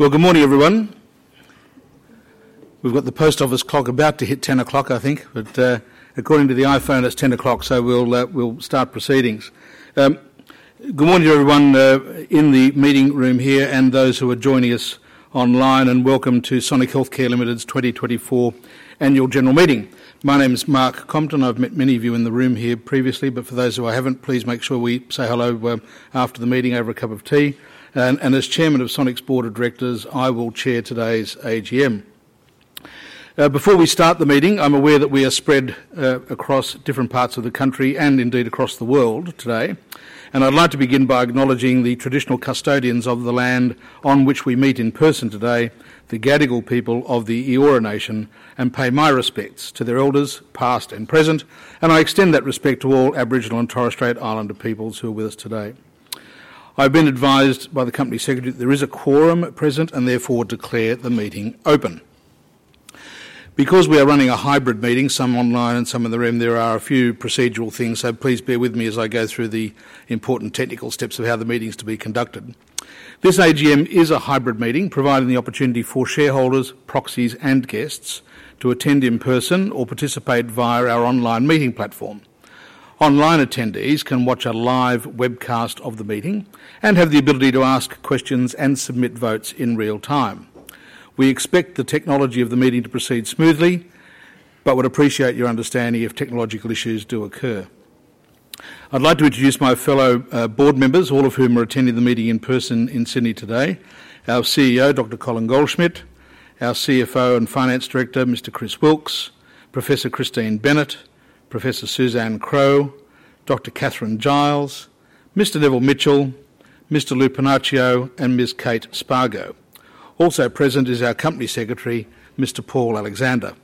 Good morning, everyone. We've got the post office clock about to hit 10:00 A.M., I think, but according to the iPhone, it's 10:00 A.M., so we'll start proceedings. Good morning, everyone in the meeting room here and those who are joining us online, and welcome to Sonic Healthcare Limited's 2024 Annual General Meeting. My name is Mark Compton. I've met many of you in the room here previously, but for those who I haven't, please make sure we say hello after the meeting over a cup of tea. As Chairman of Sonic's Board of Directors, I will chair today's AGM. Before we start the meeting, I'm aware that we are spread across different parts of the country and indeed across the world today, and I'd like to begin by acknowledging the traditional custodians of the land on which we meet in person today, the Gadigal people of the Eora Nation, and pay my respects to their elders, past and present, and I extend that respect to all Aboriginal and Torres Strait Islander peoples who are with us today. I've been advised by the Company Secretary that there is a quorum at present and therefore declare the meeting open. Because we are running a hybrid meeting, some online and some in the room, there are a few procedural things, so please bear with me as I go through the important technical steps of how the meeting is to be conducted. This AGM is a hybrid meeting, providing the opportunity for shareholders, proxies, and guests to attend in person or participate via our online meeting platform. Online attendees can watch a live webcast of the meeting and have the ability to ask questions and submit votes in real time. We expect the technology of the meeting to proceed smoothly but would appreciate your understanding if technological issues do occur. I'd like to introduce my fellow board members, all of whom are attending the meeting in person in Sydney today: our CEO, Dr. Colin Goldschmidt, our CFO and Finance Director, Mr. Chris Wilks, Professor Christine Bennett, Professor Suzanne Crowe, Dr. Kathryn Giles, Mr. Neville Mitchell, Mr. Lou Panaccio, and Ms. Kate Spargo. Also present is our Company Secretary, Mr. Paul Alexander.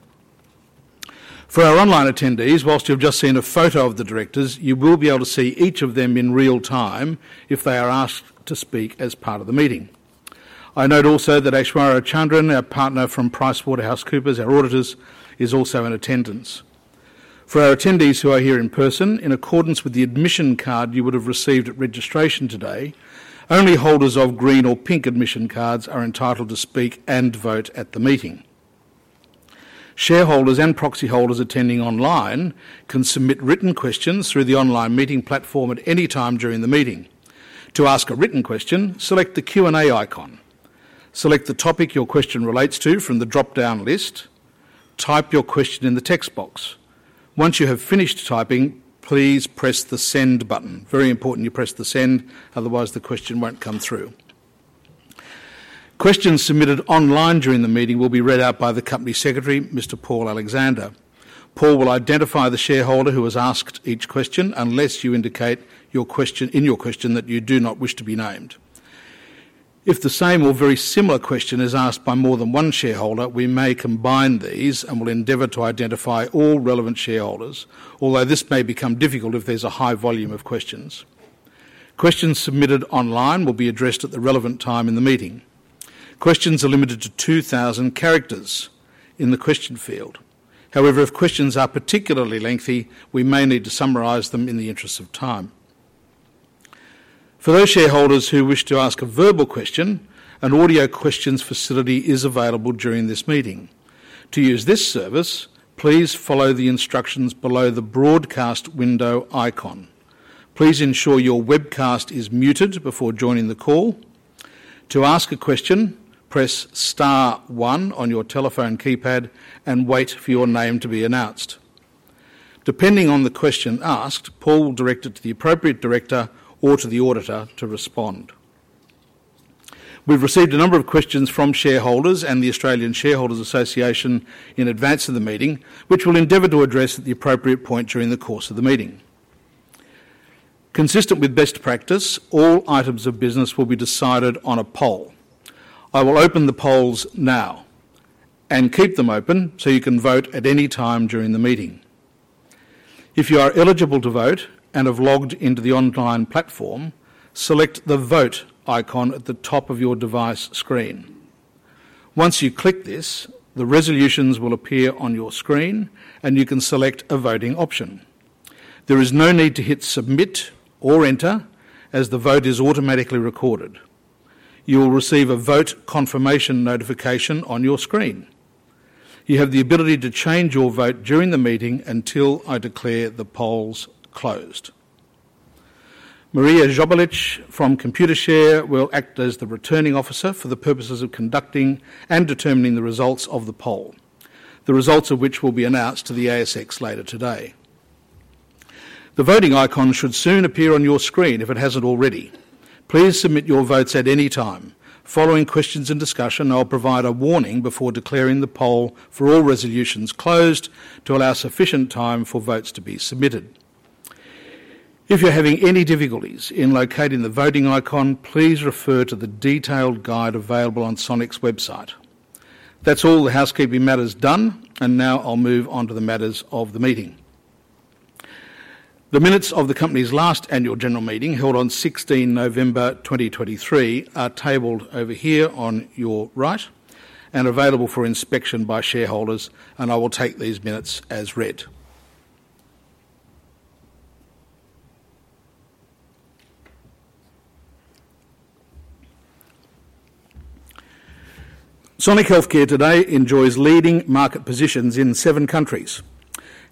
For our online attendees, whilst you've just seen a photo of the directors, you will be able to see each of them in real time if they are asked to speak as part of the meeting. I note also that Aishwarya Chandran, our partner from PricewaterhouseCoopers, our auditors, is also in attendance. For our attendees who are here in person, in accordance with the admission card you would have received at registration today, only holders of green or pink admission cards are entitled to speak and vote at the meeting. Shareholders and proxy holders attending online can submit written questions through the online meeting platform at any time during the meeting. To ask a written question, select the Q&A icon. Select the topic your question relates to from the drop-down list. Type your question in the text box. Once you have finished typing, please press the send button. Very important you press the send, otherwise the question won't come through. Questions submitted online during the meeting will be read out by the Company Secretary, Mr. Paul Alexander. Paul will identify the shareholder who has asked each question unless you indicate in your question that you do not wish to be named. If the same or very similar question is asked by more than one shareholder, we may combine these and will endeavor to identify all relevant shareholders, although this may become difficult if there's a high volume of questions. Questions submitted online will be addressed at the relevant time in the meeting. Questions are limited to 2,000 characters in the question field. However, if questions are particularly lengthy, we may need to summarize them in the interest of time. For those shareholders who wish to ask a verbal question, an audio questions facility is available during this meeting. To use this service, please follow the instructions below the broadcast window icon. Please ensure your webcast is muted before joining the call. To ask a question, press star one on your telephone keypad and wait for your name to be announced. Depending on the question asked, Paul will direct it to the appropriate director or to the auditor to respond. We've received a number of questions from shareholders and the Australian Shareholders Association in advance of the meeting, which we'll endeavor to address at the appropriate point during the course of the meeting. Consistent with best practice, all items of business will be decided on a poll. I will open the polls now and keep them open so you can vote at any time during the meeting. If you are eligible to vote and have logged into the online platform, select the vote icon at the top of your device screen. Once you click this, the resolutions will appear on your screen and you can select a voting option. There is no need to hit submit or enter as the vote is automatically recorded. You will receive a vote confirmation notification on your screen. You have the ability to change your vote during the meeting until I declare the polls closed. Maria Löblich from Computershare will act as the returning officer for the purposes of conducting and determining the results of the poll, the results of which will be announced to the ASX later today. The voting icon should soon appear on your screen if it hasn't already. Please submit your votes at any time. Following questions and discussion, I'll provide a warning before declaring the poll for all resolutions closed to allow sufficient time for votes to be submitted. If you're having any difficulties in locating the voting icon, please refer to the detailed guide available on Sonic's website. That's all the housekeeping matters done, and now I'll move on to the matters of the meeting. The minutes of the Company's last Annual General Meeting held on 16 November 2023 are tabled over here on your right and available for inspection by shareholders, and I will take these minutes as read. Sonic Healthcare today enjoys leading market positions in seven countries,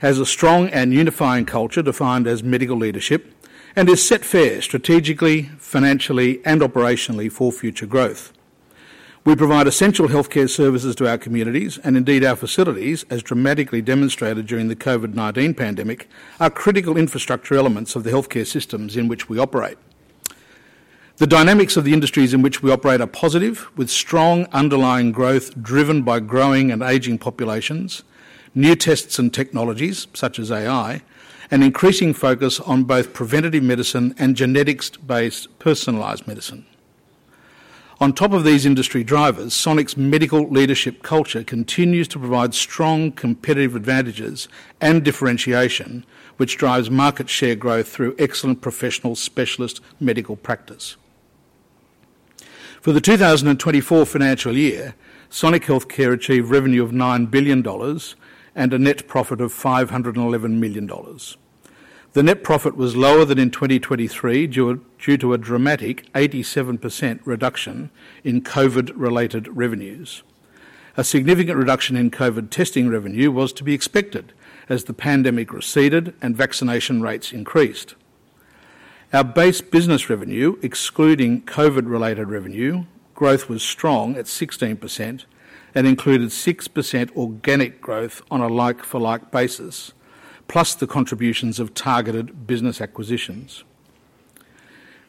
has a strong and unifying culture defined as medical leadership, and is set fair strategically, financially, and operationally for future growth. We provide essential healthcare services to our communities, and indeed our facilities, as dramatically demonstrated during the COVID-19 pandemic, are critical infrastructure elements of the healthcare systems in which we operate. The dynamics of the industries in which we operate are positive, with strong underlying growth driven by growing and aging populations, new tests and technologies such as AI, and increasing focus on both preventative medicine and genetics-based personalized medicine. On top of these industry drivers, Sonic's medical leadership culture continues to provide strong competitive advantages and differentiation, which drives market share growth through excellent professional specialist medical practice. For the 2024 financial year, Sonic Healthcare achieved revenue of 9 billion dollars and a net profit of 511 million dollars. The net profit was lower than in 2023 due to a dramatic 87% reduction in COVID-related revenues. A significant reduction in COVID testing revenue was to be expected as the pandemic receded and vaccination rates increased. Our base business revenue, excluding COVID-related revenue, growth was strong at 16% and included 6% organic growth on a like-for-like basis, plus the contributions of targeted business acquisitions.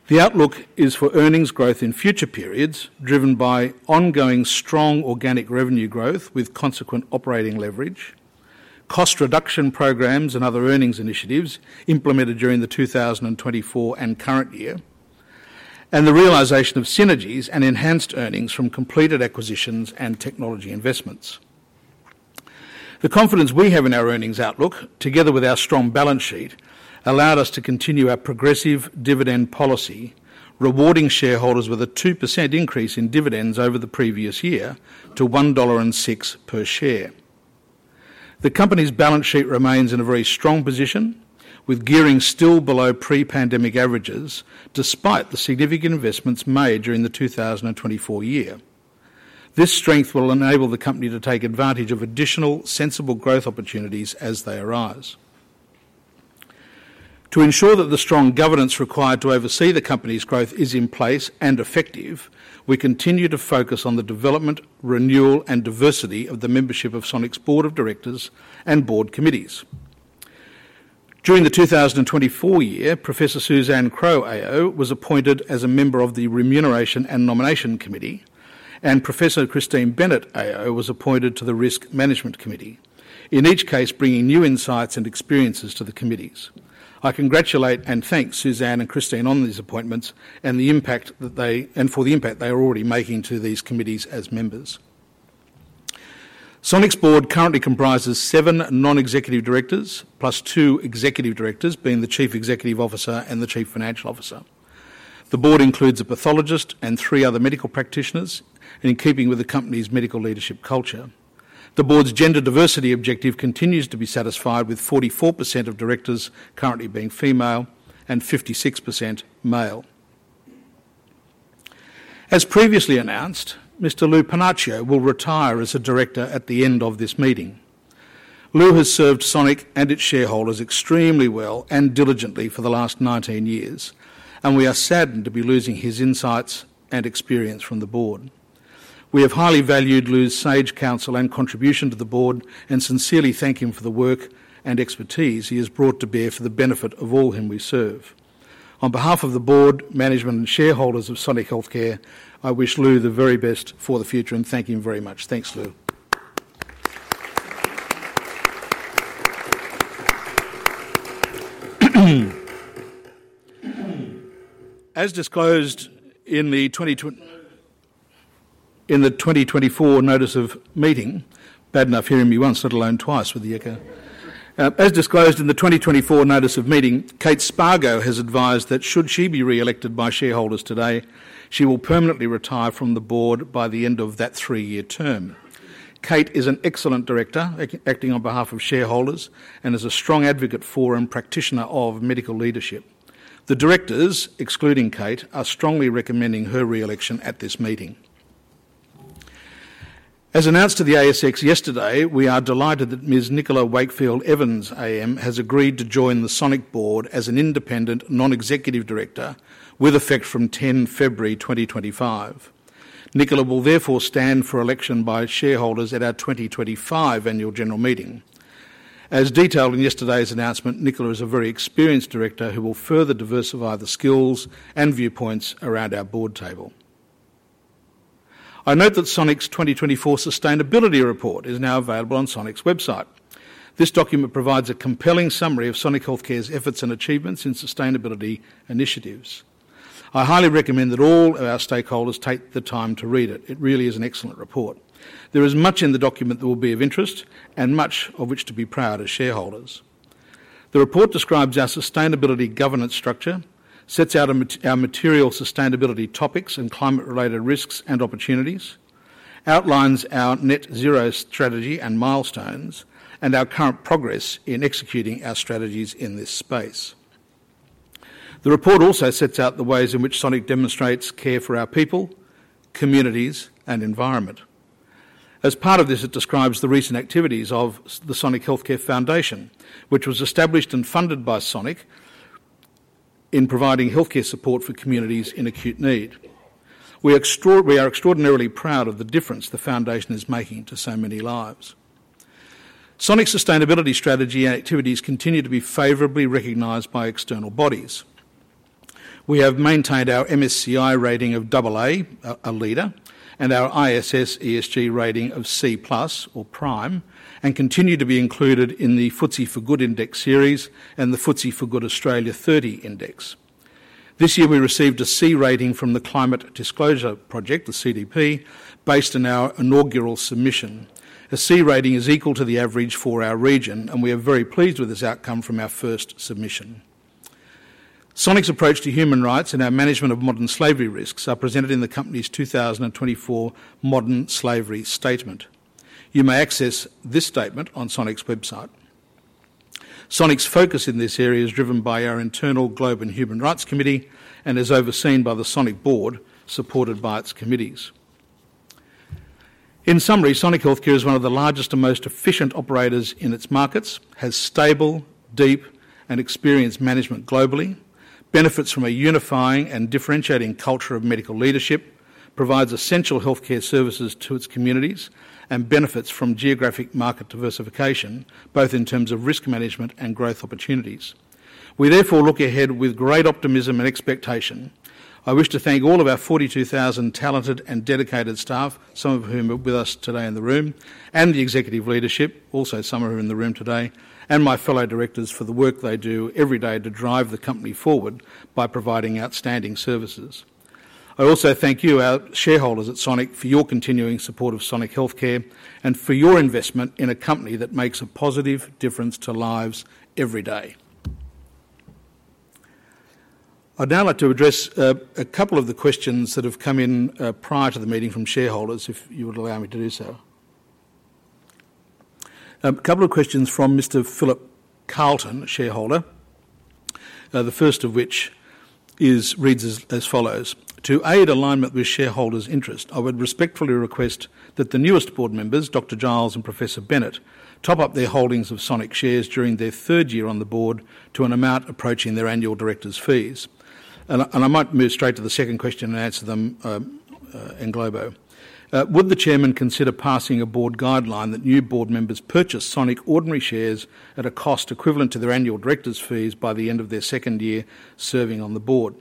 The outlook is for earnings growth in future periods driven by ongoing strong organic revenue growth with consequent operating leverage, cost reduction programs and other earnings initiatives implemented during the 2024 and current year, and the realization of synergies and enhanced earnings from completed acquisitions and technology investments. The confidence we have in our earnings outlook, together with our strong balance sheet, allowed us to continue our progressive dividend policy, rewarding shareholders with a 2% increase in dividends over the previous year to 1.06 dollar per share. The Company's balance sheet remains in a very strong position, with gearing still below pre-pandemic averages despite the significant investments made during the 2024 year. This strength will enable the Company to take advantage of additional sensible growth opportunities as they arise. To ensure that the strong governance required to oversee the Company's growth is in place and effective, we continue to focus on the development, renewal, and diversity of the membership of Sonic's Board of Directors and Board Committees. During the 2024 year, Professor Suzanne Crowe, AO, was appointed as a member of the Remuneration and Nomination Committee, and Professor Christine Bennett, AO, was appointed to the Risk Management Committee, in each case bringing new insights and experiences to the committees. I congratulate and thank Suzanne and Christine on these appointments and for the impact they are already making to these committees as members. Sonic's board currently comprises seven non-executive directors, plus two executive directors, being the Chief Executive Officer and the Chief Financial Officer. The board includes a pathologist and three other medical practitioners, in keeping with the Company's medical leadership culture. The board's gender diversity objective continues to be satisfied with 44% of directors currently being female and 56% male. As previously announced, Mr. Lou Panaccio will retire as a director at the end of this meeting. Lou has served Sonic and its shareholders extremely well and diligently for the last 19 years, and we are saddened to be losing his insights and experience from the board. We have highly valued Lou's sage counsel and contribution to the board and sincerely thank him for the work and expertise he has brought to bear for the benefit of all whom we serve. On behalf of the board, management, and shareholders of Sonic Healthcare, I wish Lou the very best for the future and thank him very much. Thanks, Lou. As disclosed in the 2024 notice of meeting (bad enough hearing me once, let alone twice with the echo), as disclosed in the 2024 notice of meeting, Kate Spargo has advised that should she be re-elected by shareholders today, she will permanently retire from the board by the end of that three-year term. Kate is an excellent director acting on behalf of shareholders and is a strong advocate for and practitioner of medical leadership. The directors, excluding Kate, are strongly recommending her re-election at this meeting. As announced to the ASX yesterday, we are delighted that Ms. Nicola Wakefield Evans, AM, has agreed to join the Sonic board as an independent non-executive director with effect from 10 February 2025. Nicola will therefore stand for election by shareholders at our 2025 Annual General Meeting. As detailed in yesterday's announcement, Nicola is a very experienced director who will further diversify the skills and viewpoints around our board table. I note that Sonic's 2024 Sustainability Report is now available on Sonic's website. This document provides a compelling summary of Sonic Healthcare's efforts and achievements in sustainability initiatives. I highly recommend that all of our stakeholders take the time to read it. It really is an excellent report. There is much in the document that will be of interest and much of which to be proud as shareholders. The report describes our sustainability governance structure, sets out our material sustainability topics and climate-related risks and opportunities, outlines our Net Zero strategy and milestones, and our current progress in executing our strategies in this space. The report also sets out the ways in which Sonic demonstrates care for our people, communities, and environment. As part of this, it describes the recent activities of the Sonic Healthcare Foundation, which was established and funded by Sonic in providing healthcare support for communities in acute need. We are extraordinarily proud of the difference the foundation is making to so many lives. Sonic's sustainability strategy and activities continue to be favorably recognized by external bodies. We have maintained our MSCI rating of AA, a leader, and our ISS ESG rating of C+ or prime, and continue to be included in the FTSE4Good Index Series and the FTSE4Good Australia Index. This year, we received a C rating from the Climate Disclosure Project, the CDP, based on our inaugural submission. An AC rating is equal to the average for our region, and we are very pleased with this outcome from our first submission. Sonic's approach to human rights and our management of modern slavery risks are presented in the Company's 2024 Modern Slavery Statement. You may access this statement on Sonic's website. Sonic's focus in this area is driven by our internal Global and Human Rights Committee and is overseen by the Sonic Board, supported by its committees. In summary, Sonic Healthcare is one of the largest and most efficient operators in its markets, has stable, deep, and experienced management globally, benefits from a unifying and differentiating culture of medical leadership, provides essential healthcare services to its communities, and benefits from geographic market diversification, both in terms of risk management and growth opportunities. We therefore look ahead with great optimism and expectation. I wish to thank all of our 42,000 talented and dedicated staff, some of whom are with us today in the room, and the executive leadership, also some of whom are in the room today, and my fellow directors for the work they do every day to drive the company forward by providing outstanding services. I also thank you, our shareholders at Sonic, for your continuing support of Sonic Healthcare and for your investment in a company that makes a positive difference to lives every day. I'd now like to address a couple of the questions that have come in prior to the meeting from shareholders, if you would allow me to do so. A couple of questions from Mr. Philip Carlton, a shareholder, the first of which reads as follows: To aid alignment with shareholders' interest, I would respectfully request that the newest board members, Dr. Giles and Professor Bennett top up their holdings of Sonic shares during their third year on the board to an amount approaching their annual director's fees. I might move straight to the second question and answer them in globo. Would the chairman consider passing a board guideline that new board members purchase Sonic ordinary shares at a cost equivalent to their annual director's fees by the end of their second year serving on the board?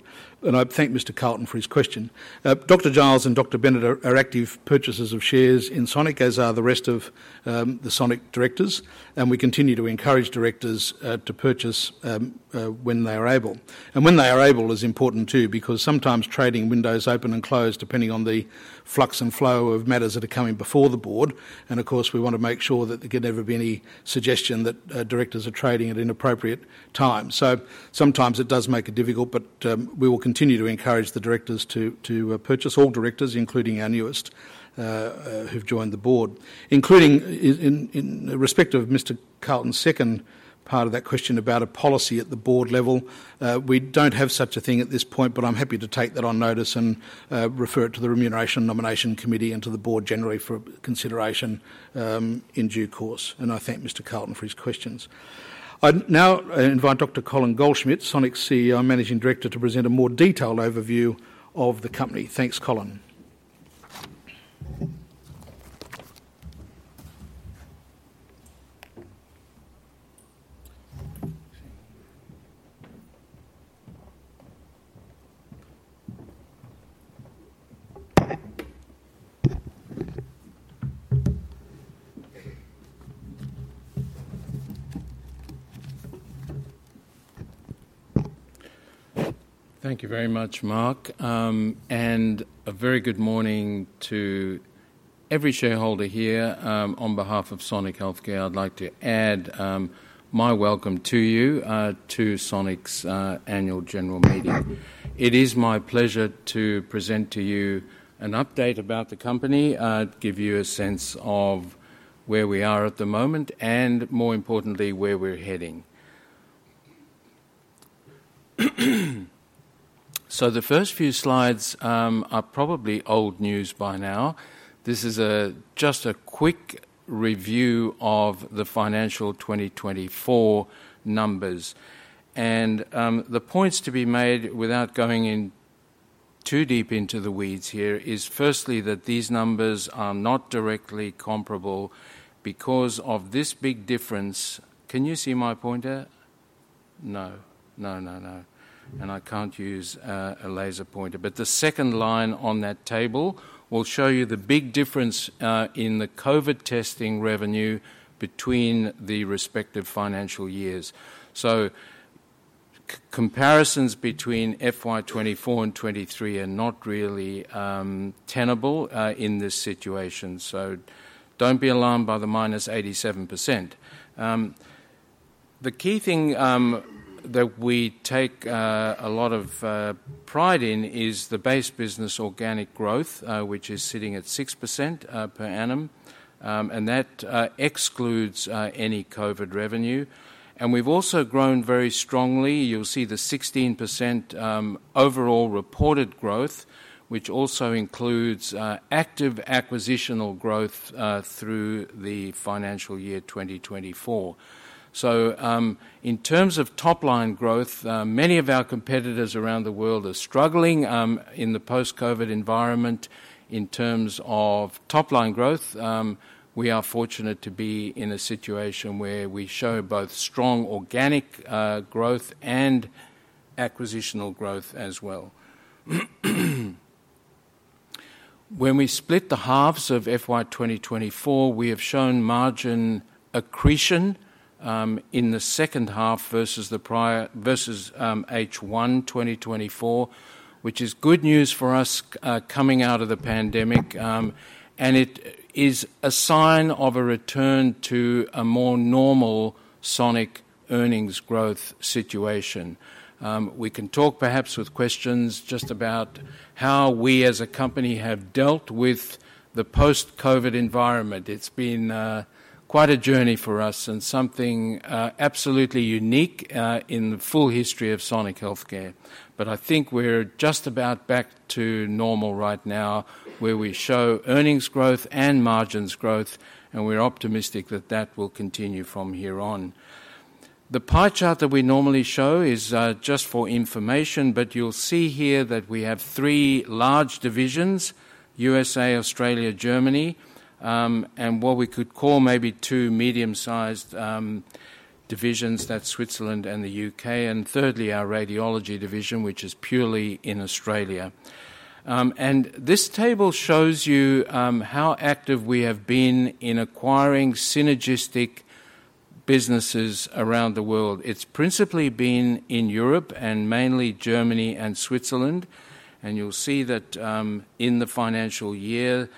I thank Mr. Carlton for his question. Dr. Giles and Dr. Bennett are active purchasers of shares in Sonic, as are the rest of the Sonic directors, and we continue to encourage directors to purchase when they are able, and when they are able is important too, because sometimes trading windows open and close depending on the flux and flow of matters that are coming before the board. And of course, we want to make sure that there can never be any suggestion that directors are trading at inappropriate times. So sometimes it does make it difficult, but we will continue to encourage the directors to purchase, all directors, including our newest who've joined the board. In respect of Mr. Carlton's second part of that question about a policy at the board level, we don't have such a thing at this point, but I'm happy to take that on notice and refer it to the Remuneration and Nomination Committee and to the board generally for consideration in due course. And I thank Mr. Carlton for his questions. I'd now invite Dr. Colin Goldschmidt, Sonic's CEO and Managing Director, to present a more detailed overview of the company. Thanks, Colin. Thank you very much, Mark. And a very good morning to every shareholder here. On behalf of Sonic Healthcare, I'd like to add my welcome to you to Sonic's Annual General Meeting. It is my pleasure to present to you an update about the company, give you a sense of where we are at the moment, and more importantly, where we're heading. So the first few slides are probably old news by now. This is just a quick review of the financial 2024 numbers. And the points to be made, without going too deep into the weeds here, is firstly that these numbers are not directly comparable because of this big difference. Can you see my pointer? No. No, no, no. And I can't use a laser pointer. But the second line on that table will show you the big difference in the COVID testing revenue between the respective financial years. So comparisons between FY24 and 2023 are not really tenable in this situation. Don't be alarmed by the -87%. The key thing that we take a lot of pride in is the base business organic growth, which is sitting at 6% per annum, and that excludes any COVID revenue. We've also grown very strongly. You'll see the 16% overall reported growth, which also includes active acquisitional growth through the financial year 2024. In terms of top-line growth, many of our competitors around the world are struggling in the post-COVID environment. In terms of top-line growth, we are fortunate to be in a situation where we show both strong organic growth and acquisitional growth as well. When we split the halves of FY2024, we have shown margin accretion in the second half versus H1 2024, which is good news for us coming out of the pandemic, and it is a sign of a return to a more normal Sonic earnings growth situation. We can talk perhaps with questions just about how we as a company have dealt with the post-COVID environment. It's been quite a journey for us and something absolutely unique in the full history of Sonic Healthcare. But I think we're just about back to normal right now, where we show earnings growth and margins growth, and we're optimistic that that will continue from here on. The pie chart that we normally show is just for information, but you'll see here that we have three large divisions: USA, Australia, Germany, and what we could call maybe two medium-sized divisions, that's Switzerland and the U.K., and thirdly, our radiology division, which is purely in Australia. And this table shows you how active we have been in acquiring synergistic businesses around the world. It's principally been in Europe and mainly Germany and Switzerland. And you'll see that in the financial year,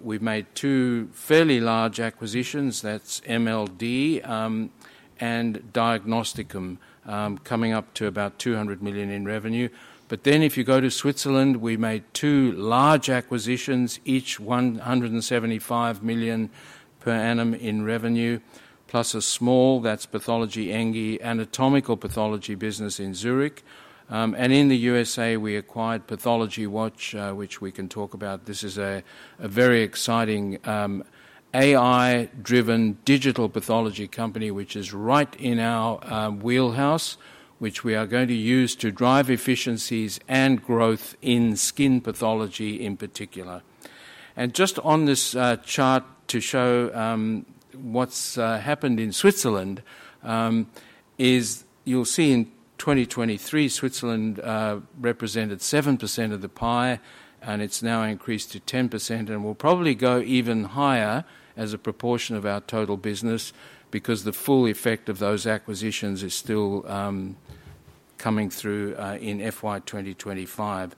we've made two fairly large acquisitions. That's MLD and Diagnosticum, coming up to about 200 million in revenue. But then if you go to Switzerland, we made two large acquisitions, each 175 million per annum in revenue, plus a small, that's Pathologie Enge, anatomical pathology business in Zurich. And in the USA, we acquired Pathology Watch, which we can talk about. This is a very exciting AI-driven digital pathology company, which is right in our wheelhouse, which we are going to use to drive efficiencies and growth in skin pathology in particular. And just on this chart to show what's happened in Switzerland, you'll see in 2023, Switzerland represented 7% of the pie, and it's now increased to 10%, and will probably go even higher as a proportion of our total business because the full effect of those acquisitions is still coming through in FY2025.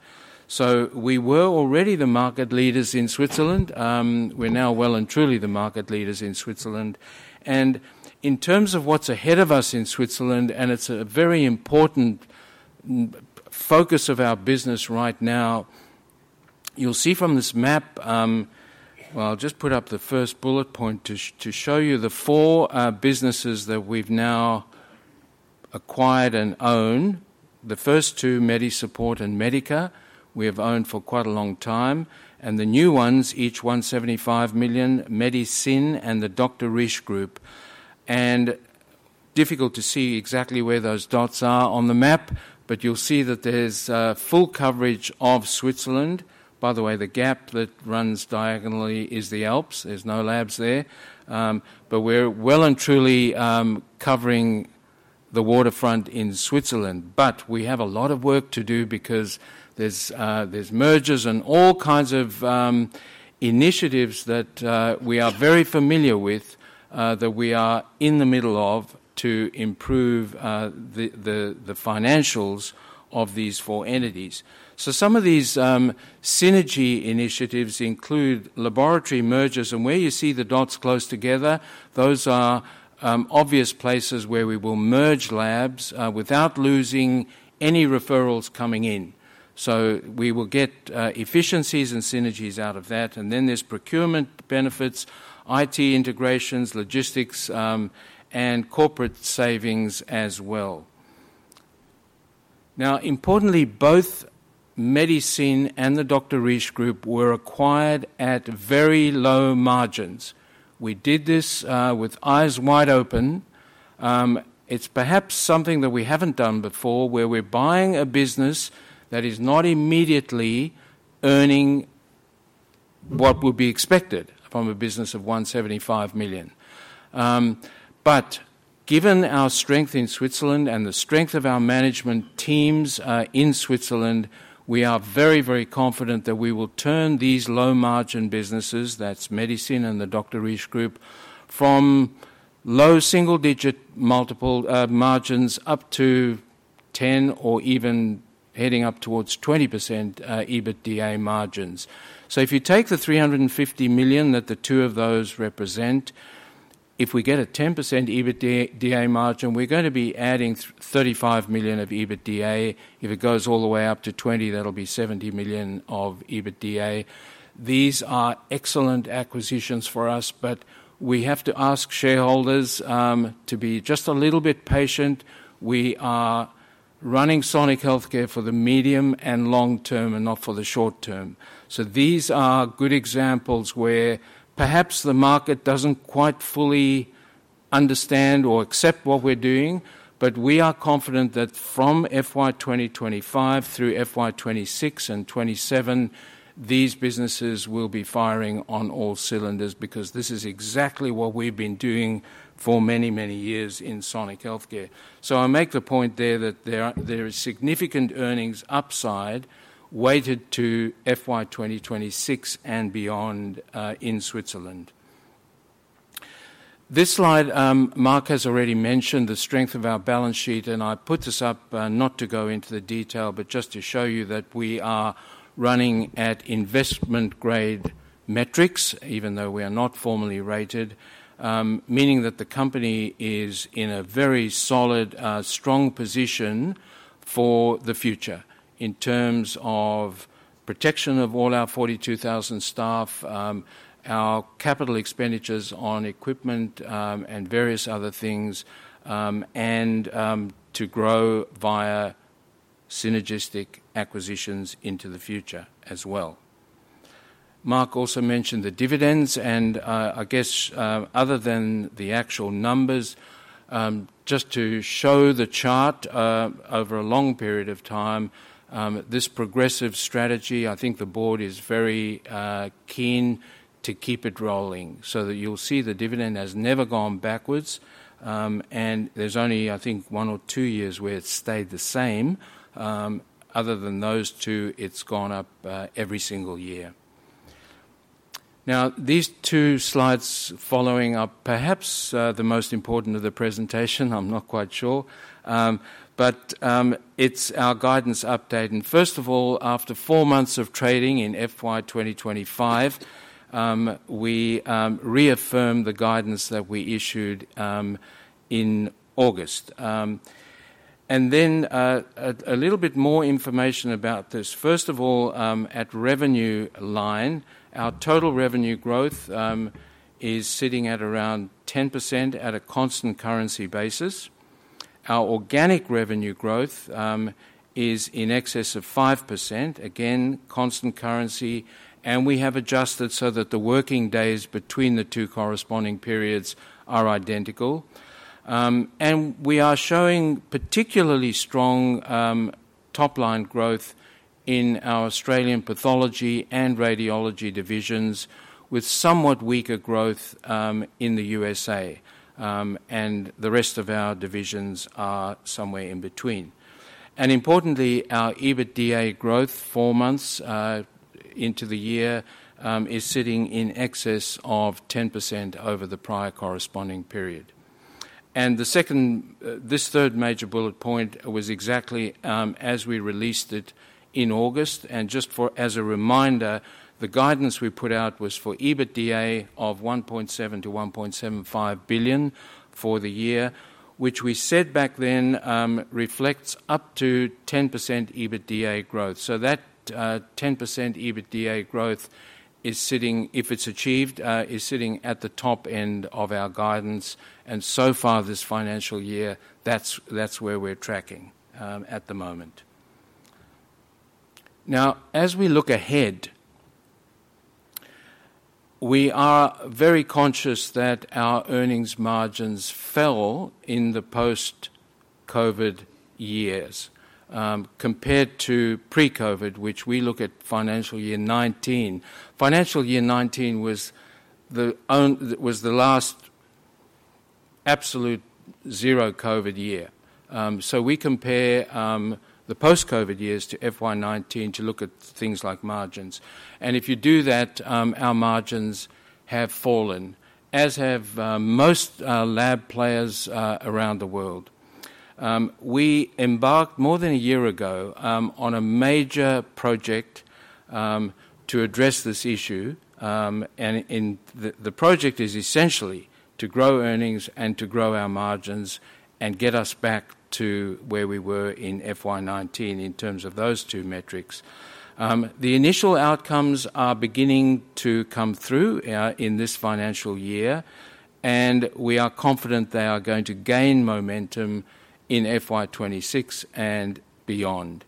So we were already the market leaders in Switzerland. We're now well and truly the market leaders in Switzerland. In terms of what's ahead of us in Switzerland, and it's a very important focus of our business right now, you'll see from this map, well, I'll just put up the first bullet point to show you the four businesses that we've now acquired and own: the first two, MediSupport and Medica, we have owned for quite a long time, and the new ones, each 175 million, Madisyn and the Dr. Risch Group. It's difficult to see exactly where those dots are on the map, but you'll see that there's full coverage of Switzerland. By the way, the gap that runs diagonally is the Alps. There's no labs there. But we're well and truly covering the waterfront in Switzerland. But we have a lot of work to do because there are mergers and all kinds of initiatives that we are very familiar with, that we are in the middle of to improve the financials of these four entities. Some of these synergy initiatives include laboratory mergers, and where you see the dots close together, those are obvious places where we will merge labs without losing any referrals coming in. We will get efficiencies and synergies out of that. Then there are procurement benefits, IT integrations, logistics, and corporate savings as well. Importantly, both Medica and the Dr. Risch Group were acquired at very low margins. We did this with eyes wide open. It is perhaps something that we have not done before, where we are buying a business that is not immediately earning what would be expected from a business of 175 million. But given our strength in Switzerland and the strength of our management teams in Switzerland, we are very, very confident that we will turn these low-margin businesses (that's Medica and the Dr. Risch Group) from low single-digit multiple margins up to 10 or even heading up towards 20% EBITDA margins. So if you take the 350 million that the two of those represent, if we get a 10% EBITDA margin, we're going to be adding 35 million of EBITDA. If it goes all the way up to 20, that'll be 70 million of EBITDA. These are excellent acquisitions for us, but we have to ask shareholders to be just a little bit patient. We are running Sonic Healthcare for the medium and long term and not for the short term. So these are good examples where perhaps the market doesn't quite fully understand or accept what we're doing, but we are confident that from FY2025 through FY2026 and 2027, these businesses will be firing on all cylinders because this is exactly what we've been doing for many, many years in Sonic Healthcare. So I make the point there that there is significant earnings upside weighted to FY2026 and beyond in Switzerland. This slide, Mark has already mentioned the strength of our balance sheet, and I put this up not to go into the detail, but just to show you that we are running at investment-grade metrics, even though we are not formally rated, meaning that the company is in a very solid, strong position for the future in terms of protection of all our 42,000 staff, our capital expenditures on equipment and various other things, and to grow via synergistic acquisitions into the future as well. Mark also mentioned the dividends, and I guess other than the actual numbers, just to show the chart over a long period of time, this progressive strategy. I think the board is very keen to keep it rolling so that you'll see the dividend has never gone backwards, and there's only, I think, one or two years where it stayed the same. Other than those two, it's gone up every single year. Now, these two slides following are perhaps the most important of the presentation. I'm not quite sure, but it's our guidance update. First of all, after four months of trading in FY2025, we reaffirmed the guidance that we issued in August. Then a little bit more information about this. First of all, at revenue line, our total revenue growth is sitting at around 10% at a constant currency basis. Our organic revenue growth is in excess of 5%, again, constant currency, and we have adjusted so that the working days between the two corresponding periods are identical. We are showing particularly strong top-line growth in our Australian pathology and radiology divisions with somewhat weaker growth in the USA, and the rest of our divisions are somewhere in between. Importantly, our EBITDA growth four months into the year is sitting in excess of 10% over the prior corresponding period. This third major bullet point was exactly as we released it in August. Just as a reminder, the guidance we put out was for EBITDA of 1.7-1.75 billion for the year, which we said back then reflects up to 10% EBITDA growth. That 10% EBITDA growth, if it is achieved, is sitting at the top end of our guidance. So far this financial year, that is where we are tracking at the moment. Now, as we look ahead, we are very conscious that our earnings margins fell in the post-COVID years compared to pre-COVID, which we look at financial year 2019. Financial year 2019 was the last absolute zero-COVID year. We compare the post-COVID years to FY 2019 to look at things like margins. And if you do that, our margins have fallen, as have most lab players around the world. We embarked more than a year ago on a major project to address this issue, and the project is essentially to grow earnings and to grow our margins and get us back to where we were in FY19 in terms of those two metrics. The initial outcomes are beginning to come through in this financial year, and we are confident they are going to gain momentum in FY26 and beyond.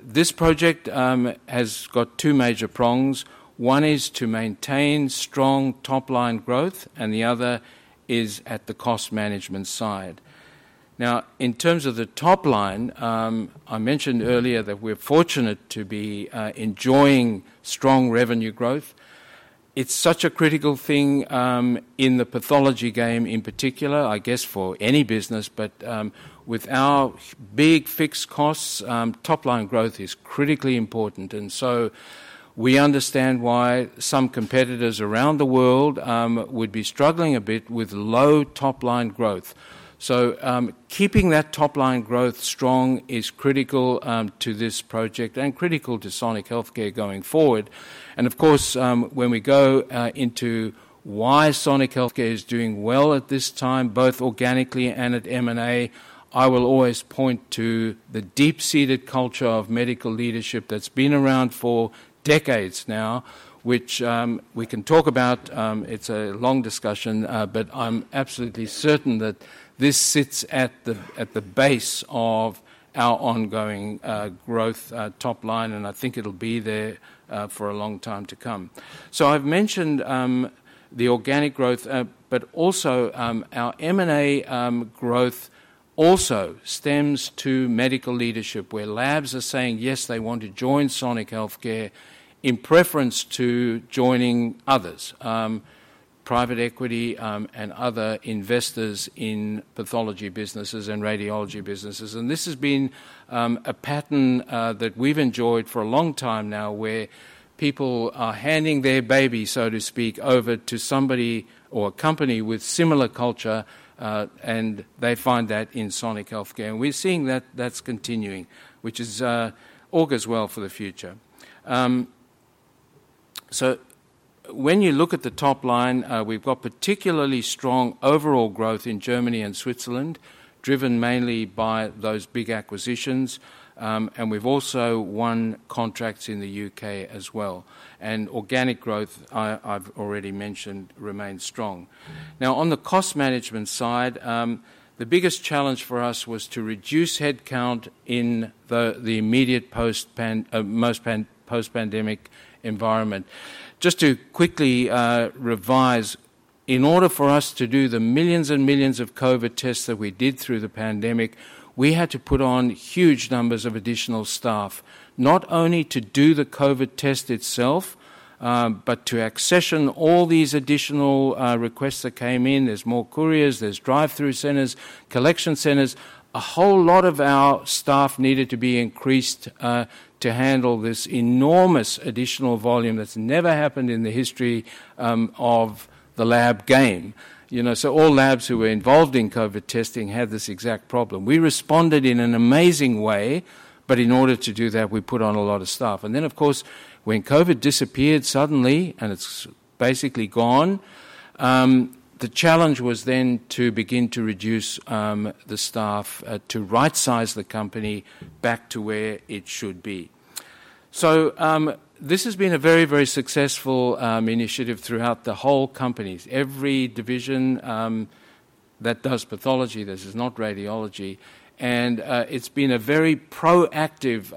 This project has got two major prongs. One is to maintain strong top-line growth, and the other is at the cost management side. Now, in terms of the top line, I mentioned earlier that we're fortunate to be enjoying strong revenue growth. It's such a critical thing in the pathology game in particular, I guess for any business, but with our big fixed costs, top-line growth is critically important, and so we understand why some competitors around the world would be struggling a bit with low top-line growth, so keeping that top-line growth strong is critical to this project and critical to Sonic Healthcare going forward, and of course, when we go into why Sonic Healthcare is doing well at this time, both organically and at M&A, I will always point to the deep-seated culture of medical leadership that's been around for decades now, which we can talk about. It's a long discussion, but I'm absolutely certain that this sits at the base of our ongoing growth top line, and I think it'll be there for a long time to come. I've mentioned the organic growth, but also our M&A growth also stems to medical leadership, where labs are saying, "Yes, they want to join Sonic Healthcare in preference to joining others, private equity and other investors in pathology businesses and radiology businesses." And this has been a pattern that we've enjoyed for a long time now, where people are handing their baby, so to speak, over to somebody or a company with similar culture, and they find that in Sonic Healthcare. And we're seeing that that's continuing, which augurs well for the future. So when you look at the top line, we've got particularly strong overall growth in Germany and Switzerland, driven mainly by those big acquisitions, and we've also won contracts in the UK as well. And organic growth, I've already mentioned, remains strong. Now, on the cost management side, the biggest challenge for us was to reduce headcount in the immediate post-pandemic environment. Just to quickly revise, in order for us to do the millions and millions of COVID tests that we did through the pandemic, we had to put on huge numbers of additional staff, not only to do the COVID test itself, but to accession all these additional requests that came in. There's more couriers, there's drive-through centers, collection centers. A whole lot of our staff needed to be increased to handle this enormous additional volume that's never happened in the history of the lab game. So all labs who were involved in COVID testing had this exact problem. We responded in an amazing way, but in order to do that, we put on a lot of staff. And then, of course, when COVID disappeared suddenly and it's basically gone, the challenge was then to begin to reduce the staff to right-size the company back to where it should be. So this has been a very, very successful initiative throughout the whole company. Every division that does pathology, this is not radiology, and it's been a very proactive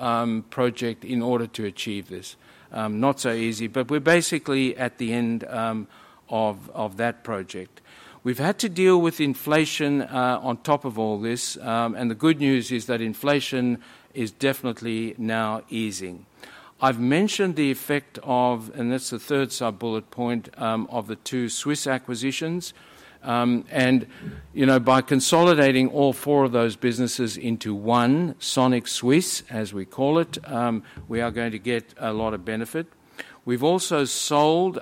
project in order to achieve this. Not so easy, but we're basically at the end of that project. We've had to deal with inflation on top of all this, and the good news is that inflation is definitely now easing. I've mentioned the effect of, and that's the third sub-bullet point, of the two Swiss acquisitions. And by consolidating all four of those businesses into one, Sonic Swiss, as we call it, we are going to get a lot of benefit. We've also sold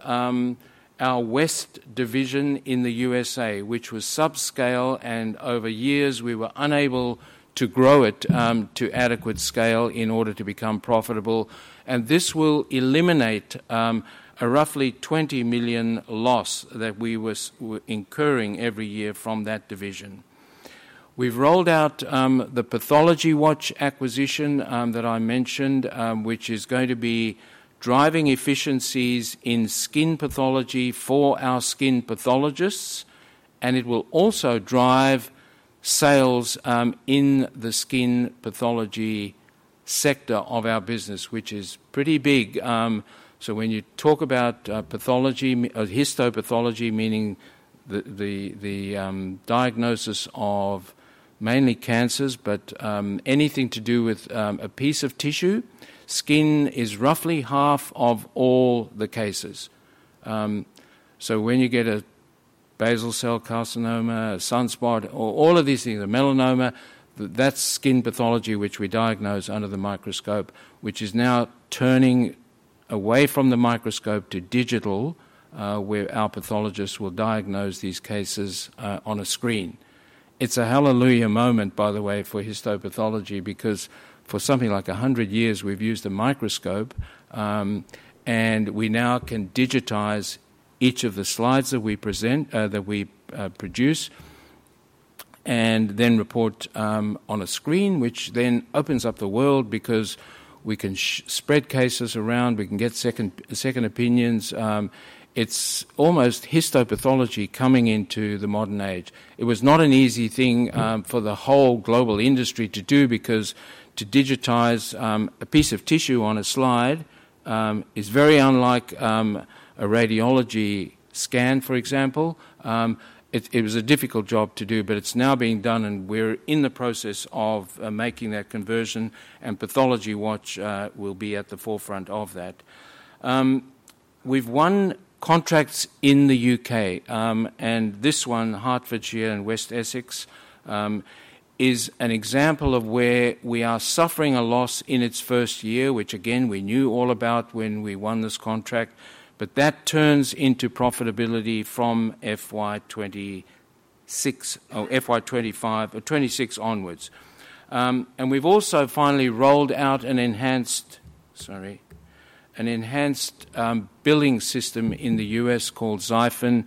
our West division in the USA, which was subscale, and over years, we were unable to grow it to adequate scale in order to become profitable. This will eliminate a roughly 20 million loss that we were incurring every year from that division. We've rolled out the Pathology Watch acquisition that I mentioned, which is going to be driving efficiencies in skin pathology for our skin pathologists, and it will also drive sales in the skin pathology sector of our business, which is pretty big. When you talk about histopathology, meaning the diagnosis of mainly cancers, but anything to do with a piece of tissue, skin is roughly half of all the cases. So when you get a basal cell carcinoma, a sunspot, or all of these things, a melanoma, that's skin pathology, which we diagnose under the microscope, which is now turning away from the microscope to digital, where our pathologists will diagnose these cases on a screen. It's a hallelujah moment, by the way, for histopathology, because for something like 100 years, we've used a microscope, and we now can digitize each of the slides that we present, that we produce, and then report on a screen, which then opens up the world because we can spread cases around, we can get second opinions. It's almost histopathology coming into the modern age. It was not an easy thing for the whole global industry to do because to digitize a piece of tissue on a slide is very unlike a radiology scan, for example. It was a difficult job to do, but it's now being done, and we're in the process of making that conversion, and Pathology Watch will be at the forefront of that. We've won contracts in the U.K., and this one, Hertfordshire and West Essex, is an example of where we are suffering a loss in its first year, which, again, we knew all about when we won this contract, but that turns into profitability from FY 2026 or 2026 onwards. We've also finally rolled out an enhanced billing system in the U.S. called XIFIN,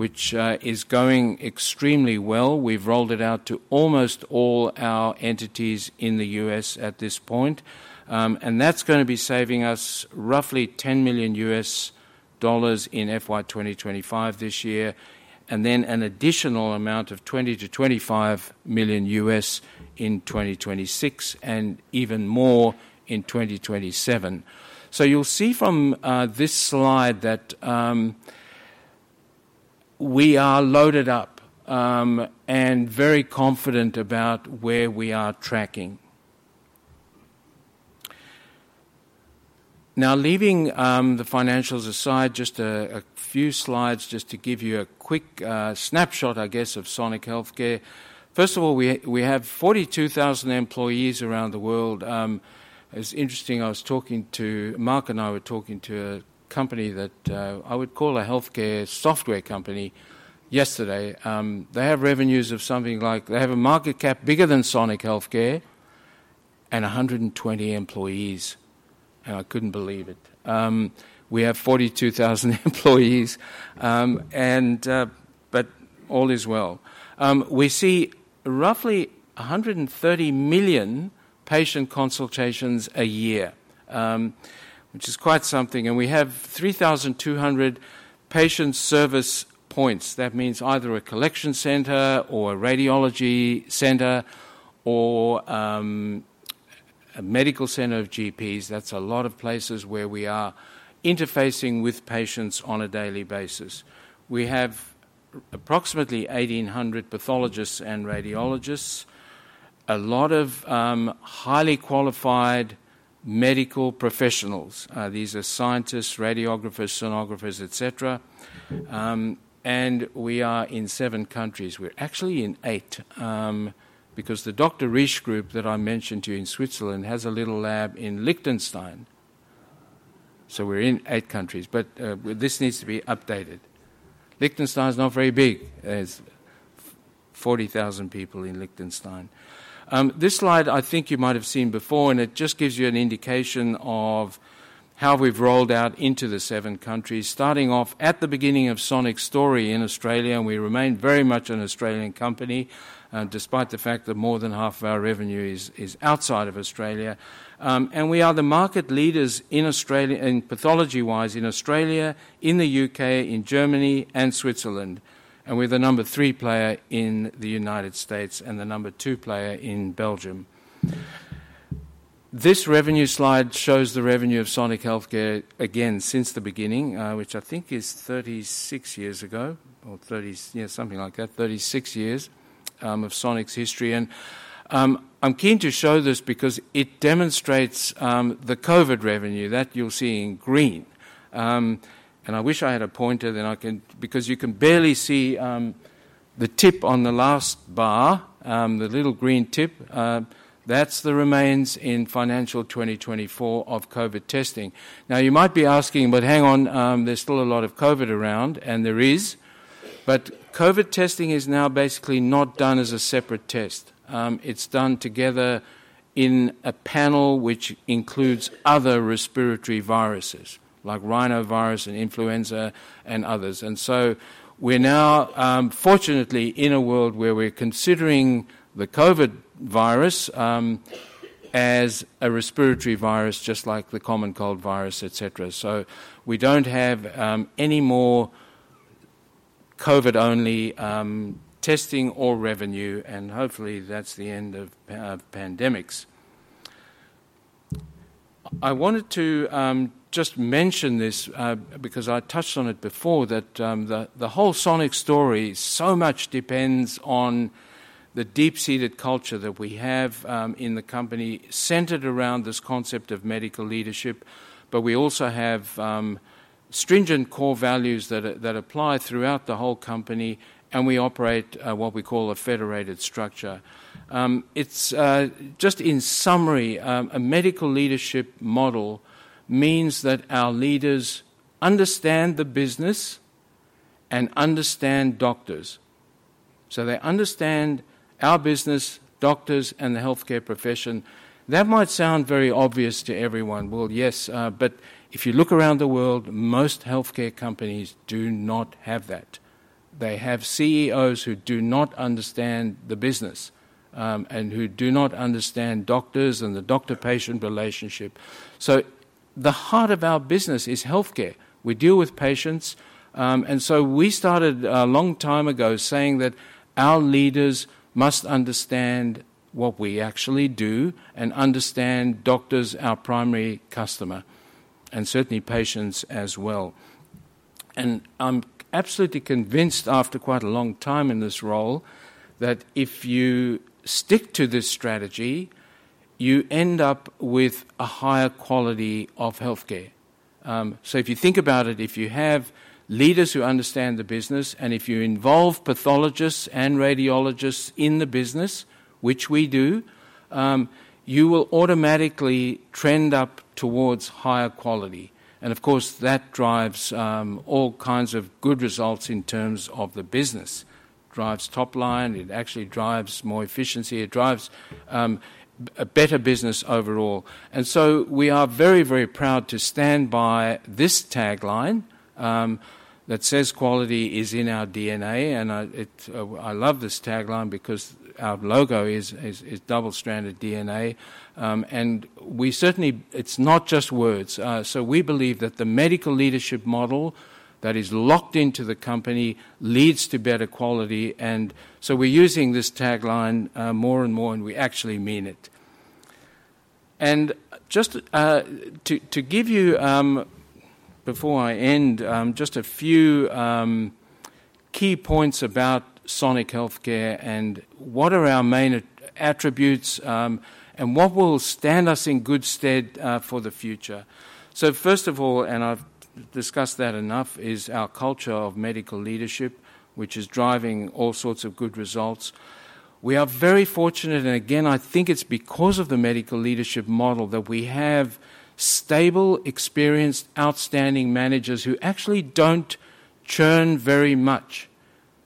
which is going extremely well. We've rolled it out to almost all our entities in the U.S. at this point, and that's going to be saving us roughly $10 million in FY 2025 this year, and then an additional amount of $20 million-$25 million in 2026, and even more in 2027. So you'll see from this slide that we are loaded up and very confident about where we are tracking. Now, leaving the financials aside, just a few slides just to give you a quick snapshot, I guess, of Sonic Healthcare. First of all, we have 42,000 employees around the world. It's interesting, I was talking to Mark and I were talking to a company that I would call a healthcare software company yesterday. They have revenues of something like they have a market cap bigger than Sonic Healthcare and 120 employees, and I couldn't believe it. We have 42,000 employees, but all is well. We see roughly 130 million patient consultations a year, which is quite something, and we have 3,200 patient service points. That means either a collection center or a radiology center or a medical center of GPs. That's a lot of places where we are interfacing with patients on a daily basis. We have approximately 1,800 pathologists and radiologists, a lot of highly qualified medical professionals. These are scientists, radiographers, sonographers, etc., and we are in seven countries. We're actually in eight because the Dr. Risch Group that I mentioned to you in Switzerland has a little lab in Liechtenstein, so we're in eight countries, but this needs to be updated. Liechtenstein is not very big. There's 40,000 people in Liechtenstein. This slide, I think you might have seen before, and it just gives you an indication of how we've rolled out into the seven countries, starting off at the beginning of Sonic's story in Australia, and we remain very much an Australian company, despite the fact that more than half of our revenue is outside of Australia. We are the market leaders in pathology-wise in Australia, in the UK, in Germany, and Switzerland, and we're the number three player in the United States and the number two player in Belgium. This revenue slide shows the revenue of Sonic Healthcare again since the beginning, which I think is 36 years ago or something like that, 36 years of Sonic's history. I'm keen to show this because it demonstrates the COVID revenue that you'll see in green. I wish I had a pointer, then I can because you can barely see the tip on the last bar, the little green tip. That's the remains in financial 2024 of COVID testing. Now, you might be asking, "But hang on, there's still a lot of COVID around," and there is, but COVID testing is now basically not done as a separate test. It's done together in a panel which includes other respiratory viruses like rhinovirus and influenza and others. And so we're now, fortunately, in a world where we're considering the COVID virus as a respiratory virus, just like the common cold virus, etc. So we don't have any more COVID-only testing or revenue, and hopefully, that's the end of pandemics. I wanted to just mention this because I touched on it before, that the whole Sonic story so much depends on the deep-seated culture that we have in the company centered around this concept of medical leadership, but we also have stringent core values that apply throughout the whole company, and we operate what we call a federated structure. Just in summary, a medical leadership model means that our leaders understand the business and understand doctors. So they understand our business, doctors, and the healthcare profession. That might sound very obvious to everyone. Well, yes, but if you look around the world, most healthcare companies do not have that. They have CEOs who do not understand the business and who do not understand doctors and the doctor-patient relationship. So the heart of our business is healthcare. We deal with patients. And so we started a long time ago saying that our leaders must understand what we actually do and understand doctors, our primary customer, and certainly patients as well. And I'm absolutely convinced after quite a long time in this role that if you stick to this strategy, you end up with a higher quality of healthcare. So if you think about it, if you have leaders who understand the business and if you involve pathologists and radiologists in the business, which we do, you will automatically trend up towards higher quality. Of course, that drives all kinds of good results in terms of the business. It drives top line. It actually drives more efficiency. It drives a better business overall. We are very, very proud to stand by this tagline that says, "Quality is in our DNA." I love this tagline because our logo is double-stranded DNA. It's not just words. We believe that the medical leadership model that is locked into the company leads to better quality. We're using this tagline more and more, and we actually mean it. Just to give you, before I end, just a few key points about Sonic Healthcare and what are our main attributes and what will stand us in good stead for the future. So first of all, and I've discussed that enough, is our culture of medical leadership, which is driving all sorts of good results. We are very fortunate, and again, I think it's because of the medical leadership model that we have stable, experienced, outstanding managers who actually don't churn very much.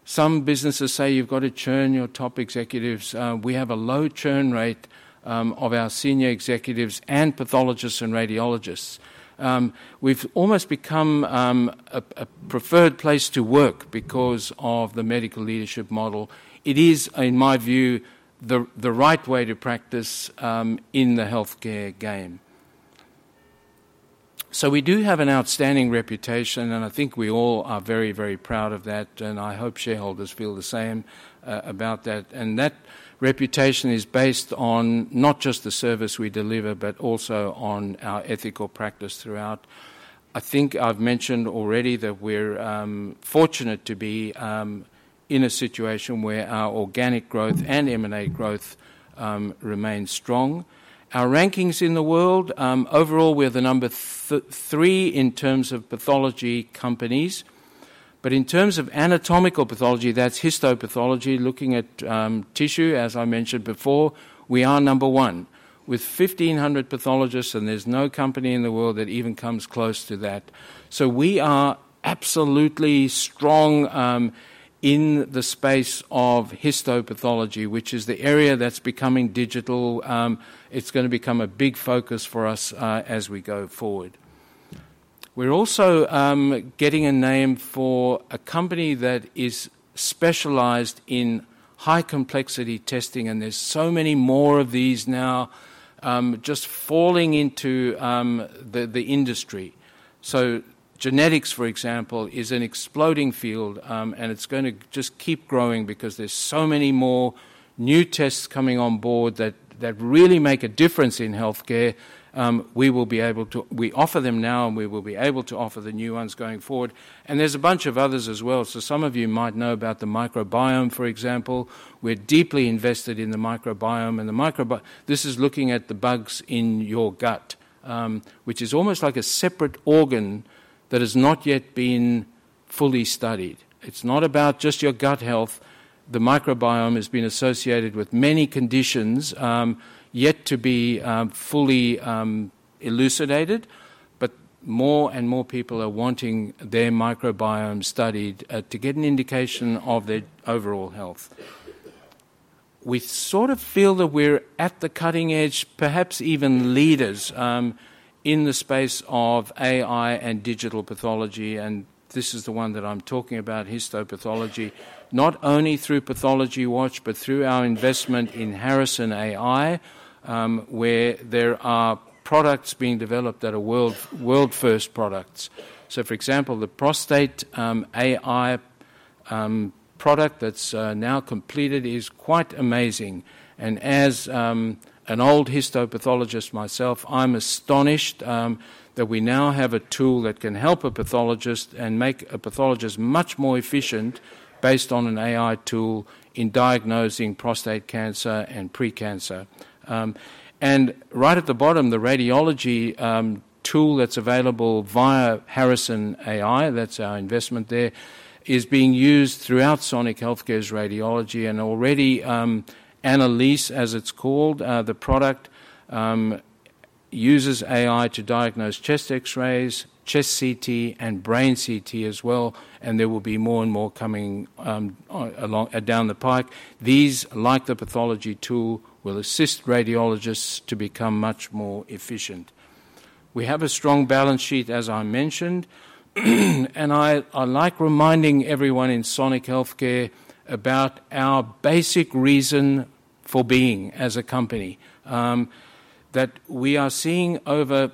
Some businesses say, "You've got to churn your top executives." We have a low churn rate of our senior executives and pathologists and radiologists. We've almost become a preferred place to work because of the medical leadership model. It is, in my view, the right way to practice in the healthcare game. So we do have an outstanding reputation, and I think we all are very, very proud of that, and I hope shareholders feel the same about that. And that reputation is based on not just the service we deliver, but also on our ethical practice throughout. I think I've mentioned already that we're fortunate to be in a situation where our organic growth and M&A growth remain strong. Our rankings in the world, overall, we're the number three in terms of pathology companies. But in terms of anatomical pathology, that's histopathology, looking at tissue, as I mentioned before, we are number one with 1,500 pathologists, and there's no company in the world that even comes close to that. So we are absolutely strong in the space of histopathology, which is the area that's becoming digital. It's going to become a big focus for us as we go forward. We're also getting a name for a company that is specialized in high-complexity testing, and there's so many more of these now just falling into the industry. So genetics, for example, is an exploding field, and it's going to just keep growing because there's so many more new tests coming on board that really make a difference in healthcare. We will be able to offer them now, and we will be able to offer the new ones going forward. And there's a bunch of others as well. So some of you might know about the microbiome, for example. We're deeply invested in the microbiome. And this is looking at the bugs in your gut, which is almost like a separate organ that has not yet been fully studied. It's not about just your gut health. The microbiome has been associated with many conditions yet to be fully elucidated, but more and more people are wanting their microbiome studied to get an indication of their overall health. We sort of feel that we're at the cutting edge, perhaps even leaders in the space of AI and digital pathology, and this is the one that I'm talking about, histopathology, not only through Pathology Watch, but through our investment in Harrison.ai, where there are products being developed that are world-first products. So, for example, the prostate AI product that's now completed is quite amazing. And as an old histopathologist myself, I'm astonished that we now have a tool that can help a pathologist and make a pathologist much more efficient based on an AI tool in diagnosing prostate cancer and precancer. And right at the bottom, the radiology tool that's available via Harrison AI, that's our investment there, is being used throughout Sonic Healthcare's radiology, and already Annalise, as it's called, the product, uses AI to diagnose chest X-rays, chest CT, and brain CT as well, and there will be more and more coming down the pike. These, like the pathology tool, will assist radiologists to become much more efficient. We have a strong balance sheet, as I mentioned, and I like reminding everyone in Sonic Healthcare about our basic reason for being as a company, that we are seeing over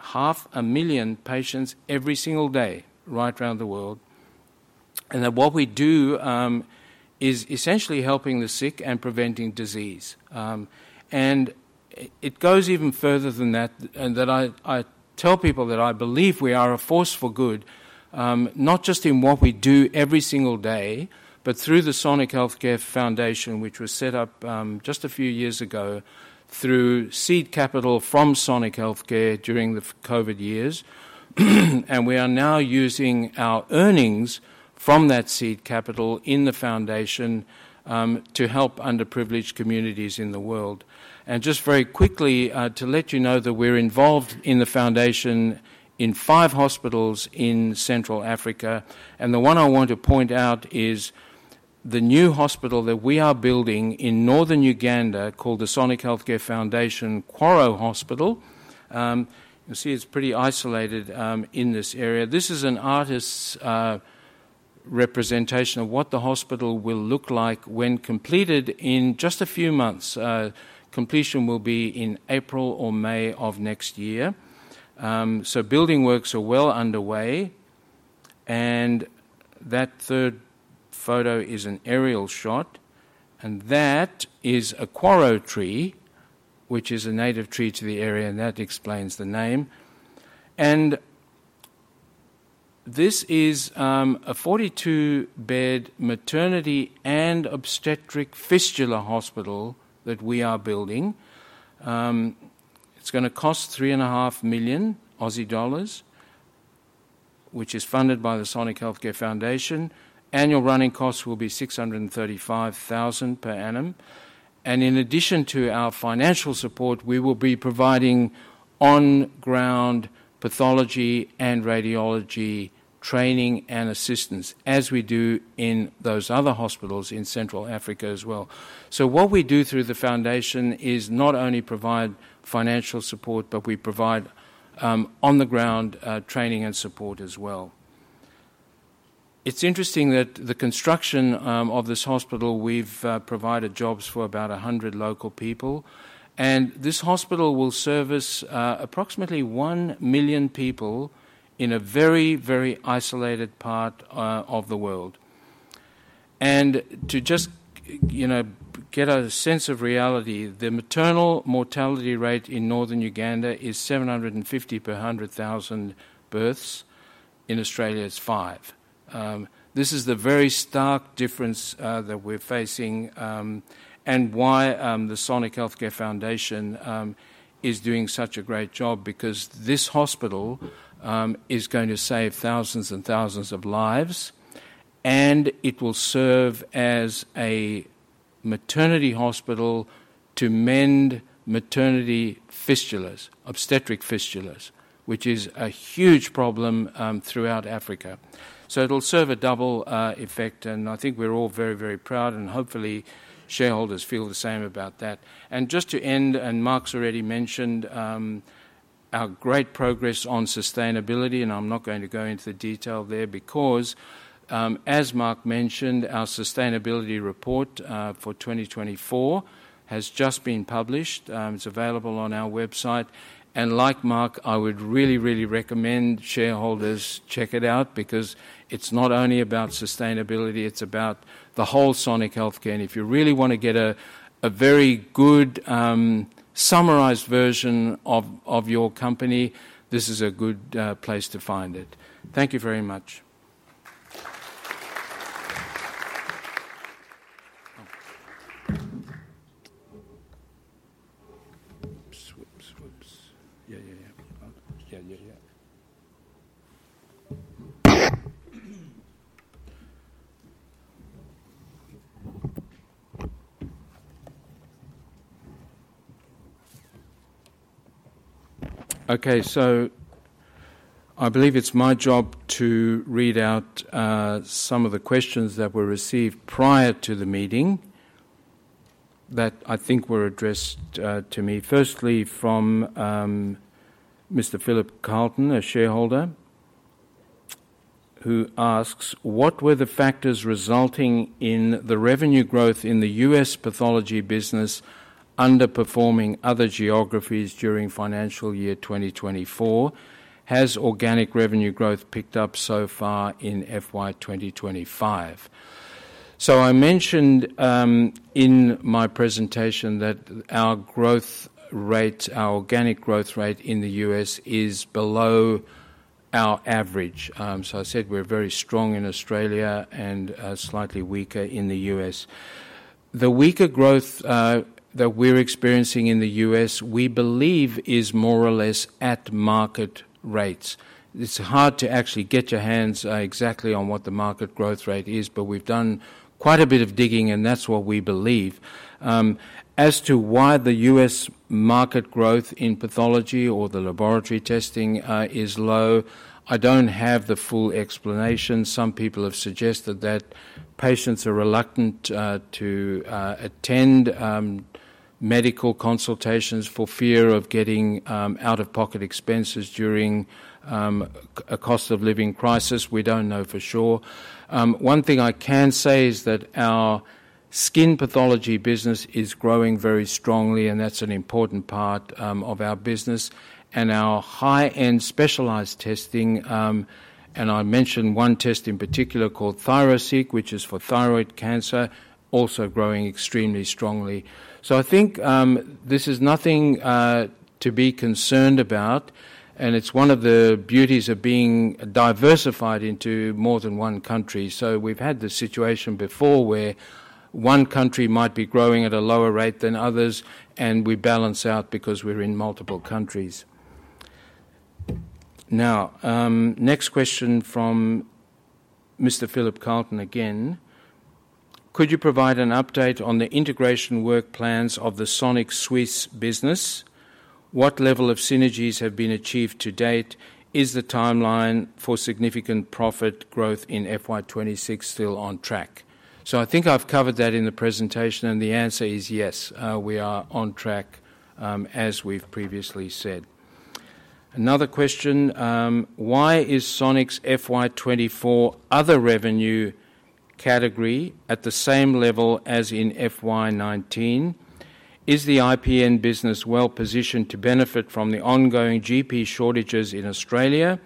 500,000 patients every single day right around the world, and that what we do is essentially helping the sick and preventing disease. It goes even further than that, and I tell people that I believe we are a force for good, not just in what we do every single day, but through the Sonic Healthcare Foundation, which was set up just a few years ago through seed capital from Sonic Healthcare during the COVID-19 years. We are now using our earnings from that seed capital in the foundation to help underprivileged communities in the world. Just very quickly, to let you know that we're involved in the foundation in five hospitals in Central Africa. The one I want to point out is the new hospital that we are building in Northern Uganda called the Sonic Healthcare Foundation Kworo Hospital. You'll see it's pretty isolated in this area. This is an artist's representation of what the hospital will look like when completed in just a few months. Completion will be in April or May of next year. So building works are well underway. And that third photo is an aerial shot. And that is a Kwaro tree, which is a native tree to the area, and that explains the name. And this is a 42-bed maternity and obstetric fistula hospital that we are building. It's going to cost 3.5 million Aussie dollars, which is funded by the Sonic Healthcare Foundation. Annual running costs will be 635,000 per annum. And in addition to our financial support, we will be providing on-ground pathology and radiology training and assistance as we do in those other hospitals in Central Africa as well. So what we do through the foundation is not only provide financial support, but we provide on-the-ground training and support as well. It's interesting that the construction of this hospital, we've provided jobs for about 100 local people, and this hospital will service approximately one million people in a very, very isolated part of the world, and to just get a sense of reality, the maternal mortality rate in Northern Uganda is 750 per 100,000 births. In Australia, it's five. This is the very stark difference that we're facing and why the Sonic Healthcare Foundation is doing such a great job because this hospital is going to save thousands and thousands of lives, and it will serve as a maternity hospital to mend maternity fistulas, obstetric fistulas, which is a huge problem throughout Africa, so it'll serve a double effect, and I think we're all very, very proud, and hopefully, shareholders feel the same about that. And just to end, and Mark's already mentioned our great progress on sustainability, and I'm not going to go into the detail there because, as Mark mentioned, our sustainability report for 2024 has just been published. It's available on our website. And like Mark, I would really, really recommend shareholders check it out because it's not only about sustainability, it's about the whole Sonic Healthcare. And if you really want to get a very good summarized version of your company, this is a good place to find it. Thank you very much. Okay, so I believe it's my job to read out some of the questions that were received prior to the meeting that I think were addressed to me. Firstly, from Mr. Philip Carlton, a shareholder, who asks, "What were the factors resulting in the revenue growth in the U.S. pathology business underperforming other geographies during financial year 2024? Has organic revenue growth picked up so far in FY 2025?" So I mentioned in my presentation that our organic growth rate in the U.S. is below our average. So I said we're very strong in Australia and slightly weaker in the U.S. The weaker growth that we're experiencing in the U.S., we believe, is more or less at market rates. It's hard to actually get your hands exactly on what the market growth rate is, but we've done quite a bit of digging, and that's what we believe. As to why the U.S. market growth in pathology or the laboratory testing is low, I don't have the full explanation. Some people have suggested that patients are reluctant to attend medical consultations for fear of getting out-of-pocket expenses during a cost-of-living crisis. We don't know for sure. One thing I can say is that our skin pathology business is growing very strongly, and that's an important part of our business. And our high-end specialized testing, and I mentioned one test in particular called ThyroSeq, which is for thyroid cancer, also growing extremely strongly. So I think this is nothing to be concerned about, and it's one of the beauties of being diversified into more than one country. So we've had the situation before where one country might be growing at a lower rate than others, and we balance out because we're in multiple countries. Now, next question from Mr. Philip Carlton again. "Could you provide an update on the integration work plans of the Sonic Suisse business? What level of synergies have been achieved to date? Is the timeline for significant profit growth in FY 26 still on track?" So I think I've covered that in the presentation, and the answer is yes. We are on track, as we've previously said. Another question. "Why is Sonic's FY 24 other revenue category at the same level as in FY 19? Is the IPN business well positioned to benefit from the ongoing GP shortages in Australia?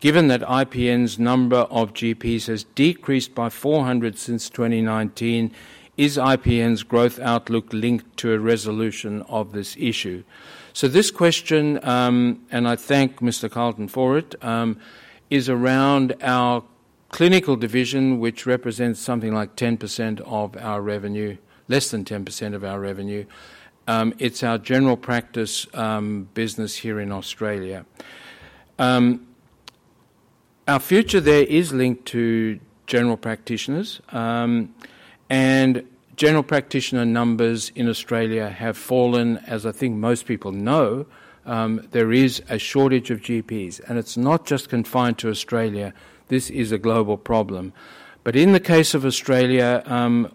Given that IPN's number of GPs has decreased by 400 since 2019, is IPN's growth outlook linked to a resolution of this issue?" So this question, and I thank Mr. Carlton for it, is around our clinical division, which represents something like 10% of our revenue, less than 10% of our revenue. It's our general practice business here in Australia. Our future there is linked to general practitioners, and general practitioner numbers in Australia have fallen. As I think most people know, there is a shortage of GPs, and it's not just confined to Australia. This is a global problem. But in the case of Australia,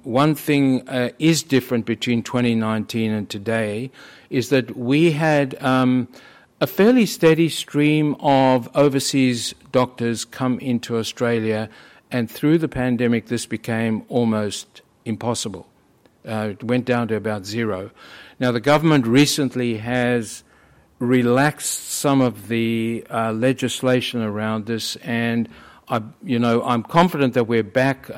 one thing is different between 2019 and today is that we had a fairly steady stream of overseas doctors come into Australia, and through the pandemic, this became almost impossible. It went down to about zero. Now, the government recently has relaxed some of the legislation around this, and I'm confident that we're back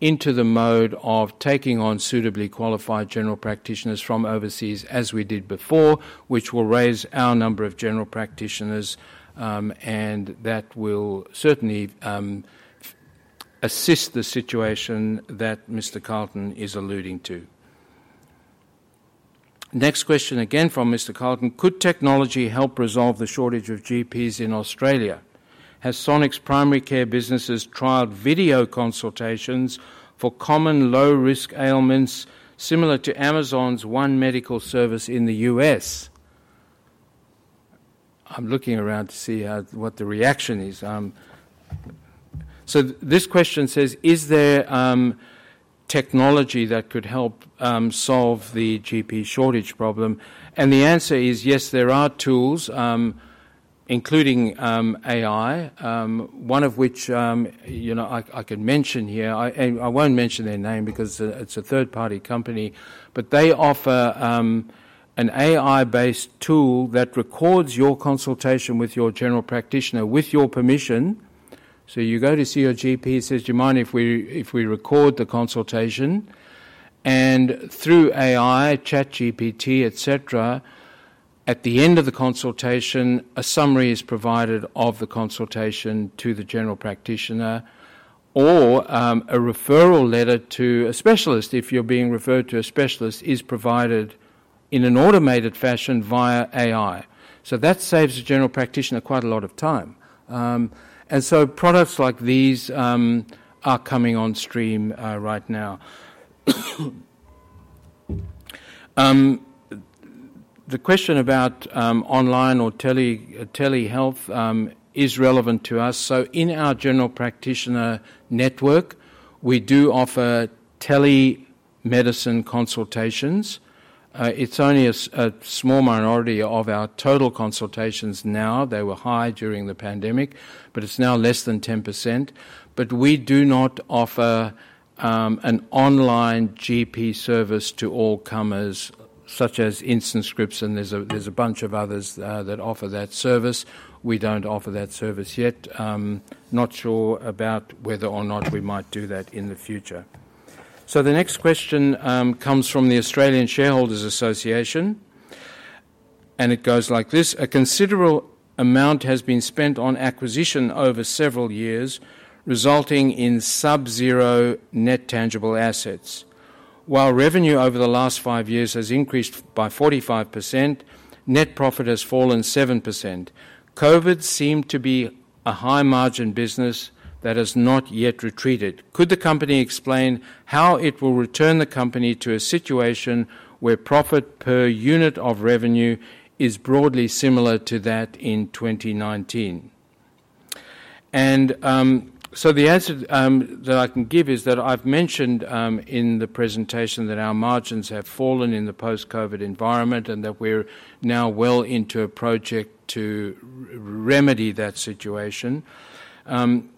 into the mode of taking on suitably qualified general practitioners from overseas as we did before, which will raise our number of general practitioners, and that will certainly assist the situation that Mr. Carlton is alluding to. Next question again from Mr. Carlton. "Could technology help resolve the shortage of GPs in Australia? Has Sonic's primary care businesses tried video consultations for common low-risk ailments similar to Amazon's One Medical Service in the U.S.?" I'm looking around to see what the reaction is. So this question says, "Is there technology that could help solve the GP shortage problem?", and the answer is yes, there are tools, including AI, one of which I can mention here. I won't mention their name because it's a third-party company, but they offer an AI-based tool that records your consultation with your general practitioner with your permission. So you go to see your GP, he says, "Do you mind if we record the consultation?", and through AI, ChatGPT, etc., at the end of the consultation, a summary is provided of the consultation to the general practitioner, or a referral letter to a specialist if you're being referred to a specialist is provided in an automated fashion via AI. So that saves the general practitioner quite a lot of time. And so products like these are coming on stream right now. The question about online or telehealth is relevant to us. So in our general practitioner network, we do offer telemedicine consultations. It's only a small minority of our total consultations now. They were high during the pandemic, but it's now less than 10%. But we do not offer an online GP service to all comers, such as InstantScripts, and there's a bunch of others that offer that service. We don't offer that service yet. Not sure about whether or not we might do that in the future. So the next question comes from the Australian Shareholders Association, and it goes like this. "A considerable amount has been spent on acquisition over several years, resulting in sub-zero net tangible assets. While revenue over the last five years has increased by 45%, net profit has fallen 7%. COVID seemed to be a high-margin business that has not yet retreated. Could the company explain how it will return the company to a situation where profit per unit of revenue is broadly similar to that in 2019? And so the answer that I can give is that I've mentioned in the presentation that our margins have fallen in the post-COVID environment and that we're now well into a project to remedy that situation. And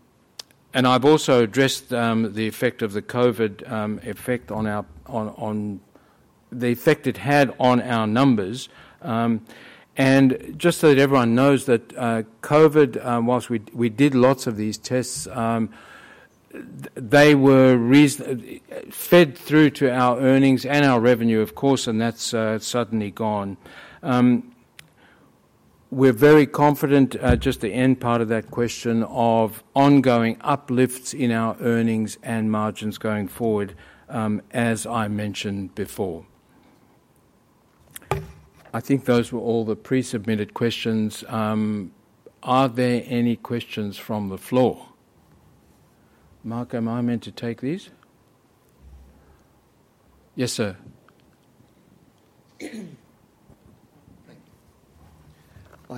I've also addressed the effect of the COVID effect on the effect it had on our numbers. And just so that everyone knows that COVID, whilst we did lots of these tests, they were fed through to our earnings and our revenue, of course, and that's suddenly gone. We're very confident, just the end part of that question, of ongoing uplifts in our earnings and margins going forward, as I mentioned before. I think those were all the pre-submitted questions. Are there any questions from the floor? Marco, am I meant to take these? Yes, sir. I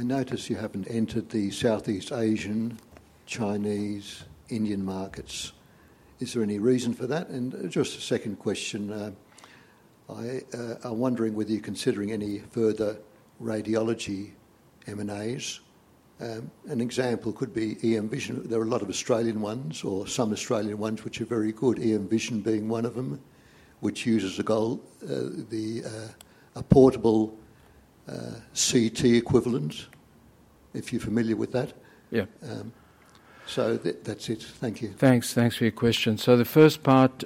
notice you haven't entered the Southeast Asian, Chinese, Indian markets. Is there any reason for that? And just a second question. I'm wondering whether you're considering any further radiology M&As. An example could be EMVision. There are a lot of Australian ones or some Australian ones which are very good, EMVision being one of them, which uses a portable CT equivalent, if you're familiar with that. Yeah. So that's it. Thank you. Thanks. Thanks for your question. So the first part,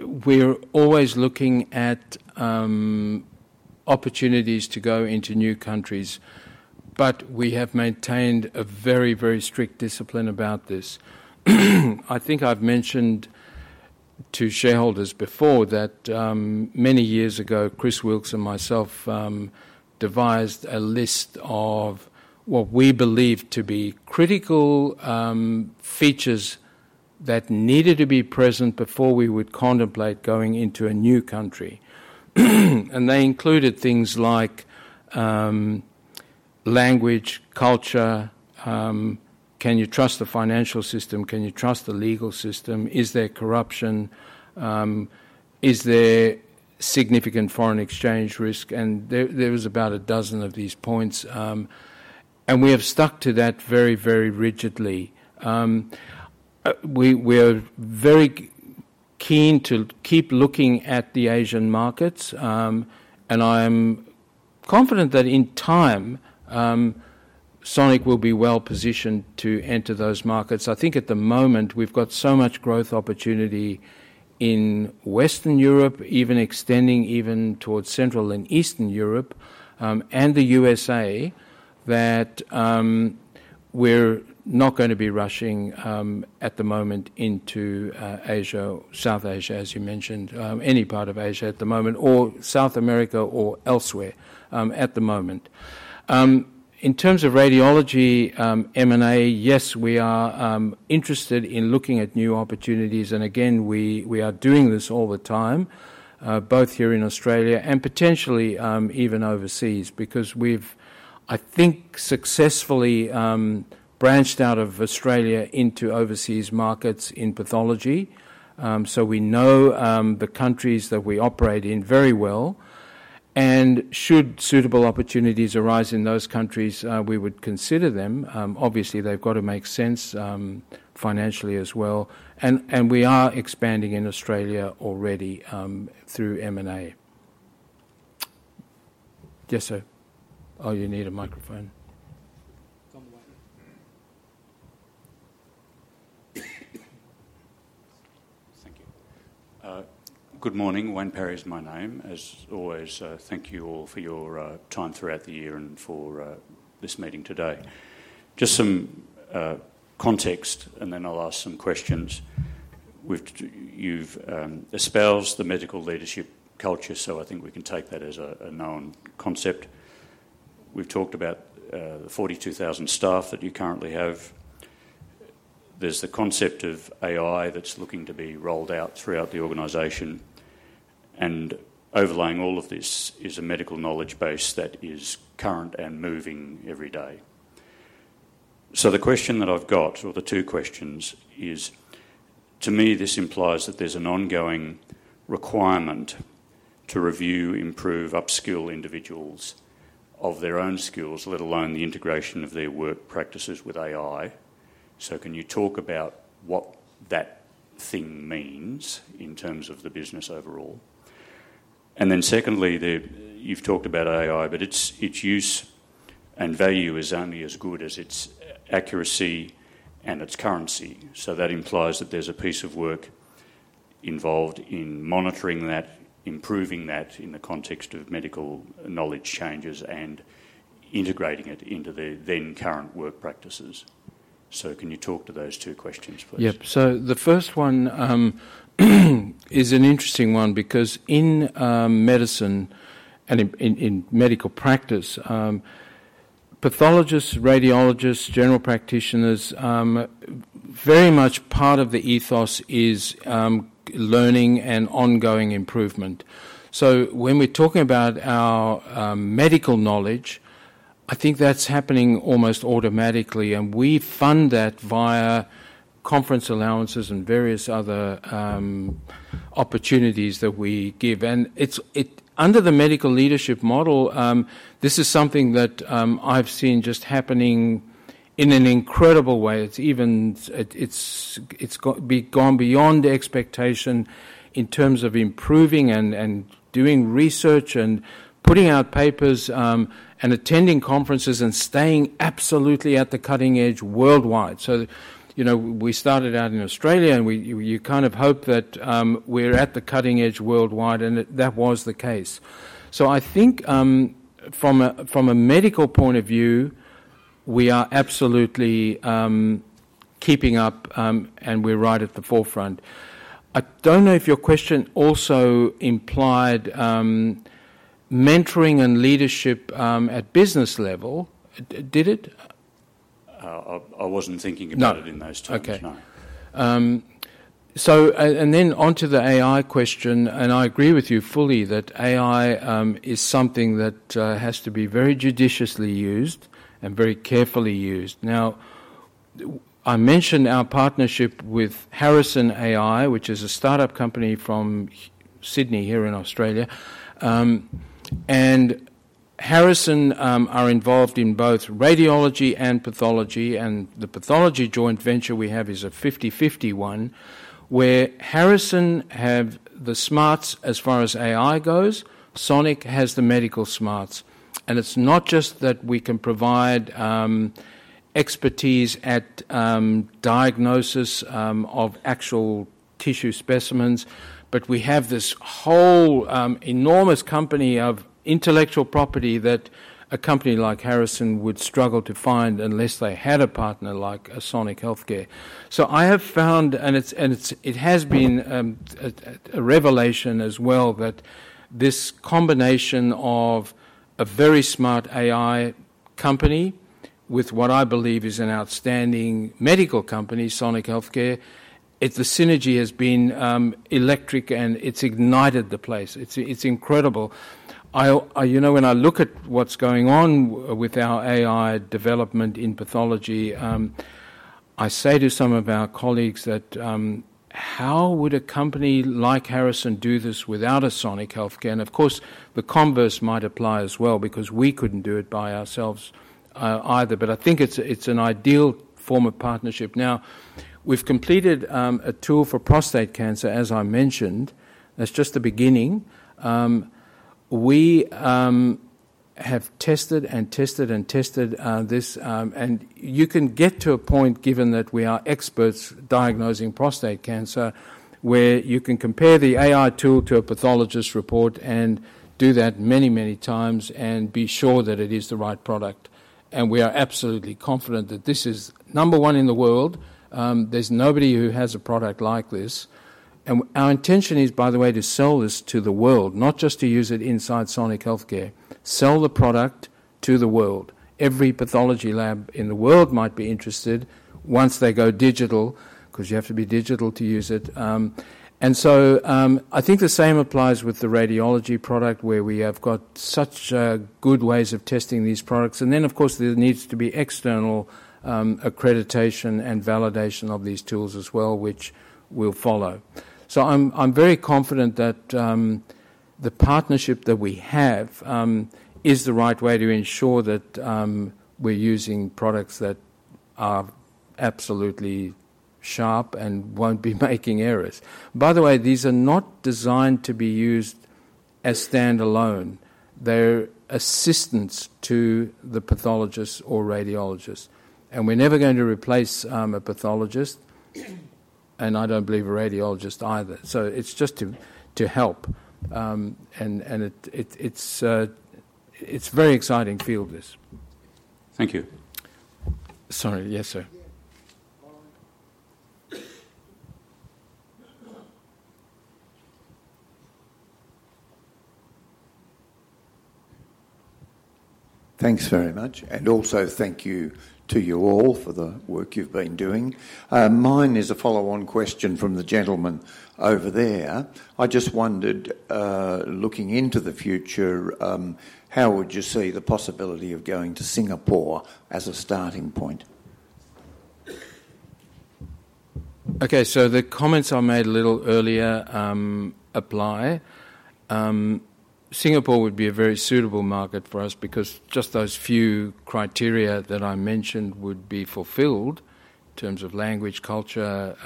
we're always looking at opportunities to go into new countries, but we have maintained a very, very strict discipline about this. I think I've mentioned to shareholders before that many years ago, Chris Wilks and myself devised a list of what we believed to be critical features that needed to be present before we would contemplate going into a new country. And they included things like language, culture, can you trust the financial system, can you trust the legal system, is there corruption, is there significant foreign exchange risk, and there was about a dozen of these points. And we have stuck to that very, very rigidly. We are very keen to keep looking at the Asian markets, and I am confident that in time, Sonic will be well positioned to enter those markets. I think at the moment, we've got so much growth opportunity in Western Europe, even extending towards Central and Eastern Europe and the USA, that we're not going to be rushing at the moment into Asia, South Asia, as you mentioned, any part of Asia at the moment, or South America or elsewhere at the moment. In terms of radiology M&A, yes, we are interested in looking at new opportunities, and again, we are doing this all the time, both here in Australia and potentially even overseas, because we've, I think, successfully branched out of Australia into overseas markets in pathology. So we know the countries that we operate in very well, and should suitable opportunities arise in those countries, we would consider them. Obviously, they've got to make sense financially as well. And we are expanding in Australia already through M&A. Yes, sir. Oh, you need a microphone. Thank you. Good morning. Wayne Perry is my name. As always, thank you all for your time throughout the year and for this meeting today. Just some context, and then I'll ask some questions. You've espoused the medical leadership culture, so I think we can take that as a known concept. We've talked about the 42,000 staff that you currently have. There's the concept of AI that's looking to be rolled out throughout the organization. And overlaying all of this is a medical knowledge base that is current and moving every day. So the question that I've got, or the two questions, is to me, this implies that there's an ongoing requirement to review, improve, upskill individuals of their own skills, let alone the integration of their work practices with AI. So can you talk about what that thing means in terms of the business overall? And then secondly, you've talked about AI, but its use and value is only as good as its accuracy and its currency. So that implies that there's a piece of work involved in monitoring that, improving that in the context of medical knowledge changes, and integrating it into the then current work practices. So can you talk to those two questions, please? Yep. So the first one is an interesting one because in medicine and in medical practice, pathologists, radiologists, general practitioners, very much part of the ethos is learning and ongoing improvement. So when we're talking about our medical knowledge, I think that's happening almost automatically, and we fund that via conference allowances and various other opportunities that we give. And under the medical leadership model, this is something that I've seen just happening in an incredible way. It's gone beyond expectation in terms of improving and doing research and putting out papers and attending conferences and staying absolutely at the cutting edge worldwide. So we started out in Australia, and you kind of hope that we're at the cutting edge worldwide, and that was the case. So I think from a medical point of view, we are absolutely keeping up, and we're right at the forefront. I don't know if your question also implied mentoring and leadership at business level. Did it? I wasn't thinking about it in those terms. No. Okay. And then onto the AI question, and I agree with you fully that AI is something that has to be very judiciously used and very carefully used. Now, I mentioned our partnership with Harrison.ai, which is a startup company from Sydney here in Australia. Harrison.ai are involved in both radiology and pathology, and the pathology joint venture we have is a 50/50 one where Harrison.ai have the smarts as far as AI goes. Sonic has the medical smarts. It's not just that we can provide expertise at diagnosis of actual tissue specimens, but we have this whole enormous company of intellectual property that a company like Harrison.ai would struggle to find unless they had a partner like Sonic Healthcare. So I have found, and it has been a revelation as well, that this combination of a very smart AI company with what I believe is an outstanding medical company, Sonic Healthcare. The synergy has been electric, and it's ignited the place. It's incredible. When I look at what's going on with our AI development in pathology, I say to some of our colleagues that, "How would a company like Harrison do this without a Sonic Healthcare?" And of course, the converse might apply as well because we couldn't do it by ourselves either, but I think it's an ideal form of partnership. Now, we've completed a tool for prostate cancer, as I mentioned. That's just the beginning. We have tested and tested and tested this, and you can get to a point, given that we are experts diagnosing prostate cancer, where you can compare the AI tool to a pathologist report and do that many, many times and be sure that it is the right product. And we are absolutely confident that this is number one in the world. There's nobody who has a product like this. And our intention is, by the way, to sell this to the world, not just to use it inside Sonic Healthcare. Sell the product to the world. Every pathology lab in the world might be interested once they go digital because you have to be digital to use it. And so I think the same applies with the radiology product where we have got such good ways of testing these products. And then, of course, there needs to be external accreditation and validation of these tools as well, which we'll follow. So I'm very confident that the partnership that we have is the right way to ensure that we're using products that are absolutely sharp and won't be making errors. By the way, these are not designed to be used as standalone. They're assistants to the pathologist or radiologist. And we're never going to replace a pathologist, and I don't believe a radiologist either. So it's just to help. And it's a very exciting field, this. Thank you. Sorry. Yes, sir. Thanks very much. And also, thank you to you all for the work you've been doing. Mine is a follow-on question from the gentleman over there. I just wondered, looking into the future, how would you see the possibility of going to Singapore as a starting point? Okay. So the comments I made a little earlier apply. Singapore would be a very suitable market for us because just those few criteria that I mentioned would be fulfilled in terms of language, culture,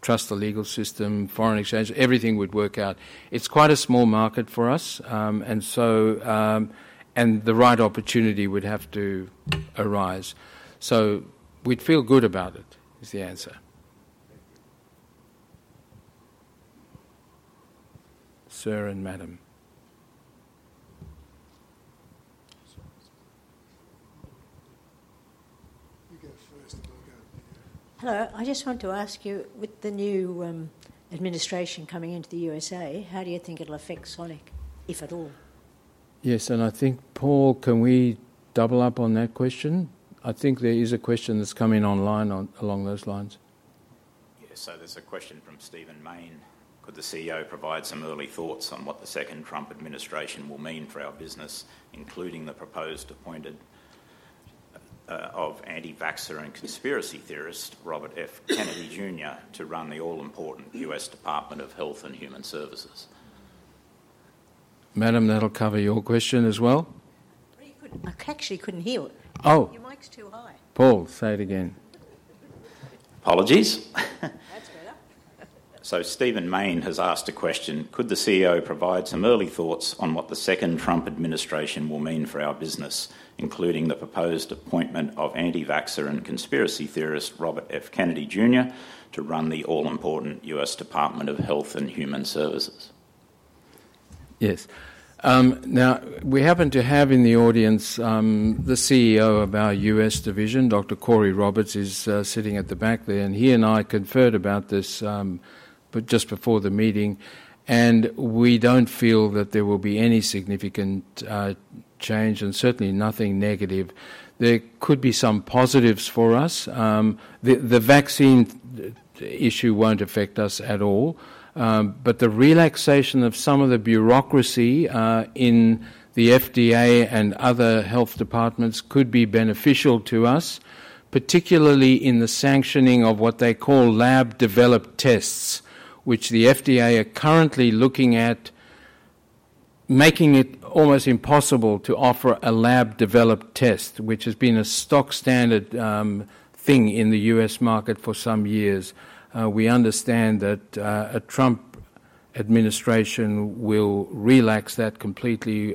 trust the legal system, foreign exchange. Everything would work out. It's quite a small market for us, and the right opportunity would have to arise. So we'd feel good about it, is the answer. Sir and Madam. You go first. Hello. I just want to ask you, with the new administration coming into the USA, how do you think it'll affect Sonic, if at all? Yes. And I think, Paul, can we double up on that question? I think there is a question that's come in online along those lines. Yes. So there's a question from Stephen Mayne. Could the CEO provide some early thoughts on what the second Trump administration will mean for our business, including the proposed appointment of anti-vaxxer and conspiracy theorist Robert F. Kennedy Jr. to run the all-important U.S. Department of Health and Human Services? Madam, that'll cover your question as well. I actually couldn't hear it. Your mic's too high. Paul, say it again. Apologies. That's better. So Stephen Mayne has asked a question. Could the CEO provide some early thoughts on what the second Trump administration will mean for our business, including the proposed appointment of anti-vaxxer and conspiracy theorist Robert F. Kennedy Jr. to run the all-important U.S. Department of Health and Human Services? Yes. Now, we happen to have in the audience the CEO of our U.S. division, Dr. Corey Roberts, who's sitting at the back there. And he and I conferred about this just before the meeting. And we don't feel that there will be any significant change and certainly nothing negative. There could be some positives for us. The vaccine issue won't affect us at all. But the relaxation of some of the bureaucracy in the FDA and other health departments could be beneficial to us, particularly in the sanctioning of what they call lab-developed tests, which the FDA are currently looking at making it almost impossible to offer a lab-developed test, which has been a stock standard thing in the U.S. market for some years. We understand that a Trump administration will relax that completely,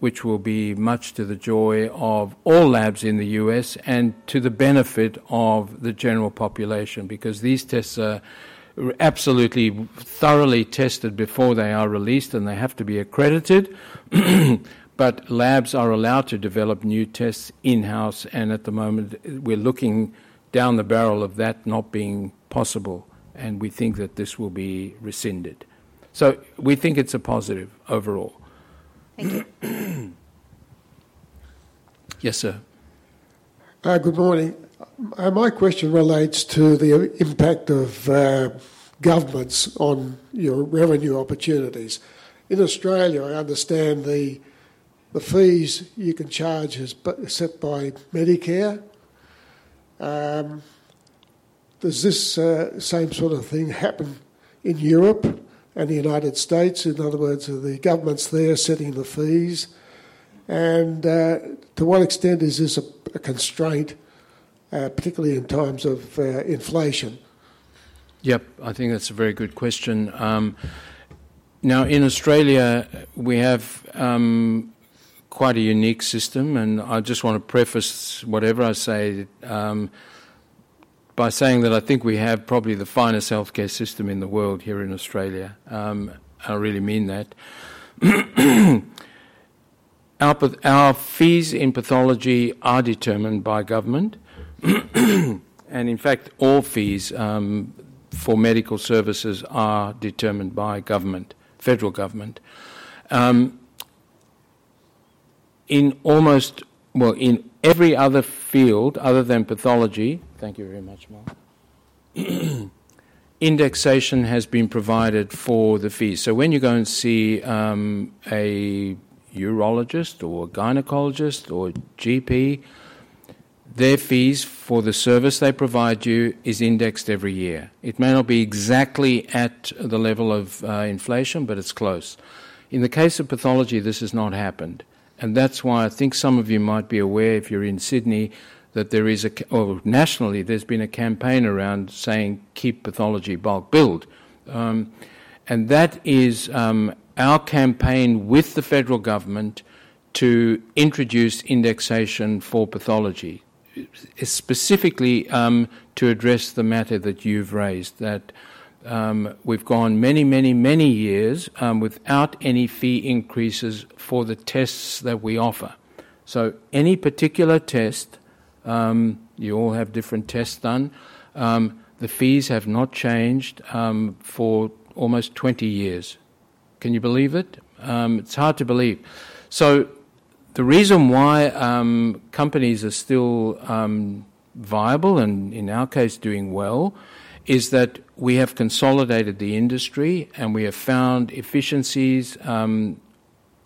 which will be much to the joy of all labs in the U.S. and to the benefit of the general population because these tests are absolutely thoroughly tested before they are released, and they have to be accredited. But labs are allowed to develop new tests in-house. And at the moment, we're looking down the barrel of that not being possible. And we think that this will be rescinded. So we think it's a positive overall. Thank you. Yes, sir. Good morning. My question relates to the impact of governments on your revenue opportunities. In Australia, I understand the fees you can charge are set by Medicare. Does this same sort of thing happen in Europe and the United States? In other words, are the governments there setting the fees? And to what extent is this a constraint, particularly in times of inflation? Yep. I think that's a very good question. Now, in Australia, we have quite a unique system. And I just want to preface whatever I say by saying that I think we have probably the finest healthcare system in the world here in Australia. I really mean that. Our fees in pathology are determined by government. And in fact, all fees for medical services are determined by government, federal government. Well, in every other field other than pathology (thank you very much, Mark), Indexation has been provided for the fees. So when you go and see a urologist or gynecologist or GP, their fees for the service they provide you are indexed every year. It may not be exactly at the level of inflation, but it's close. In the case of pathology, this has not happened. And that's why I think some of you might be aware, if you're in Sydney, that there is—or nationally, there's been a campaign around saying, "Keep pathology bulk billed." And that is our campaign with the federal government to introduce indexation for pathology, specifically to address the matter that you've raised, that we've gone many, many, many years without any fee increases for the tests that we offer. So any particular test—you all have different tests done—the fees have not changed for almost 20 years. Can you believe it? It's hard to believe. So the reason why companies are still viable and, in our case, doing well is that we have consolidated the industry, and we have found efficiencies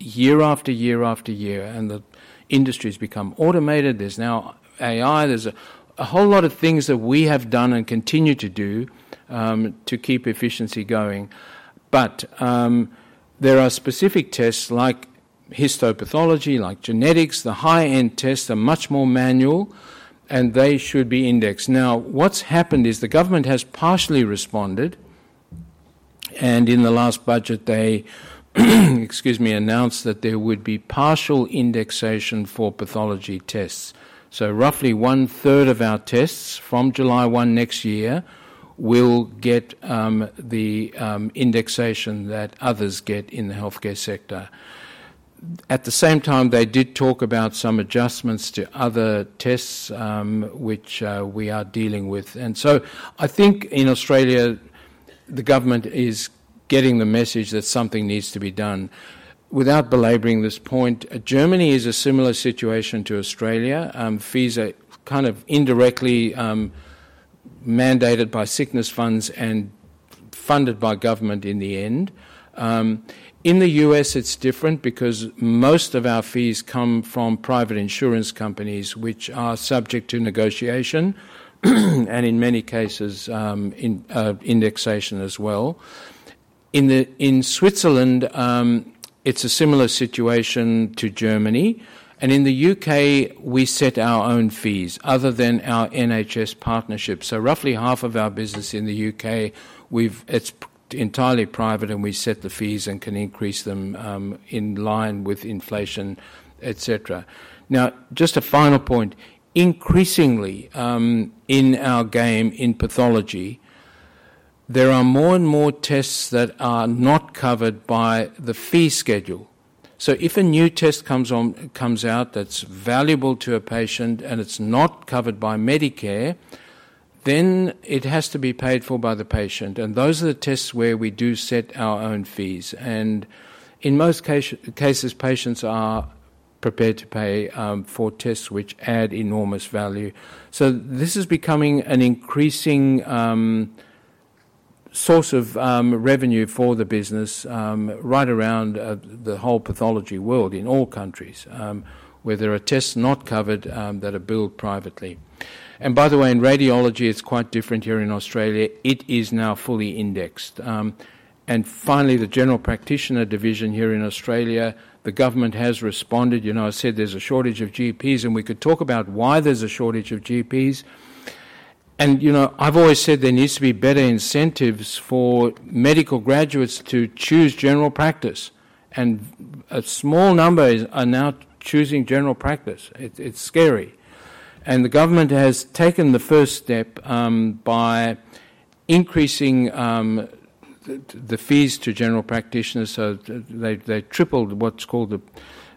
year after year after year. And the industry has become automated. There's now AI. There's a whole lot of things that we have done and continue to do to keep efficiency going. But there are specific tests like histopathology, like genetics. The high-end tests are much more manual, and they should be indexed. Now, what's happened is the government has partially responded. And in the last budget, they, excuse me, announced that there would be partial indexation for pathology tests. So roughly one-third of our tests from July 1 next year will get the indexation that others get in the healthcare sector. At the same time, they did talk about some adjustments to other tests which we are dealing with. And so I think in Australia, the government is getting the message that something needs to be done. Without belaboring this point, Germany is a similar situation to Australia. Fees are kind of indirectly mandated by sickness funds and funded by government in the end. In the U.S., it's different because most of our fees come from private insurance companies, which are subject to negotiation and, in many cases, indexation as well. In Switzerland, it's a similar situation to Germany. And in the U.K., we set our own fees other than our NHS partnership. So roughly half of our business in the U.K., it's entirely private, and we set the fees and can increase them in line with inflation, etc. Now, just a final point. Increasingly, in our game in pathology, there are more and more tests that are not covered by the fee schedule. So if a new test comes out that's valuable to a patient and it's not covered by Medicare, then it has to be paid for by the patient. And those are the tests where we do set our own fees. And in most cases, patients are prepared to pay for tests which add enormous value. So this is becoming an increasing source of revenue for the business right around the whole pathology world in all countries where there are tests not covered that are billed privately. And by the way, in radiology, it's quite different here in Australia. It is now fully indexed. And finally, the general practitioner division here in Australia, the government has responded. I said there's a shortage of GPs, and we could talk about why there's a shortage of GPs. And I've always said there needs to be better incentives for medical graduates to choose general practice. And a small number are now choosing general practice. It's scary. And the government has taken the first step by increasing the fees to general practitioners. So they've tripled what's called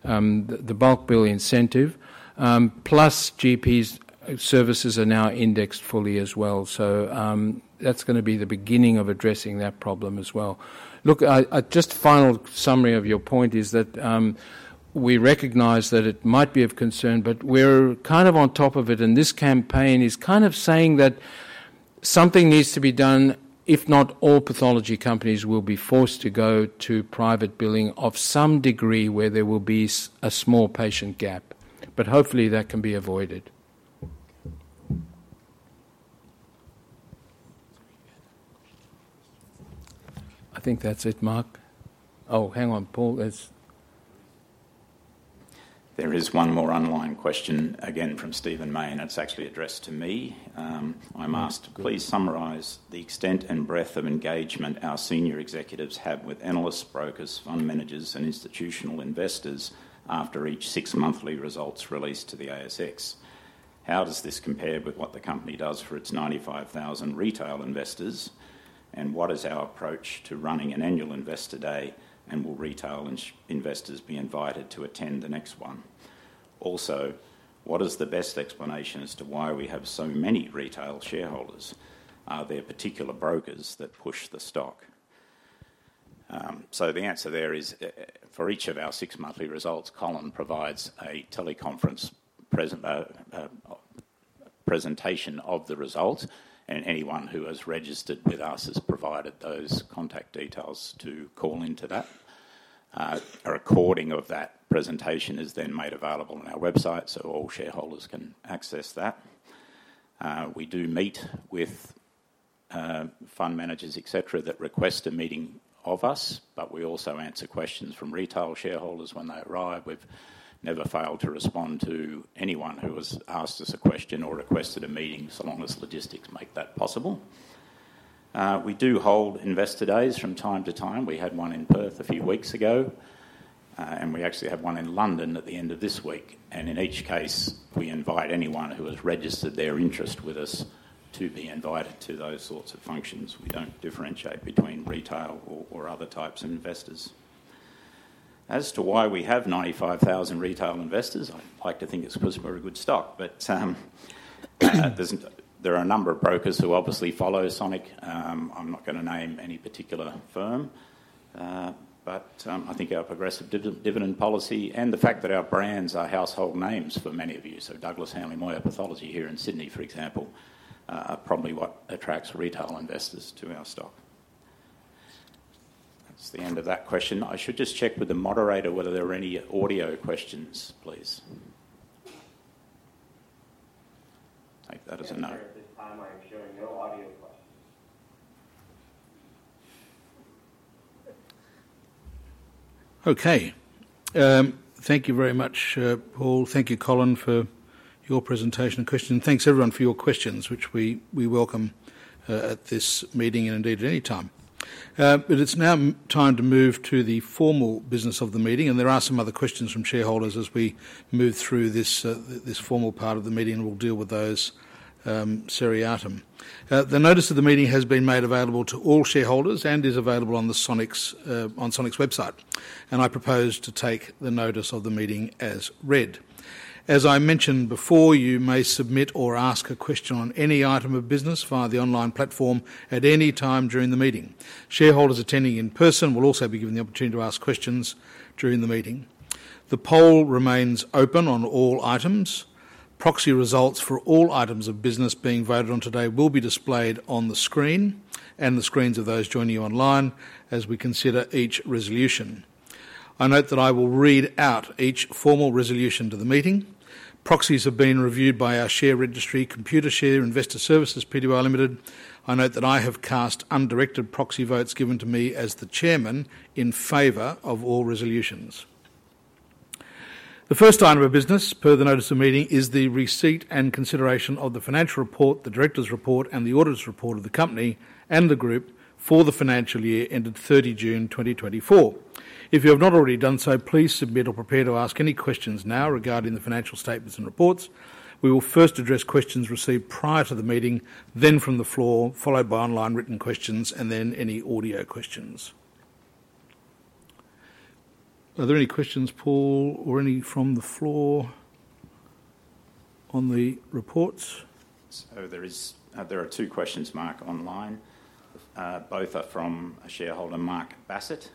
the bulk bill incentive. Plus, GP services are now indexed fully as well. So that's going to be the beginning of addressing that problem as well. Look, just a final summary of your point is that we recognize that it might be of concern, but we're kind of on top of it. And this campaign is kind of saying that something needs to be done. If not, all pathology companies will be forced to go to private billing of some degree where there will be a small patient gap. But hopefully, that can be avoided. I think that's it, Mark. Oh, hang on. Paul, there is one more online question again from Stephen Mayne. It's actually addressed to me. I'm asked, "Please summarize the extent and breadth of engagement our senior executives have with analysts, brokers, fund managers, and institutional investors after each six-monthly results released to the ASX. How does this compare with what the company does for its 95,000 retail investors? And what is our approach to running an annual investor day, and will retail investors be invited to attend the next one? Also, what is the best explanation as to why we have so many retail shareholders? Are there particular brokers that push the stock?" The answer there is for each of our six-monthly results, Colin provides a teleconference presentation of the results. Anyone who has registered with us has provided those contact details to call into that. A recording of that presentation is then made available on our website so all shareholders can access that. We do meet with fund managers, etc., that request a meeting of us. We also answer questions from retail shareholders when they arrive. We've never failed to respond to anyone who has asked us a question or requested a meeting, so long as logistics make that possible. We do hold investor days from time to time. We had one in Perth a few weeks ago. We actually have one in London at the end of this week. And in each case, we invite anyone who has registered their interest with us to be invited to those sorts of functions. We don't differentiate between retail or other types of investors. As to why we have 95,000 retail investors, I'd like to think it's because we're a good stock. But there are a number of brokers who obviously follow Sonic. I'm not going to name any particular firm. But I think our progressive dividend policy and the fact that our brands are household names for many of you, so Douglas Hanly Moir Pathology here in Sydney, for example, are probably what attracts retail investors to our stock. That's the end of that question. I should just check with the moderator whether there are any audio questions, please. Take that as a no. I'm aware at this time I'm showing no audio questions. Okay. Thank you very much, Paul. Thank you, Colin, for your presentation and questions. And thanks, everyone, for your questions, which we welcome at this meeting and indeed at any time. But it's now time to move to the formal business of the meeting. And there are some other questions from shareholders as we move through this formal part of the meeting. And we'll deal with those seriatim. The notice of the meeting has been made available to all shareholders and is available on Sonic's website. And I propose to take the notice of the meeting as read. As I mentioned before, you may submit or ask a question on any item of business via the online platform at any time during the meeting. Shareholders attending in person will also be given the opportunity to ask questions during the meeting. The poll remains open on all items. Proxy results for all items of business being voted on today will be displayed on the screen and the screens of those joining you online as we consider each resolution. I note that I will read out each formal resolution to the meeting. Proxies have been reviewed by our share registry, Computershare Pty Limited. I note that I have cast undirected proxy votes given to me as the chairman in favor of all resolutions. The first item of business per the notice of meeting is the receipt and consideration of the financial report, the director's report, and the auditor's report of the company and the group for the financial year ended 30 June 2024. If you have not already done so, please submit or prepare to ask any questions now regarding the financial statements and reports. We will first address questions received prior to the meeting, then from the floor, followed by online written questions, and then any audio questions. Are there any questions, Paul, or any from the floor on the reports? So there are two questions, Mark, online. Both are from a shareholder, Mark Bassett.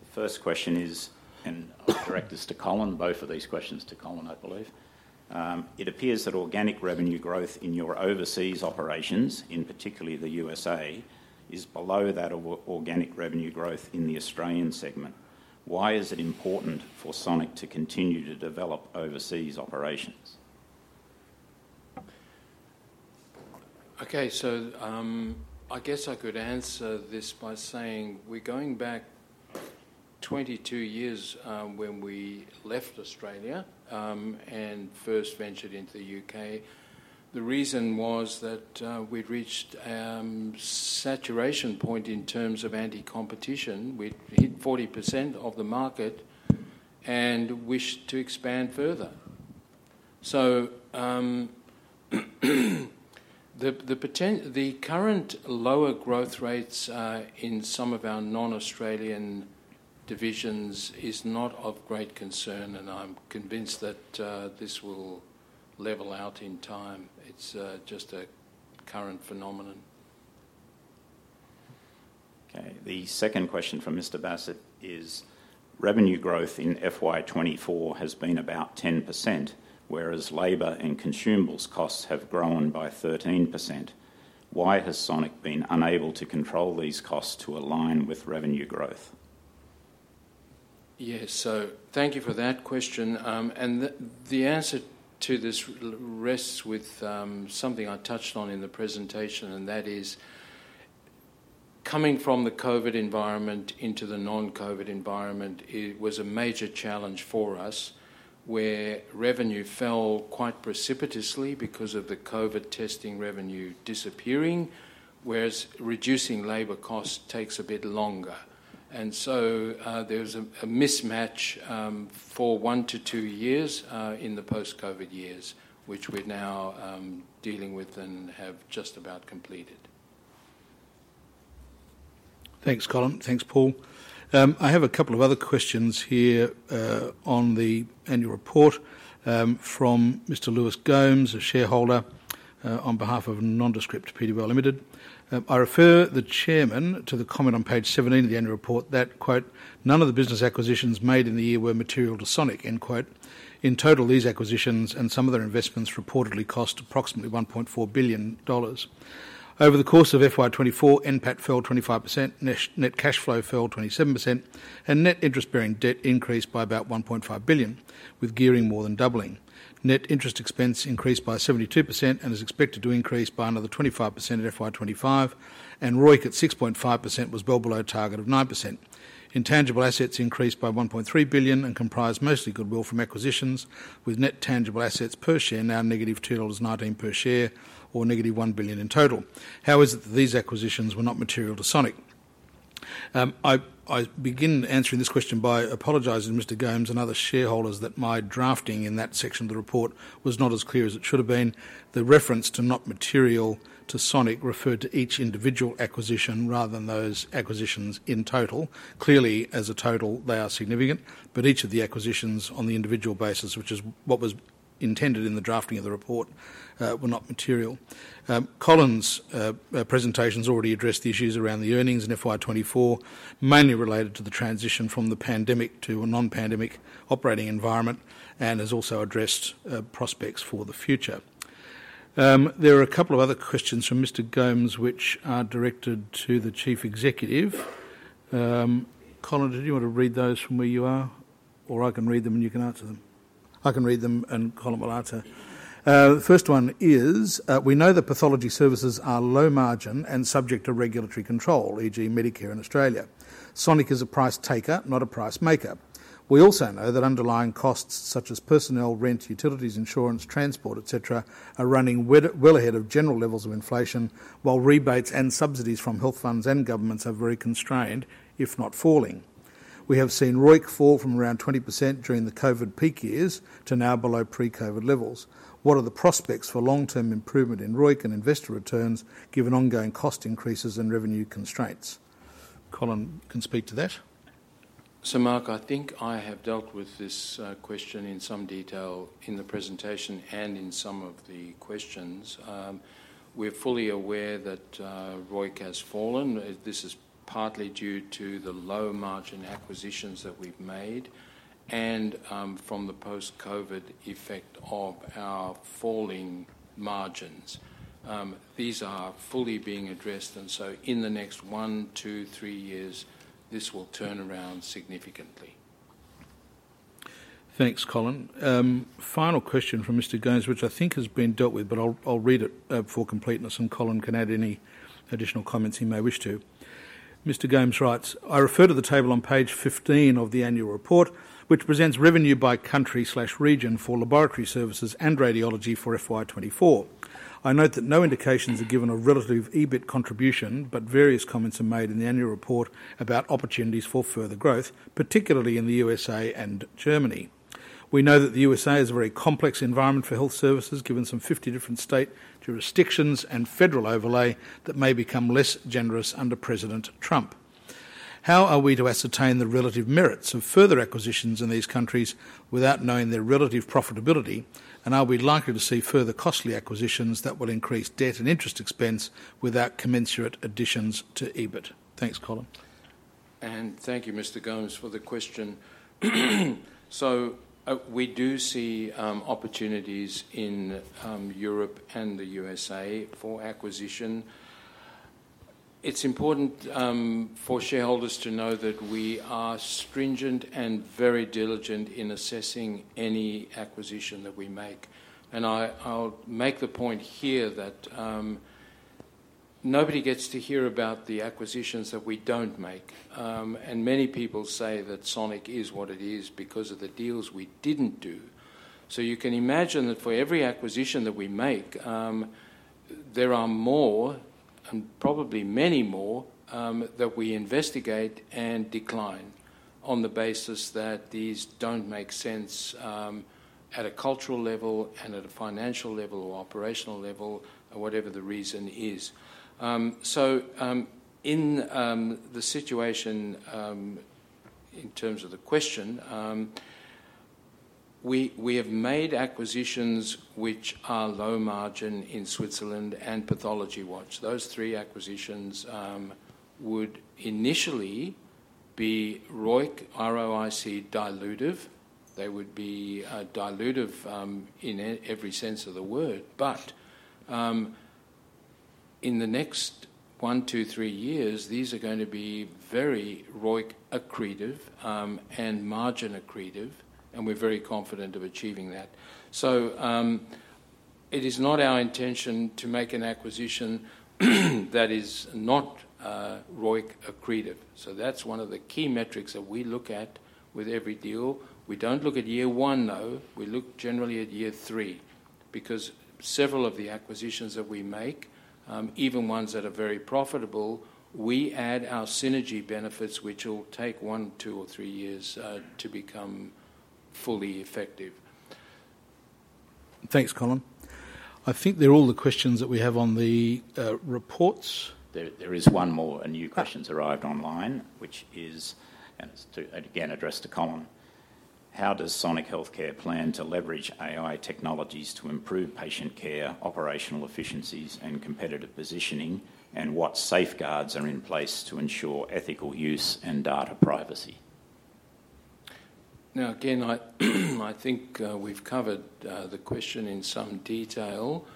The first question is, and I'll direct this to Colin. Both of these questions to Colin, I believe. It appears that organic revenue growth in your overseas operations, in particular the USA, is below that organic revenue growth in the Australian segment. Why is it important for Sonic to continue to develop overseas operations? Okay. So I guess I could answer this by saying we're going back 22 years when we left Australia and first ventured into the UK. The reason was that we'd reached a saturation point in terms of competition. We'd hit 40% of the market and wished to expand further. So the current lower growth rates in some of our non-Australian divisions is not of great concern. And I'm convinced that this will level out in time. It's just a current phenomenon. Okay. The second question from Mr. Bassett is, "Revenue growth in FY 24 has been about 10%, whereas labor and consumables costs have grown by 13%. Why has Sonic been unable to control these costs to align with revenue growth?" Yeah. So thank you for that question. And the answer to this rests with something I touched on in the presentation. And that is, coming from the COVID environment into the non-COVID environment was a major challenge for us where revenue fell quite precipitously because of the COVID testing revenue disappearing, whereas reducing labor costs takes a bit longer. And so there was a mismatch for one to two years in the post-COVID years, which we're now dealing with and have just about completed. Thanks, Colin. Thanks, Paul. I have a couple of other questions here on the annual report from Mr. Louis Gomes, a shareholder on behalf of Nondescript PDBL Limited. I refer the chairman to the comment on page 17 of the annual report that, "None of the business acquisitions made in the year were material to Sonic." In total, these acquisitions and some of their investments reportedly cost approximately 1.4 billion dollars. Over the course of FY 2024, NPAT fell 25%, net cash flow fell 27%, and net interest-bearing debt increased by about 1.5 billion, with gearing more than doubling. Net interest expense increased by 72% and is expected to increase by another 25% in FY 2025. And ROIC at 6.5% was well below target of 9%. Intangible assets increased by 1.3 billion and comprised mostly goodwill from acquisitions, with net tangible assets per share now negative AUD 2.19 per share or negative AUD 1 billion in total. How is it that these acquisitions were not material to Sonic? I begin answering this question by apologizing to Mr. Gomes and other shareholders that my drafting in that section of the report was not as clear as it should have been. The reference to not material to Sonic referred to each individual acquisition rather than those acquisitions in total. Clearly, as a total, they are significant. But each of the acquisitions on the individual basis, which is what was intended in the drafting of the report, were not material. Colin's presentation has already addressed the issues around the earnings in FY 24, mainly related to the transition from the pandemic to a non-pandemic operating environment and has also addressed prospects for the future. There are a couple of other questions from Mr. Gomes, which are directed to the chief executive. Colin, did you want to read those from where you are? Or I can read them and you can answer them. I can read them and Colin will answer. The first one is, "We know that pathology services are low margin and subject to regulatory control, e.g., Medicare in Australia. Sonic is a price taker, not a price maker. We also know that underlying costs such as personnel, rent, utilities, insurance, transport, etc., are running well ahead of general levels of inflation, while rebates and subsidies from health funds and governments are very constrained, if not falling. We have seen ROIC fall from around 20% during the COVID peak years to now below pre-COVID levels. What are the prospects for long-term improvement in ROIC and investor returns given ongoing cost increases and revenue constraints? Colin can speak to that. So, Mark, I think I have dealt with this question in some detail in the presentation and in some of the questions. We're fully aware that ROIC has fallen. This is partly due to the low margin acquisitions that we've made and from the post-COVID effect of our falling margins. These are fully being addressed. And so in the next one, two, three years, this will turn around significantly. Thanks, Colin. Final question from Mr. Gomes, which I think has been dealt with, but I'll read it for completeness, and Colin can add any additional comments he may wish to. Mr. Gomes writes, "I refer to the table on page 15 of the annual report, which presents revenue by country/region for laboratory services and radiology for FY 24. I note that no indications are given of relative EBIT contribution, but various comments are made in the annual report about opportunities for further growth, particularly in the USA and Germany. We know that the USA is a very complex environment for health services, given some 50 different state jurisdictions and federal overlay that may become less generous under President Trump. How are we to ascertain the relative merits of further acquisitions in these countries without knowing their relative profitability? And are we likely to see further costly acquisitions that will increase debt and interest expense without commensurate additions to EBIT?" Thanks, Colin. And thank you, Mr. Gomes, for the question. So we do see opportunities in Europe and the USA for acquisition. It's important for shareholders to know that we are stringent and very diligent in assessing any acquisition that we make. I'll make the point here that nobody gets to hear about the acquisitions that we don't make. Many people say that Sonic is what it is because of the deals we didn't do. You can imagine that for every acquisition that we make, there are more and probably many more that we investigate and decline on the basis that these don't make sense at a cultural level and at a financial level or operational level, whatever the reason is. In the situation, in terms of the question, we have made acquisitions which are low margin in Switzerland and Pathology Watch. Those three acquisitions would initially be ROIC dilutive. They would be dilutive in every sense of the word. But in the next one, two, three years, these are going to be very ROIC accretive and margin accretive. And we're very confident of achieving that. So it is not our intention to make an acquisition that is not ROIC accretive. So that's one of the key metrics that we look at with every deal. We don't look at year one, though. We look generally at year three because several of the acquisitions that we make, even ones that are very profitable, we add our synergy benefits, which will take one, two, or three years to become fully effective. Thanks, Colin. I think they're all the questions that we have on the reports. There is one more. A new question has arrived online, which is, and it's again addressed to Colin, "How does Sonic Healthcare plan to leverage AI technologies to improve patient care, operational efficiencies, and competitive positioning, and what safeguards are in place to ensure ethical use and data privacy?" Now, again, I think we've covered the question in some detail.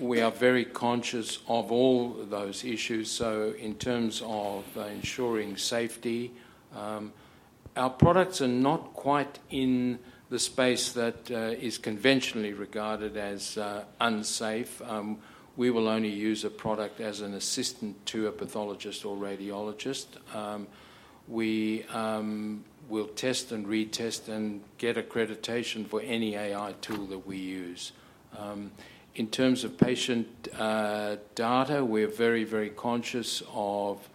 We are very conscious of all those issues. So in terms of ensuring safety, our products are not quite in the space that is conventionally regarded as unsafe. We will only use a product as an assistant to a pathologist or radiologist. We will test and retest and get accreditation for any AI tool that we use. In terms of patient data, we're very, very conscious of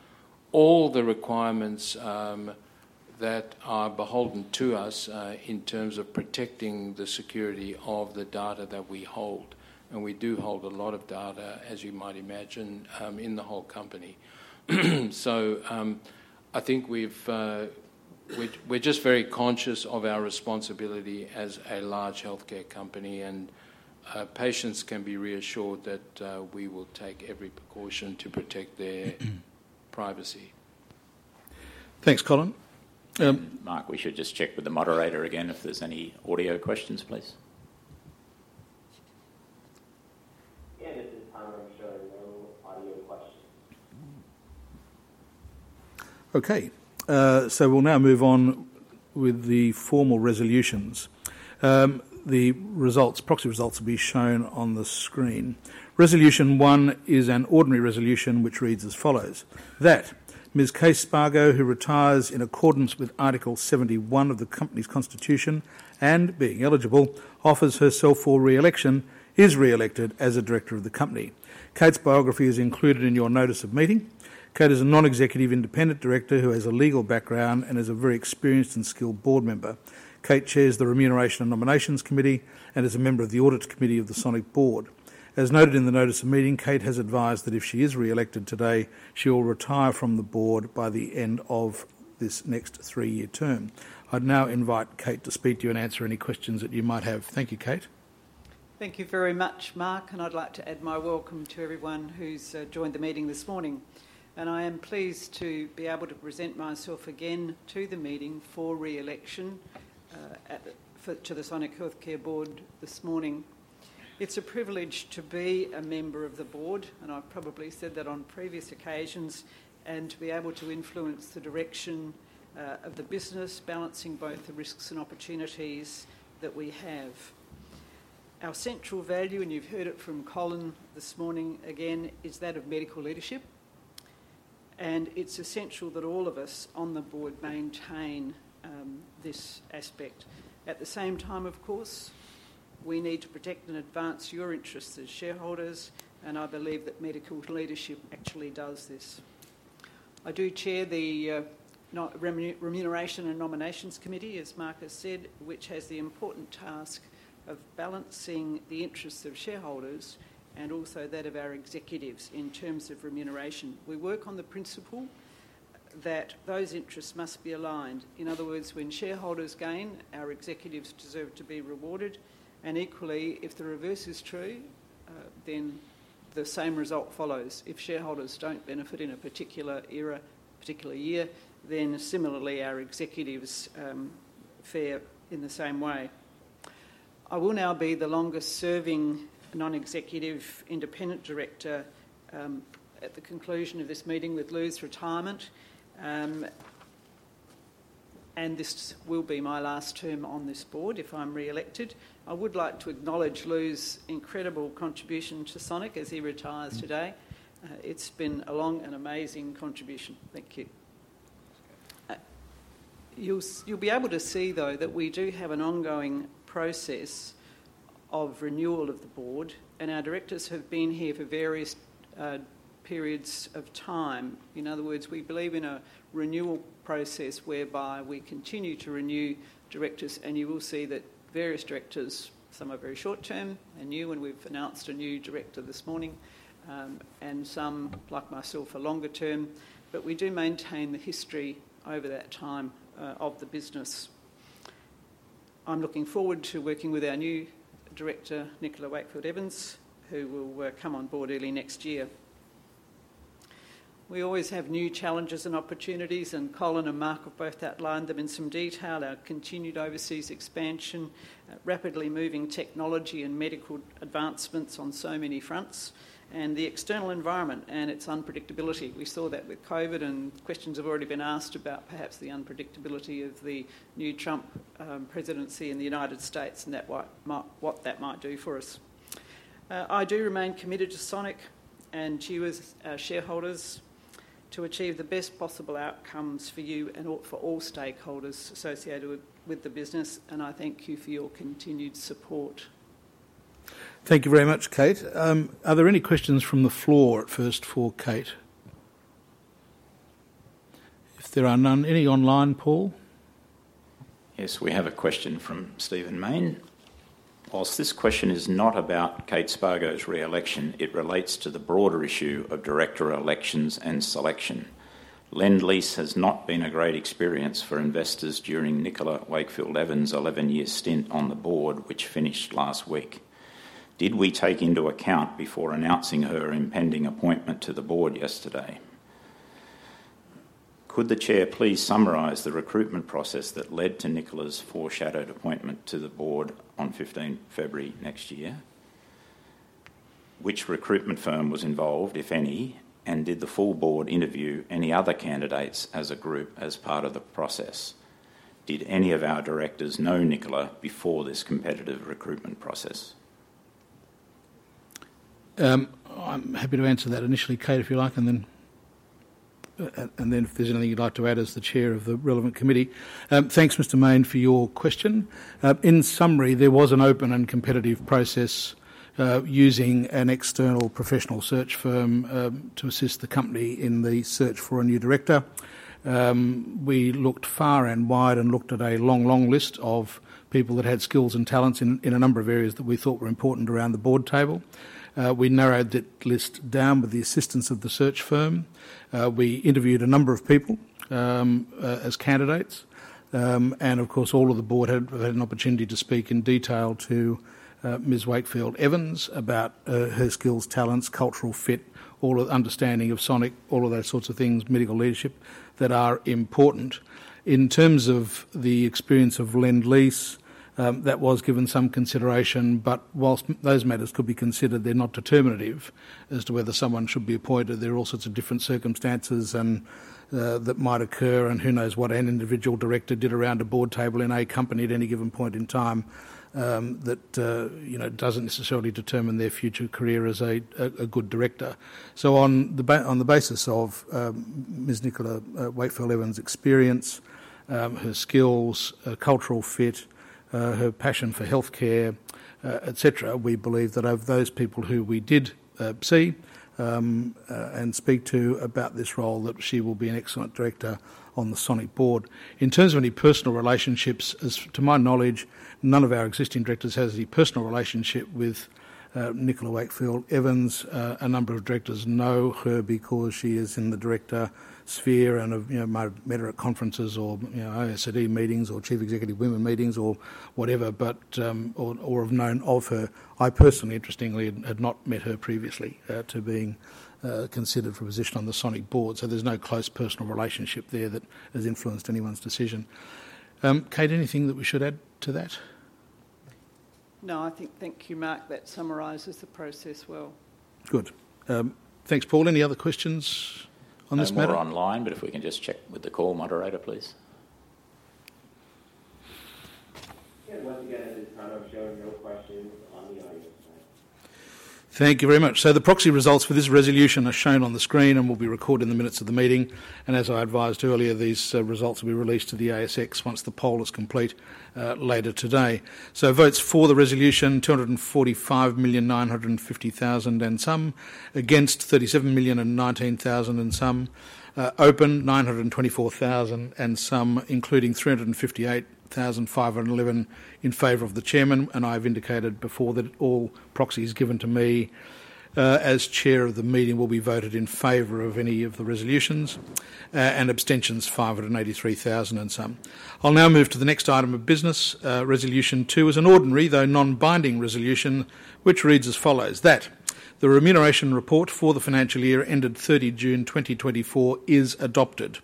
all the requirements that are beholden to us in terms of protecting the security of the data that we hold. We do hold a lot of data, as you might imagine, in the whole company. I think we're just very conscious of our responsibility as a large healthcare company. Patients can be reassured that we will take every precaution to protect their privacy. Thanks, Colin. Mark, we should just check with the moderator again if there's any audio questions, please. Yeah. This is Connor showing no audio questions. Okay. We'll now move on with the formal resolutions. The proxy results will be shown on the screen. Resolution one is an ordinary resolution, which reads as follows: that Ms. K Spargo, who retires in accordance with Article 71 of the company's constitution and, being eligible, offers herself for reelection, is reelected as a director of the company. Kate's biography is included in your notice of meeting. Kate is a non-executive independent director who has a legal background and is a very experienced and skilled board member. Kate chairs the Remuneration and Nomination Committee and is a member of the Audit Committee of the Sonic board. As noted in the notice of meeting, Kate has advised that if she is reelected today, she will retire from the board by the end of this next three-year term. I'd now invite Kate to speak to you and answer any questions that you might have. Thank you, Kate. Thank you very much, Mark. And I'd like to add my welcome to everyone who's joined the meeting this morning. And I am pleased to be able to present myself again to the meeting for reelection to the Sonic Healthcare board this morning. It's a privilege to be a member of the board, and I've probably said that on previous occasions, and to be able to influence the direction of the business, balancing both the risks and opportunities that we have. Our central value, and you've heard it from Colin this morning again, is that of medical leadership, and it's essential that all of us on the board maintain this aspect. At the same time, of course, we need to protect and advance your interests as shareholders, and I believe that medical leadership actually does this. I do chair the Remuneration and Nomination Committee, as Mark has said, which has the important task of balancing the interests of shareholders and also that of our executives in terms of remuneration. We work on the principle that those interests must be aligned. In other words, when shareholders gain, our executives deserve to be rewarded. And equally, if the reverse is true, then the same result follows. If shareholders don't benefit in a particular year, then similarly, our executives fare in the same way. I will now be the longest-serving non-executive independent director at the conclusion of this meeting with Lou's retirement. And this will be my last term on this board if I'm reelected. I would like to acknowledge Lou's incredible contribution to Sonic as he retires today. It's been a long and amazing contribution. Thank you. You'll be able to see, though, that we do have an ongoing process of renewal of the board. And our directors have been here for various periods of time. In other words, we believe in a renewal process whereby we continue to renew directors. And you will see that various directors, some are very short-term and new, and we've announced a new director this morning, and some, like myself, are longer-term. But we do maintain the history over that time of the business. I'm looking forward to working with our new director, Nicola Wakefield Evans, who will come on board early next year. We always have new challenges and opportunities. And Colin and Mark have both outlined them in some detail: our continued overseas expansion, rapidly moving technology, and medical advancements on so many fronts, and the external environment and its unpredictability. We saw that with COVID, and questions have already been asked about perhaps the unpredictability of the new Trump presidency in the United States and what that might do for us. I do remain committed to Sonic and to you as shareholders to achieve the best possible outcomes for you and for all stakeholders associated with the business. And I thank you for your continued support. Thank you very much, Kate. Are there any questions from the floor at first for Kate? If there are none, any online, Paul? Yes. We have a question from Stephen Mayne. While this question is not about Kate Spargo's reelection, it relates to the broader issue of director elections and selection. Lendlease has not been a great experience for investors during Nicola Wakefield Evans' 11-year stint on the board, which finished last week. Did we take into account before announcing her impending appointment to the board yesterday? Could the chair please summarize the recruitment process that led to Nicola's foreshadowed appointment to the board on 15 February next year? Which recruitment firm was involved, if any? And did the full board interview any other candidates as a group as part of the process? Did any of our directors know Nicola before this competitive recruitment process? I'm happy to answer that initially, Kate, if you like, and then if there's anything you'd like to add as the chair of the relevant committee. Thanks, Mr. Mayne, for your question. In summary, there was an open and competitive process using an external professional search firm to assist the company in the search for a new director. We looked far and wide and looked at a long, long list of people that had skills and talents in a number of areas that we thought were important around the board table. We narrowed that list down with the assistance of the search firm. We interviewed a number of people as candidates. Of course, all of the board had an opportunity to speak in detail to Ms. Wakefield Evans about her skills, talents, cultural fit, understanding of Sonic, all of those sorts of things, medical leadership that are important. In terms of the experience of Lendlease, that was given some consideration. But whilst those matters could be considered, they're not determinative as to whether someone should be appointed. There are all sorts of different circumstances that might occur, and who knows what an individual director did around a board table in a company at any given point in time that doesn't necessarily determine their future career as a good director. So on the basis of Ms. Nicola Wakefield Evans' experience, her skills, cultural fit, her passion for healthcare, etc., we believe that of those people who we did see and speak to about this role, that she will be an excellent director on the Sonic board. In terms of any personal relationships, as to my knowledge, none of our existing directors has any personal relationship with Nicola Wakefield Evans. A number of directors know her because she is in the director sphere and have met her at conferences or uncertain meetings or Chief Executive Women meetings or whatever, or have known of her. I personally, interestingly, had not met her previously to being considered for a position on the Sonic board. So there's no close personal relationship there that has influenced anyone's decision. Kate, anything that we should add to that? No, I think thank you, Mark. That summarizes the process well. Good. Thanks, Paul. Any other questions on this matter? No more online, but if we can just check with the call moderator, please. Yeah. Once again, at this time, I'm showing no questions on the audio side. Thank you very much. So the proxy results for this resolution are shown on the screen and will be recorded in the minutes of the meeting. And as I advised earlier, these results will be released to the ASX once the poll is complete later today. So votes for the resolution: 245,950,000 and some, against 37,019,000 and some, open 924,000 and some, including 358,511 in favor of the chairman. And I've indicated before that all proxies given to me as chair of the meeting will be voted in favor of any of the resolutions. And abstentions: 583,000 and some. I'll now move to the next item of business. Resolution two is an ordinary, though non-binding resolution, which reads as follows: that the remuneration report for the financial year ended 30 June 2024 is adopted.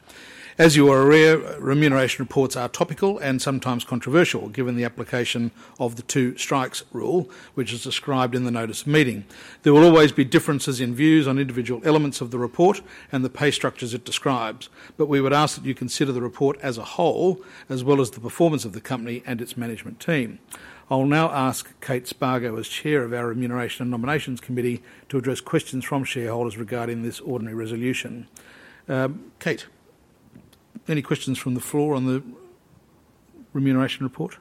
As you are aware, remuneration reports are topical and sometimes controversial, given the application of the two strikes rule, which is described in the notice of meeting. There will always be differences in views on individual elements of the report and the pay structures it describes. But we would ask that you consider the report as a whole, as well as the performance of the company and its management team. I'll now ask Kate Spargo, as chair of our Remuneration and Nominations Committee, to address questions from shareholders regarding this ordinary resolution. Kate, any questions from the floor on the remuneration report?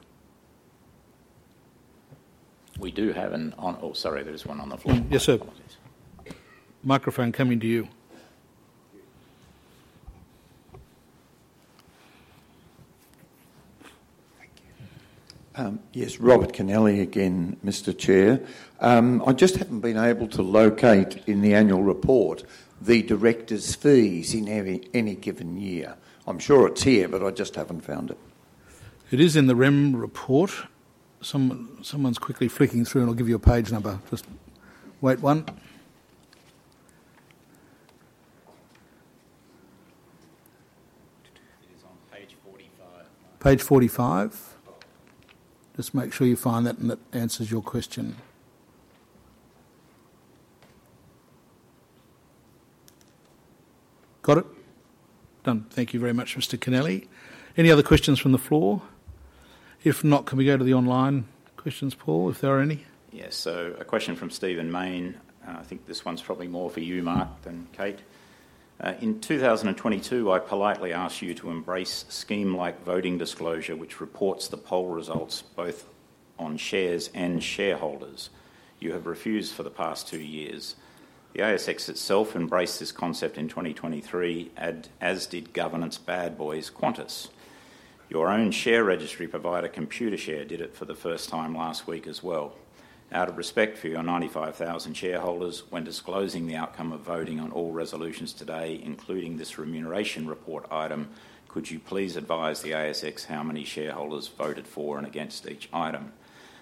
We do have. Oh, sorry, there is one on the floor. Yes, sir. Microphone coming to you. Thank you. Yes, Robert Canelli again, Mr. Chair. I just haven't been able to locate in the annual report the director's fees in any given year. I'm sure it's here, but I just haven't found it. It is in the Rem report. Someone's quickly flicking through, and I'll give you a page number. Just wait one. It is on page 45. Page 45? Just make sure you find that and it answers your question. Got it? Done. Thank you very much, Mr. Canelli. Any other questions from the floor? If not, can we go to the online questions, Paul, if there are any? Yes. So a question from Stephen Mayne. I think this one's probably more for you, Mark, than Kate. In 2022, I politely asked you to embrace scheme-like voting disclosure, which reports the poll results both on shares and shareholders. You have refused for the past two years. The ASX itself embraced this concept in 2023, as did governance bad boys Qantas. Your own share registry provider, Computershare, did it for the first time last week as well. Out of respect for your 95,000 shareholders, when disclosing the outcome of voting on all resolutions today, including this remuneration report item, could you please advise the ASX how many shareholders voted for and against each item?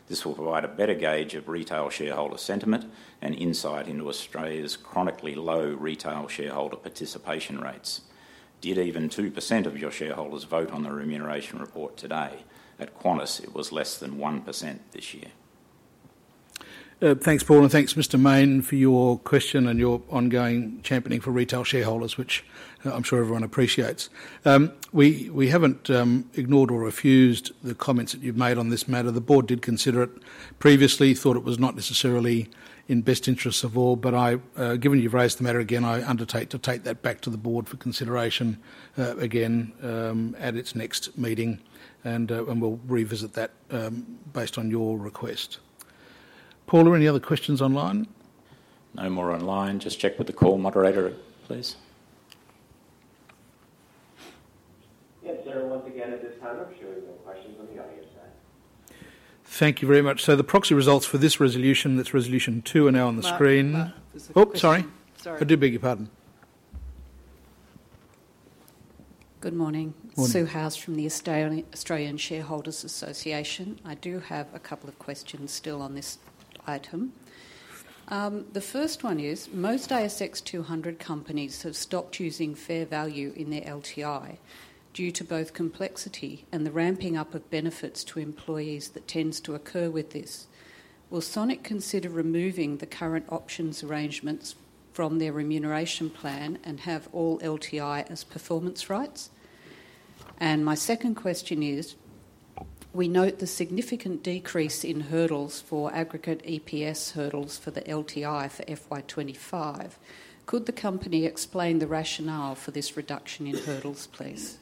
This will provide a better gauge of retail shareholder sentiment and insight into Australia's chronically low retail shareholder participation rates. Did even 2% of your shareholders vote on the remuneration report today? At Qantas, it was less than 1% this year. Thanks, Paul, and thanks, Mr. Mayne, for your question and your ongoing championing for retail shareholders, which I'm sure everyone appreciates. We haven't ignored or refused the comments that you've made on this matter. The board did consider it previously, thought it was not necessarily in best interests of all. But given you've raised the matter again, I undertake to take that back to the board for consideration again at its next meeting, and we'll revisit that based on your request. Paul, are there any other questions online? No more online. Just check with the call moderator, please. Yes, sir. Once again, at this time, I'm showing no questions on the audio side. Thank you very much. So the proxy results for this resolution, that's resolution two, are now on the screen. Oh, sorry. Sorry. I do beg your pardon. Good morning. Sue Howes from the Australian Shareholders Association. I do have a couple of questions still on this item. The first one is, most ASX 200 companies have stopped using fair value in their LTI due to both complexity and the ramping up of benefits to employees that tends to occur with this. Will Sonic consider removing the current options arrangements from their remuneration plan and have all LTI as performance rights? And my second question is, we note the significant decrease in hurdles for aggregate EPS hurdles for the LTI for FY25. Could the company explain the rationale for this reduction in hurdles, please?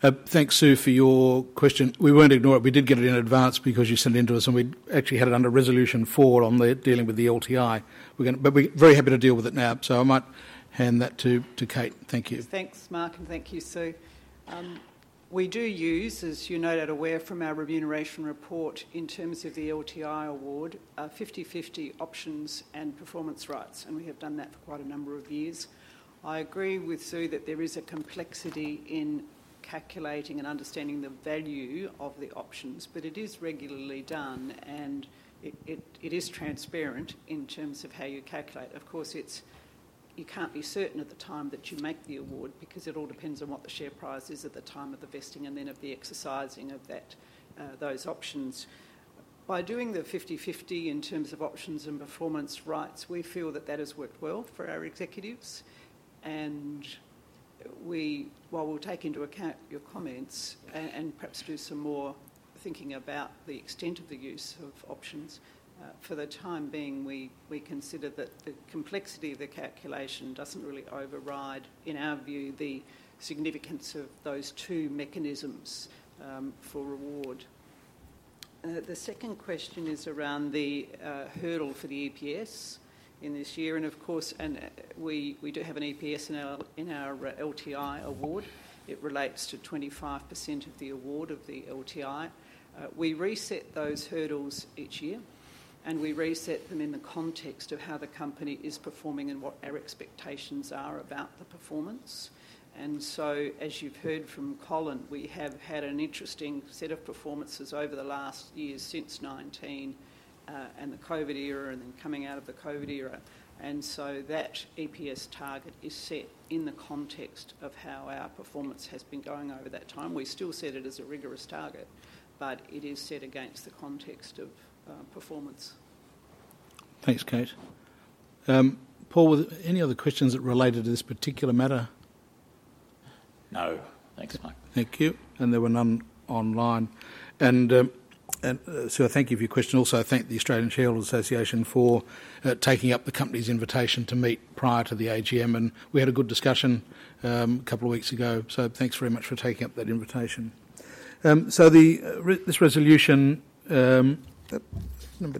Thanks, Sue, for your question. We won't ignore it. We did get it in advance because you sent it into us, and we actually had it under resolution four on dealing with the LTI. But we're very happy to deal with it now. So I might hand that to Kate. Thank you. Thanks, Mark, and thank you, Sue. We do use, as you're no doubt aware from our remuneration report in terms of the LTI award, 50/50 options and performance rights. And we have done that for quite a number of years. I agree with Sue that there is a complexity in calculating and understanding the value of the options, but it is regularly done, and it is transparent in terms of how you calculate. Of course, you can't be certain at the time that you make the award because it all depends on what the share price is at the time of the vesting and then of the exercising of those options. By doing the 50/50 in terms of options and performance rights, we feel that that has worked well for our executives. And while we'll take into account your comments and perhaps do some more thinking about the extent of the use of options, for the time being, we consider that the complexity of the calculation doesn't really override, in our view, the significance of those two mechanisms for reward. The second question is around the hurdle for the EPS in this year. And of course, we do have an EPS in our LTI award. It relates to 25% of the award of the LTI. We reset those hurdles each year, and we reset them in the context of how the company is performing and what our expectations are about the performance. And so, as you've heard from Colin, we have had an interesting set of performances over the last year since 2019 and the COVID era and then coming out of the COVID era. And so that EPS target is set in the context of how our performance has been going over that time. We still set it as a rigorous target, but it is set against the context of performance. Thanks, Kate. Paul, were there any other questions that related to this particular matter? No. Thanks, Mark. Thank you. And there were none online. And Sue, I thank you for your question. Also, I thank the Australian Shareholders Association for taking up the company's invitation to meet prior to the AGM. And we had a good discussion a couple of weeks ago. So thanks very much for taking up that invitation. So this resolution number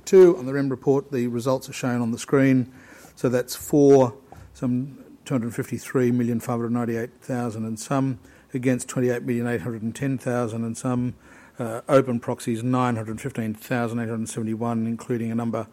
2 on the REM report, the results are shown on the screen. So that's for 253,598,000, against 28,810,000, open proxies 915,871, including a number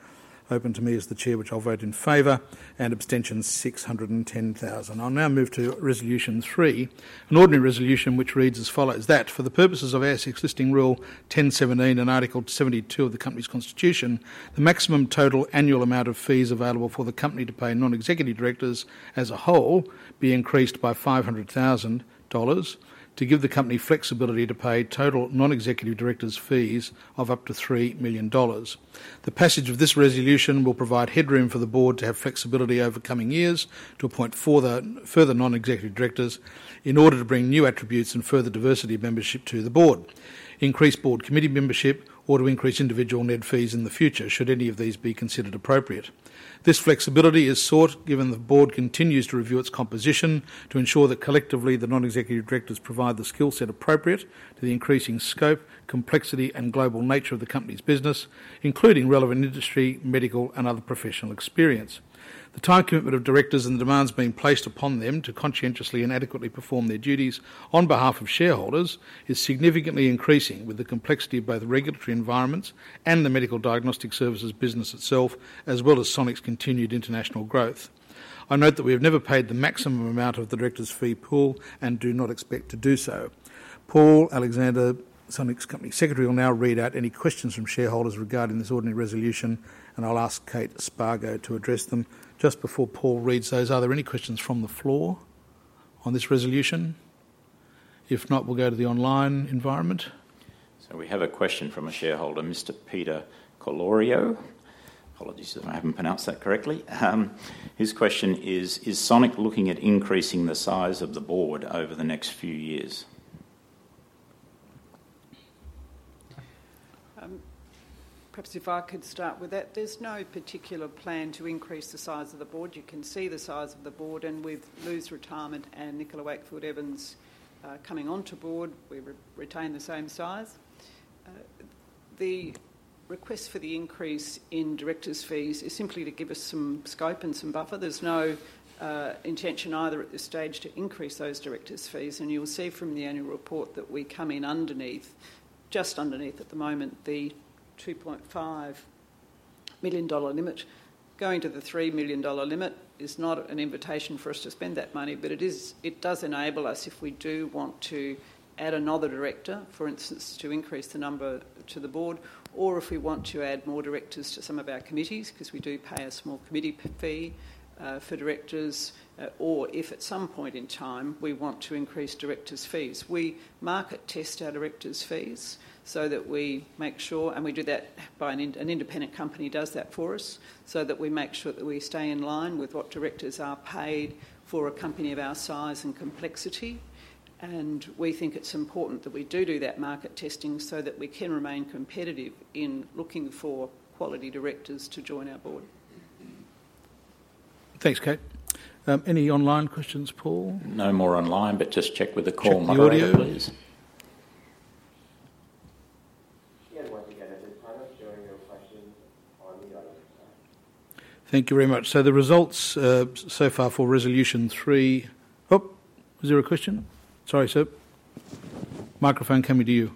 open to me as the chair, which I'll vote in favor, and abstentions 610,000. I'll now move to resolution three, an ordinary resolution which reads as follows. That for the purposes of ASX Listing Rule 10.17 and article 72 of the company's constitution, the maximum total annual amount of fees available for the company to pay non-executive directors as a whole be increased by 500,000 dollars to give the company flexibility to pay total non-executive directors' fees of up to 3 million dollars. The passage of this resolution will provide headroom for the board to have flexibility over coming years to appoint further non-executive directors in order to bring new attributes and further diversity of membership to the board, increase board committee membership, or to increase individual net fees in the future should any of these be considered appropriate. This flexibility is sought given the board continues to review its composition to ensure that collectively the non-executive directors provide the skill set appropriate to the increasing scope, complexity, and global nature of the company's business, including relevant industry, medical, and other professional experience. The time commitment of directors and the demands being placed upon them to conscientiously and adequately perform their duties on behalf of shareholders is significantly increasing with the complexity of both regulatory environments and the medical diagnostic services business itself, as well as Sonic's continued international growth. I note that we have never paid the maximum amount of the directors' fee pool and do not expect to do so. Paul Alexander, Sonic's company secretary, will now read out any questions from shareholders regarding this ordinary resolution, and I'll ask Kate Spargo to address them just before Paul reads those. Are there any questions from the floor on this resolution? If not, we'll go to the online environment. So we have a question from a shareholder, Mr. Peter Collorio. Apologies if I haven't pronounced that correctly. His question is, is Sonic looking at increasing the size of the board over the next few years? Perhaps if I could start with that. There's no particular plan to increase the size of the board. You can see the size of the board, and with Lou's retirement and Nicola Wakefield Evans coming onto board, we retain the same size. The request for the increase in directors' fees is simply to give us some scope and some buffer. There's no intention either at this stage to increase those directors' fees, and you'll see from the annual report that we come in just underneath at the moment the 2.5 million dollar limit. Going to the 3 million dollar limit is not an invitation for us to spend that money, but it does enable us if we do want to add another director, for instance, to increase the number to the board, or if we want to add more directors to some of our committees because we do pay a small committee fee for directors, or if at some point in time we want to increase directors' fees. We market test our directors' fees so that we make sure, and we do that by an independent company does that for us, so that we make sure that we stay in line with what directors are paid for a company of our size and complexity. And we think it's important that we do that market testing so that we can remain competitive in looking for quality directors to join our board. Thanks, Kate. Any online questions, Paul? No more online, but just check with the call moderator, please. He had one to get at his partner, showing your question on the other side. Thank you very much. So the results so far for resolution three. Oh, is there a question? Sorry, sir. Microphone coming to you.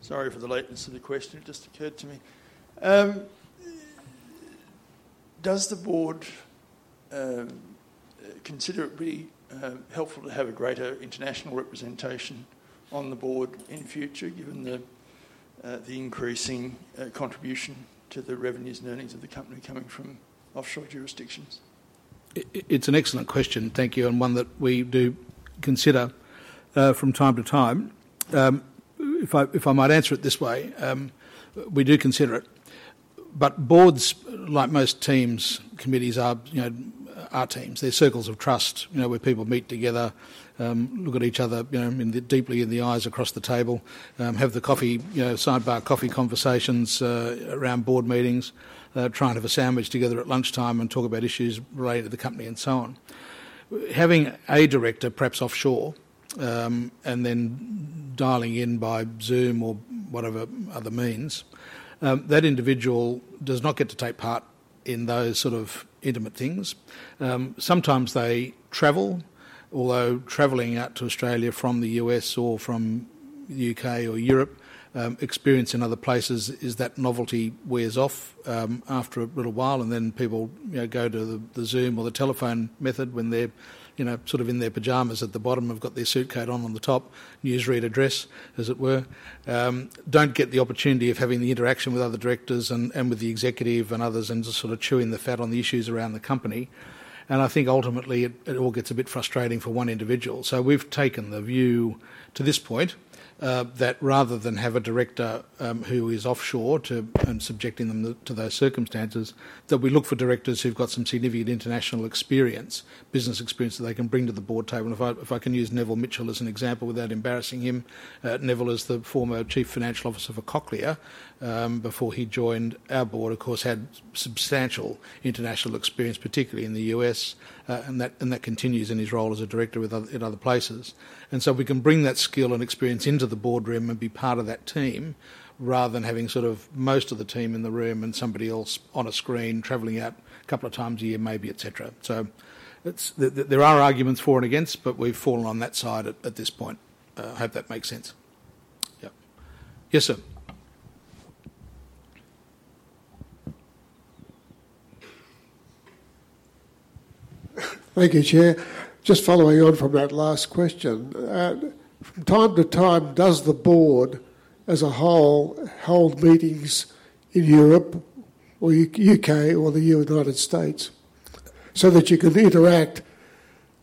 Sorry for the latency of the question. It just occurred to me. Does the board consider it really helpful to have a greater international representation on the board in future, given the increasing contribution to the revenues and earnings of the company coming from offshore jurisdictions? It's an excellent question. Thank you. And one that we do consider from time to time. If I might answer it this way, we do consider it. But boards, like most teams, committees are teams. They're circles of trust where people meet together, look at each other deeply in the eyes across the table, have the sidebar coffee conversations around board meetings, try and have a sandwich together at lunchtime and talk about issues related to the company and so on. Having a director, perhaps offshore, and then dialing in by Zoom or whatever other means, that individual does not get to take part in those sort of intimate things. Sometimes they travel, although traveling out to Australia from the US or from the UK or Europe, experience in other places is that novelty wears off after a little while, and then people go to the Zoom or the telephone method when they're sort of in their pajamas at the bottom, have got their suit on the top, newsreader address, as it were, don't get the opportunity of having the interaction with other directors and with the executive and others and just sort of chewing the fat on the issues around the company. And I think ultimately it all gets a bit frustrating for one individual. We've taken the view to this point that rather than have a director who is offshore and subjecting them to those circumstances, that we look for directors who've got some significant international experience, business experience that they can bring to the board table. And if I can use Neville Mitchell as an example without embarrassing him, Neville is the former chief financial officer for Cochlear before he joined our board, of course, had substantial international experience, particularly in the U.S., and that continues in his role as a director in other places. And so we can bring that skill and experience into the boardroom and be part of that team rather than having sort of most of the team in the room and somebody else on a screen traveling out a couple of times a year maybe, etc. So there are arguments for and against, but we've fallen on that side at this point. I hope that makes sense. Yep. Yes, sir. Thank you, Chair. Just following on from that last question, from time to time, does the board as a whole hold meetings in Europe or the U.K. or the United States so that you can interact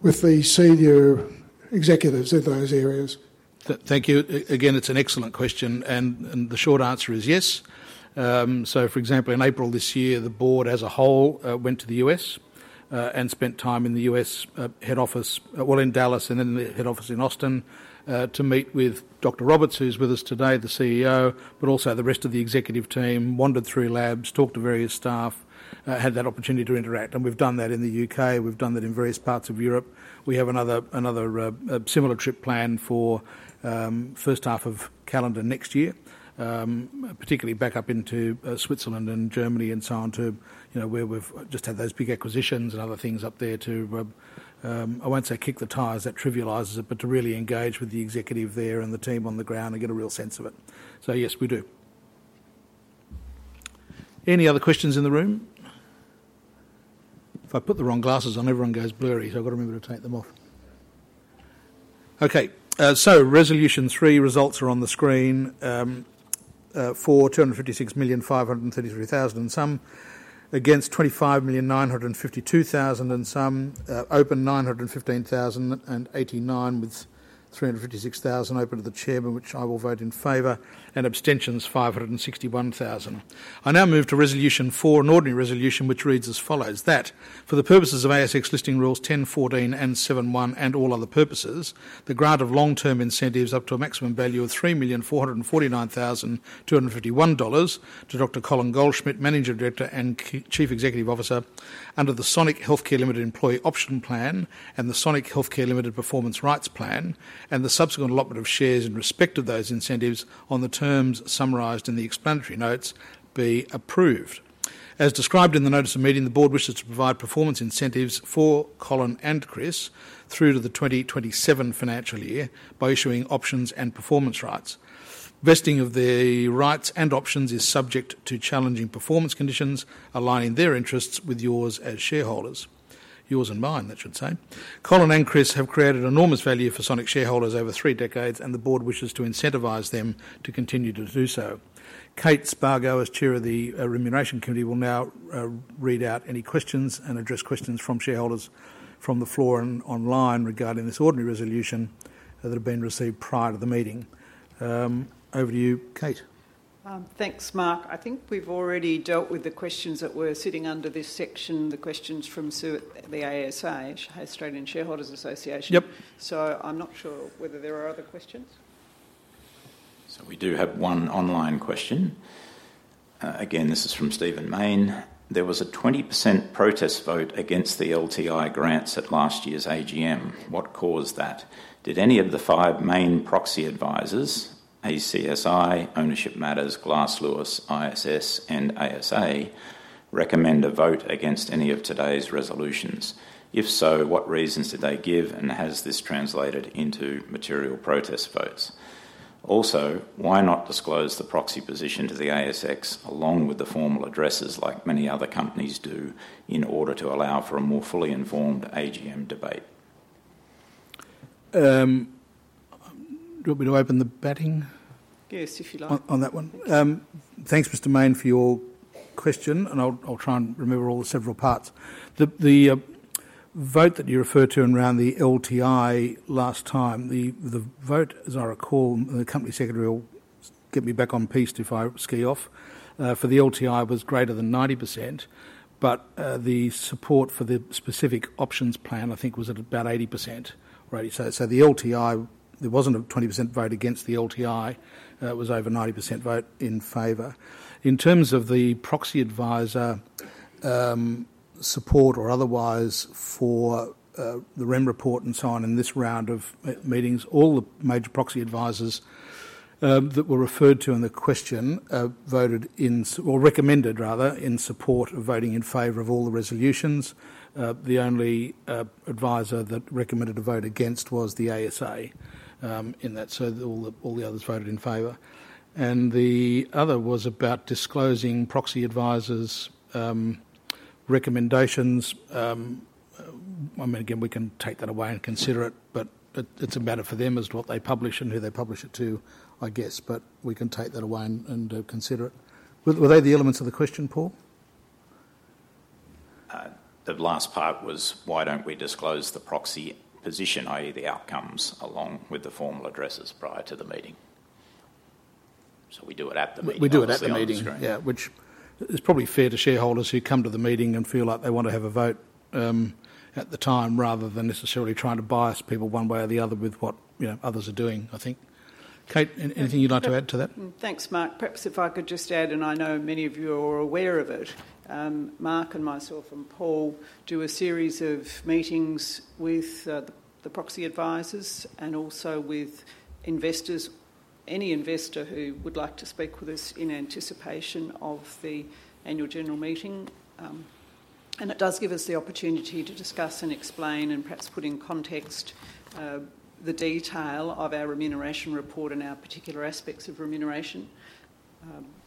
with the senior executives in those areas? Thank you. Again, it's an excellent question. And the short answer is yes. So, for example, in April this year, the board as a whole went to the U.S. and spent time in the U.S. head office, well, in Dallas and then the head office in Austin to meet with Dr. Roberts, who's with us today, the CEO, but also the rest of the executive team, wandered through labs, talked to various staff, had that opportunity to interact. And we've done that in the UK. We've done that in various parts of Europe. We have another similar trip planned for the first half of calendar next year, particularly back up into Switzerland and Germany and so on to where we've just had those big acquisitions and other things up there to, I won't say kick the tires that trivializes it, but to really engage with the executive there and the team on the ground and get a real sense of it. So yes, we do. Any other questions in the room? If I put the wrong glasses on, everyone goes blurry, so I've got to remember to take them off. Okay. So resolution three, results are on the screen. For 256,533,000 and some, against 25,952,000 and some, open 915,089 with 356,000 open to the chairman, which I will vote in favor, and abstentions 561,000. I now move to resolution four, an ordinary resolution, which reads as follows. That for the purposes of ASX Listing Rules 10.14 and 7.1 and all other purposes, the grant of long-term incentives up to a maximum value of 3,449,251 dollars to Dr. Colin Goldschmidt, Managing Director and Chief Executive Officer under the Sonic Healthcare Limited Employee Option Plan and the Sonic Healthcare Limited Performance Rights Plan, and the subsequent allotment of shares in respect of those incentives on the terms summarised in the explanatory notes be approved. As described in the notice of meeting, the board wishes to provide performance incentives for Colin and Chris through to the 2027 financial year by issuing options and performance rights. Vesting of the rights and options is subject to challenging performance conditions aligning their interests with yours as shareholders. Yours and mine, that should say. Colin and Chris have created enormous value for Sonic shareholders over three decades, and the board wishes to incentivize them to continue to do so. Kate Spargo, as chair of the remuneration committee, will now read out any questions and address questions from shareholders from the floor and online regarding this ordinary resolution that had been received prior to the meeting. Over to you, Kate. Thanks, Mark. I think we've already dealt with the questions that were sitting under this section, the questions from the ASA, Australian Shareholders Association. So I'm not sure whether there are other questions. So we do have one online question. Again, this is from Stephen Mayne. There was a 20% protest vote against the LTI grants at last year's AGM. What caused that? Did any of the five main proxy advisors, ACSI, Ownership Matters, Glass Lewis, ISS, and ASA, recommend a vote against any of today's resolutions? If so, what reasons did they give, and has this translated into material protest votes? Also, why not disclose the proxy position to the ASX along with the formal addresses like many other companies do in order to allow for a more fully informed AGM debate? Do you want me to open the batting? Yes, if you like. On that one. Thanks, Mr. Mayne, for your question, and I'll try and remember all the several parts. The vote that you referred to around the LTI last time, the vote, as I recall, the Company Secretary will get me back on track if I slip off, for the LTI was greater than 90%, but the support for the specific options plan, I think, was at about 80% rate. So the LTI, there wasn't a 20% vote against the LTI; it was over 90% vote in favor. In terms of the proxy advisor support or otherwise for the remuneration report and so on in this round of meetings, all the major proxy advisors that were referred to in the question voted in, or recommended rather, in support of voting in favor of all the resolutions. The only advisor that recommended a vote against was the ASA in that, so all the others voted in favor. And the other was about disclosing proxy advisors' recommendations. I mean, again, we can take that away and consider it, but it's a matter for them as to what they publish and who they publish it to, I guess, but we can take that away and consider it. Were they the elements of the question, Paul? The last part was, why don't we disclose the proxy position, i.e., the outcomes, along with the formal addresses prior to the meeting? So we do it at the meeting. We do it at the meeting, yeah, which is probably fair to shareholders who come to the meeting and feel like they want to have a vote at the time rather than necessarily trying to bias people one way or the other with what others are doing, I think. Kate, anything you'd like to add to that? Thanks, Mark. Perhaps if I could just add, and I know many of you are aware of it, Mark and myself and Paul do a series of meetings with the proxy advisors and also with investors, any investor who would like to speak with us in anticipation of the annual general meeting. And it does give us the opportunity to discuss and explain and perhaps put in context the detail of our remuneration report and our particular aspects of remuneration.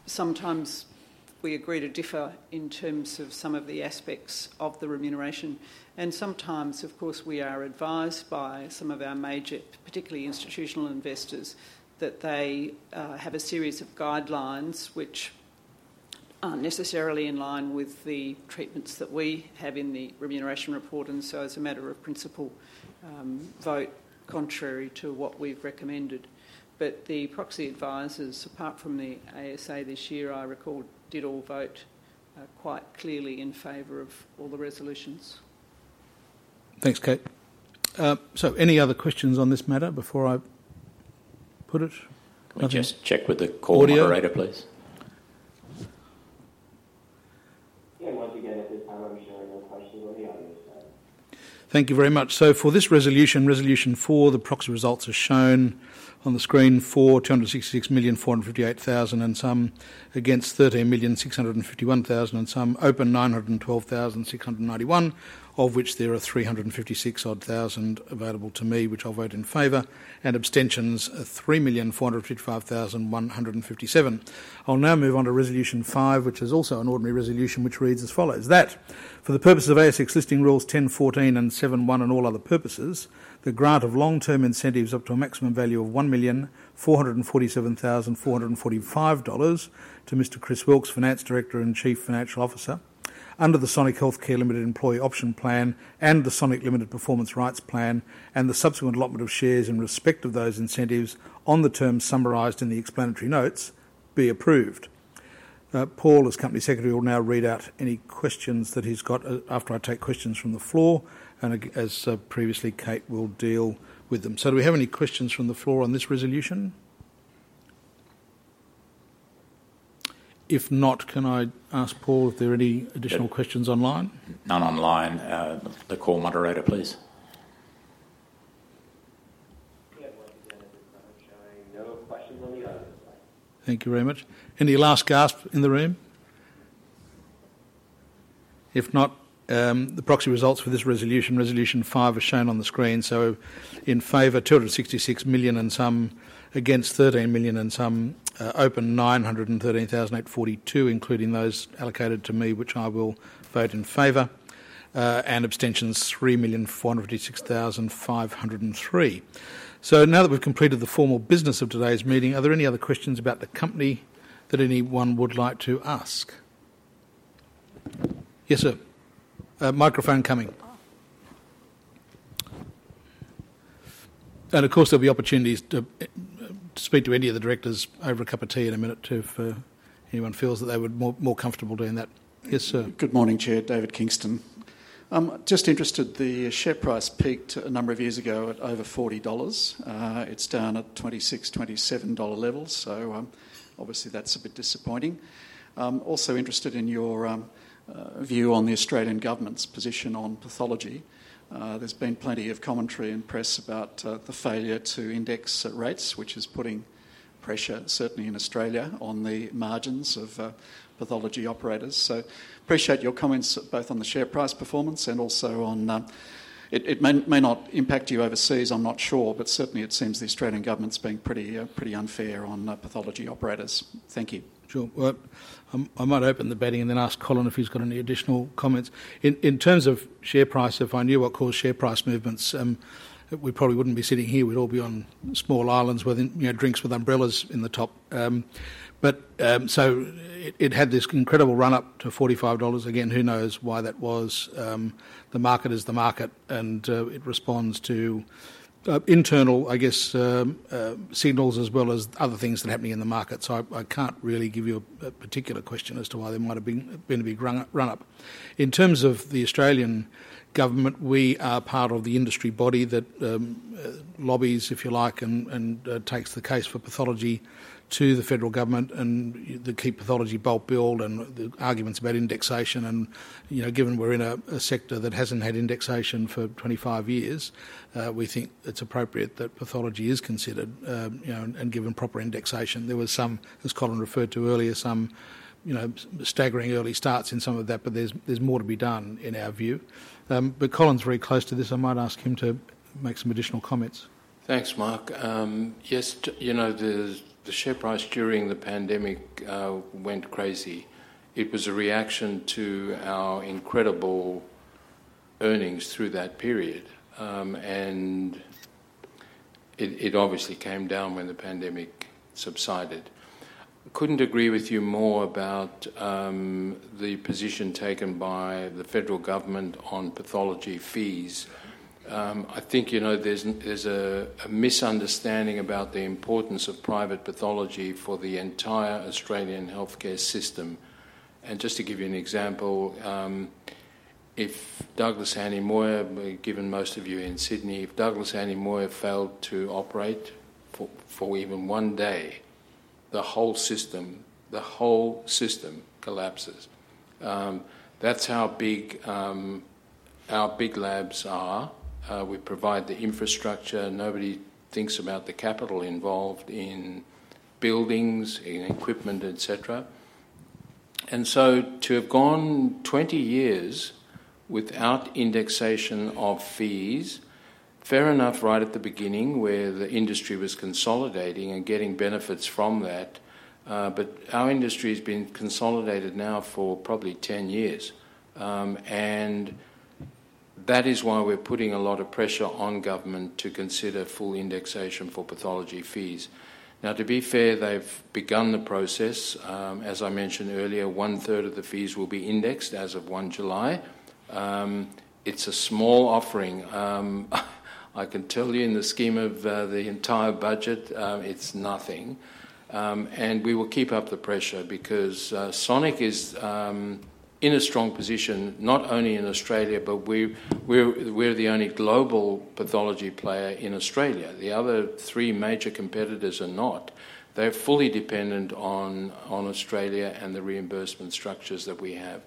Sometimes we agree to differ in terms of some of the aspects of the remuneration. And sometimes, of course, we are advised by some of our major, particularly institutional investors, that they have a series of guidelines which aren't necessarily in line with the treatments that we have in the remuneration report, and so it's a matter of principle vote contrary to what we've recommended. But the proxy advisors, apart from the ASA this year, I recall did all vote quite clearly in favor of all the resolutions. Thanks, Kate. So any other questions on this matter before I put it? Just check with the call moderator, please. And once again, at this time, I'm sharing no questions on the audience side. Thank you very much. So for this resolution, resolution four, the proxy results are shown on the screen. For 266,458,000 and some, against 13,651,000 and some, open 912,691, of which there are 356,000 available to me, which I'll vote in favor, and abstentions 3,455,157. I'll now move on to resolution five, which is also an ordinary resolution, which reads as follows. That for the purpose of ASX listing rules 10.14 and 7.1 and all other purposes, the grant of long-term incentives up to a maximum value of 1,447,445 dollars to Mr. Chris Wilks, Finance Director and Chief Financial Officer, under the Sonic Healthcare Limited Employee Option Plan and the Sonic Healthcare Limited Performance Rights Plan, and the subsequent allotment of shares in respect of those incentives on the terms summarized in the explanatory notes be approved. Paul, as Company Secretary, will now read out any questions that he's got after I take questions from the floor, and as previously, Kate will deal with them. So do we have any questions from the floor on this resolution? If not, can I ask Paul if there are any additional questions online? None online. The call moderator, please. We have one present at this moment showing no questions on the audience side. Thank you very much. Any last gasp in the room? If not, the proxy results for this resolution, resolution five is shown on the screen. So in favour, 266,000 and some, against 13,000 and some, open 913,842, including those allocated to me, which I will vote in favour, and abstentions 3,456,503. So now that we've completed the formal business of today's meeting, are there any other questions about the company that anyone would like to ask? Yes, sir. Microphone coming. And of course, there'll be opportunities to speak to any of the directors over a cup of tea in a minute too if anyone feels that they were more comfortable doing that. Yes, sir. Good morning, Chair. David Kingston. Just interested, the share price peaked a number of years ago at over 40 dollars. It's down at 26 dollar, AUD 27 levels, so obviously that's a bit disappointing. Also interested in your view on the Australian government's position on pathology. There's been plenty of commentary in the press about the failure to index rates, which is putting pressure, certainly in Australia, on the margins of pathology operators. So appreciate your comments both on the share price performance and also on it may not impact you overseas, I'm not sure, but certainly it seems the Australian government's been pretty unfair on pathology operators. Thank you. Sure. I might open the batting and then ask Colin if he's got any additional comments. In terms of share price, if I knew what caused share price movements, we probably wouldn't be sitting here. We'd all be on small islands with drinks with umbrellas in the top, but so it had this incredible run-up to $45. Again, who knows why that was? The market is the market, and it responds to internal, I guess, signals as well as other things that are happening in the market. So I can't really give you a particular question as to why there might have been a big run-up. In terms of the Australian government, we are part of the industry body that lobbies, if you like, and takes the case for pathology to the federal government and the key pathology bulk bill and the arguments about indexation. And given we're in a sector that hasn't had indexation for 25 years, we think it's appropriate that pathology is considered and given proper indexation. There was some, as Colin referred to earlier, some staggering early starts in some of that, but there's more to be done in our view. But Colin's very close to this. I might ask him to make some additional comments. Thanks, Mark. Yes, the share price during the pandemic went crazy. It was a reaction to our incredible earnings through that period, and it obviously came down when the pandemic subsided. Couldn't agree with you more about the position taken by the federal government on pathology fees. I think there's a misunderstanding about the importance of private pathology for the entire Australian healthcare system. And just to give you an example, if Douglas Hanly Moir, given most of you in Sydney, if Douglas Hanly Moir failed to operate for even one day, the whole system, the whole system collapses. That's how big our big labs are. We provide the infrastructure. Nobody thinks about the capital involved in buildings, in equipment, etc. And so to have gone 20 years without indexation of fees, fair enough right at the beginning where the industry was consolidating and getting benefits from that, but our industry has been consolidated now for probably 10 years. And that is why we're putting a lot of pressure on government to consider full indexation for pathology fees. Now, to be fair, they've begun the process. As I mentioned earlier, one-third of the fees will be indexed as of 1 July. It's a small offering. I can tell you in the scheme of the entire budget, it's nothing. And we will keep up the pressure because Sonic is in a strong position, not only in Australia, but we're the only global pathology player in Australia. The other three major competitors are not. They're fully dependent on Australia and the reimbursement structures that we have.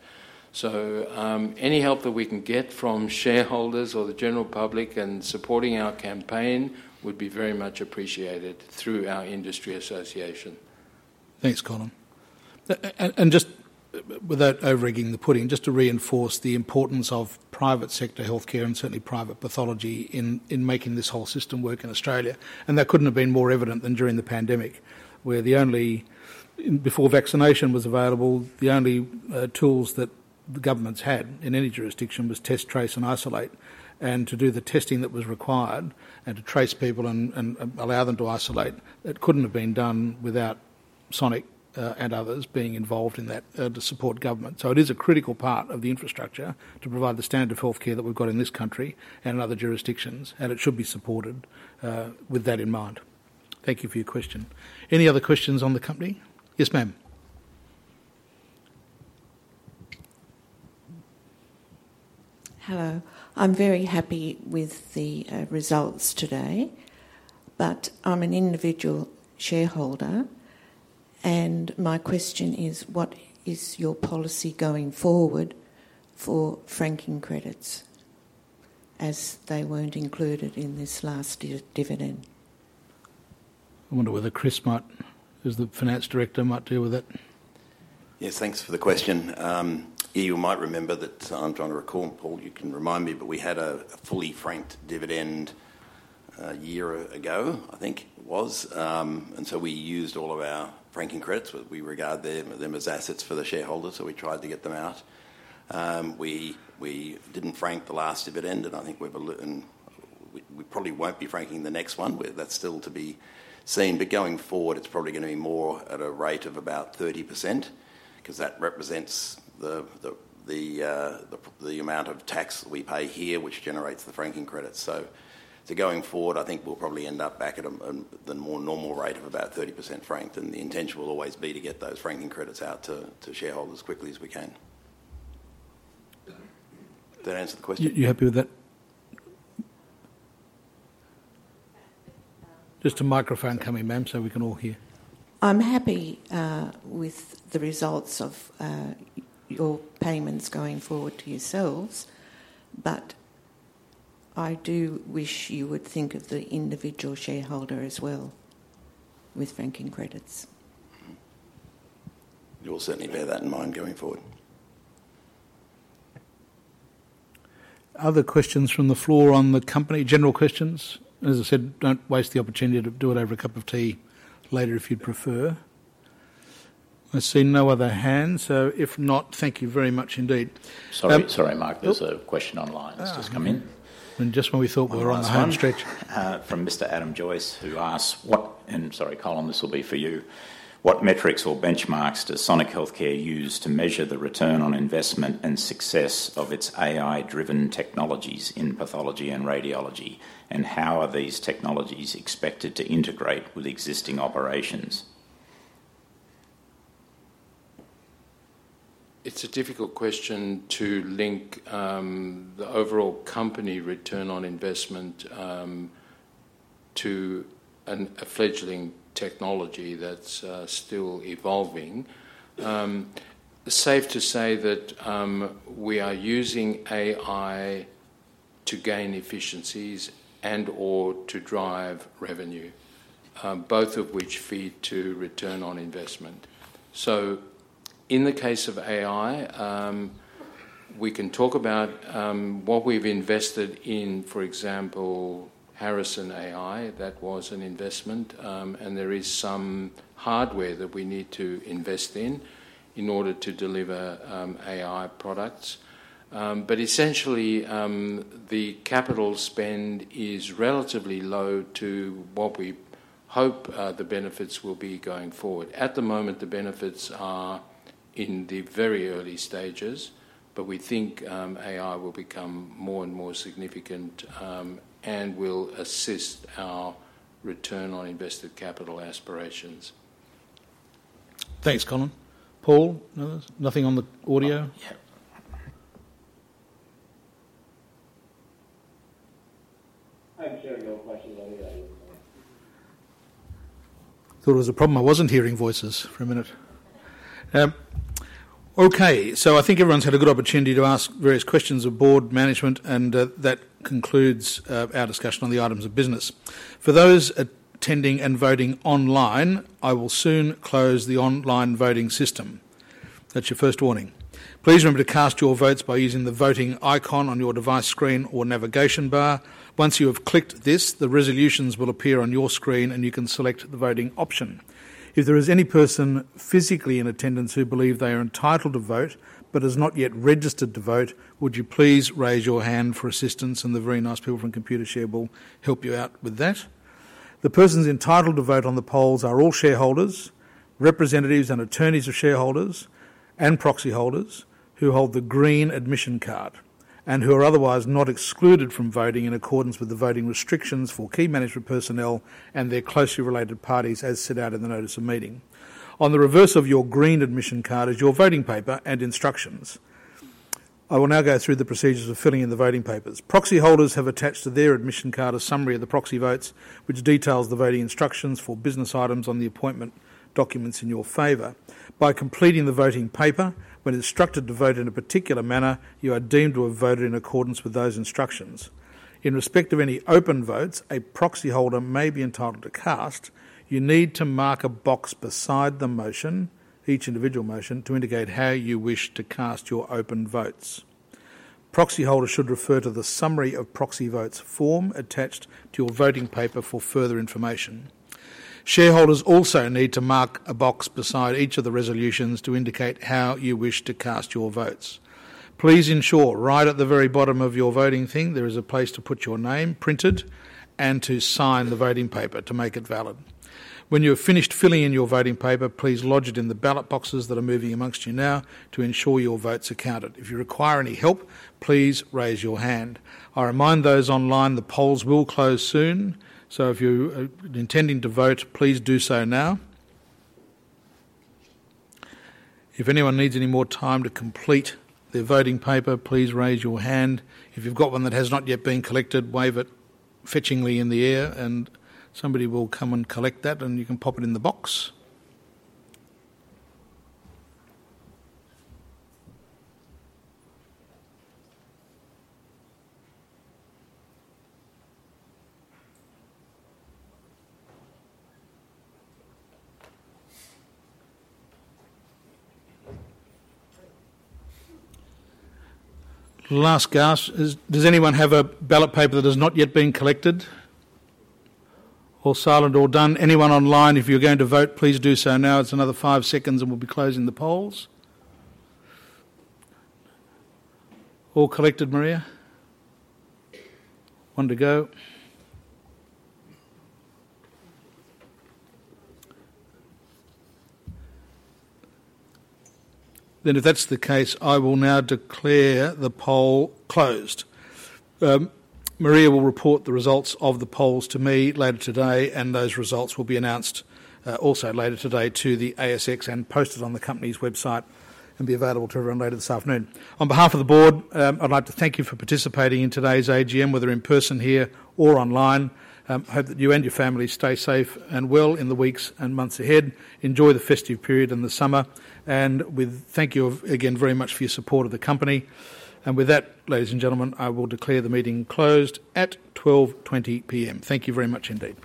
So any help that we can get from shareholders or the general public and supporting our campaign would be very much appreciated through our industry association. Thanks, Colin. Just without over-egging the pudding, just to reinforce the importance of private sector healthcare and certainly private pathology in making this whole system work in Australia. That couldn't have been more evident than during the pandemic, where the only tools, before vaccination was available, that the governments had in any jurisdiction were test, trace, and isolate. To do the testing that was required and to trace people and allow them to isolate, it couldn't have been done without Sonic and others being involved in that to support government. So it is a critical part of the infrastructure to provide the standard of healthcare that we've got in this country and in other jurisdictions, and it should be supported with that in mind. Thank you for your question. Any other questions on the company? Yes, ma'am. Hello. I'm very happy with the results today, but I'm an individual shareholder, and my question is, what is your policy going forward for franking credits as they weren't included in this last year's dividend? I wonder whether Chris might, as the Finance Director, might deal with it. Yes, thanks for the question. You might remember that I'm trying to recall, Paul, you can remind me, but we had a fully franked dividend a year ago, I think it was. And so we used all of our franking credits. We regard them as assets for the shareholders, so we tried to get them out. We didn't frank the last dividend, and I think we probably won't be franking the next one. That's still to be seen. But going forward, it's probably going to be more at a rate of about 30% because that represents the amount of tax that we pay here, which generates the franking credits. So going forward, I think we'll probably end up back at a more normal rate of about 30% franked, and the intention will always be to get those franking credits out to shareholders as quickly as we can. Did that answer the question? You happy with that? Just a microphone coming, ma'am, so we can all hear. I'm happy with the results of your payments going forward to yourselves, but I do wish you would think of the individual shareholder as well with franking credits. You will certainly bear that in mind going forward. Other questions from the floor on the company? General questions? As I said, don't waste the opportunity to do it over a cup of tea later if you'd prefer. I see no other hands. So if not, thank you very much indeed. Sorry, Mark, there's a question online. It's just come in. Just when we thought we were on the home stretch. From Mr. Adam Joyce, who asked, and sorry, Colin, this will be for you, what metrics or benchmarks does Sonic Healthcare use to measure the return on investment and success of its AI-driven technologies in pathology and radiology, and how are these technologies expected to integrate with existing operations? It's a difficult question to link the overall company return on investment to a fledgling technology that's still evolving. Safe to say that we are using AI to gain efficiencies and/or to drive revenue, both of which feed to return on investment. In the case of AI, we can talk about what we've invested in, for example, Harrison.ai, that was an investment, and there is some hardware that we need to invest in in order to deliver AI products. But essentially, the capital spend is relatively low to what we hope the benefits will be going forward. At the moment, the benefits are in the very early stages, but we think AI will become more and more significant and will assist our return on invested capital aspirations. Thanks, Colin. Paul, nothing on the audio? Yeah. I'm hearing no questions on the audio. Thought it was a problem. I wasn't hearing voices for a minute. Okay. I think everyone has had a good opportunity to ask various questions of board management, and that concludes our discussion on the items of business. For those attending and voting online, I will soon close the online voting system. That's your first warning. Please remember to cast your votes by using the voting icon on your device screen or navigation bar. Once you have clicked this, the resolutions will appear on your screen, and you can select the voting option. If there is any person physically in attendance who believes they are entitled to vote but has not yet registered to vote, would you please raise your hand for assistance, and the very nice people from Computershare will help you out with that. The persons entitled to vote on the polls are all shareholders, representatives and attorneys of shareholders, and proxy holders who hold the green admission card and who are otherwise not excluded from voting in accordance with the voting restrictions for key management personnel and their closely related parties, as set out in the notice of meeting. On the reverse of your green admission card is your voting paper and instructions. I will now go through the procedures of filling in the voting papers. Proxy holders have attached to their admission card a summary of the proxy votes, which details the voting instructions for business items on the appointment documents in your favour. By completing the voting paper, when instructed to vote in a particular manner, you are deemed to have voted in accordance with those instructions. In respect of any open votes, a proxy holder may be entitled to cast. You need to mark a box beside the motion, each individual motion, to indicate how you wish to cast your open votes. Proxy holders should refer to the summary of proxy votes form attached to your voting paper for further information. Shareholders also need to mark a box beside each of the resolutions to indicate how you wish to cast your votes. Please ensure right at the very bottom of your voting thing, there is a place to put your name printed and to sign the voting paper to make it valid. When you have finished filling in your voting paper, please lodge it in the ballot boxes that are moving amongst you now to ensure your votes are counted. If you require any help, please raise your hand. I remind those online, the polls will close soon, so if you're intending to vote, please do so now. If anyone needs any more time to complete their voting paper, please raise your hand. If you've got one that has not yet been collected, wave it fetchingly in the air, and somebody will come and collect that, and you can pop it in the box. Last call. Does anyone have a ballot paper that has not yet been collected or still not done? Anyone online, if you're going to vote, please do so now. It's another five seconds, and we'll be closing the polls. All collected, Maria? One to go. Then, if that's the case, I will now declare the poll closed. Maria will report the results of the polls to me later today, and those results will be announced also later today to the ASX and posted on the company's website and be available to everyone later this afternoon. On behalf of the board, I'd like to thank you for participating in today's AGM, whether in person here or online. I hope that you and your family stay safe and well in the weeks and months ahead. Enjoy the festive period in the summer, and we thank you again very much for your support of the company. And with that, ladies and gentlemen, I will declare the meeting closed at 12:20 P.M. Thank you very much indeed.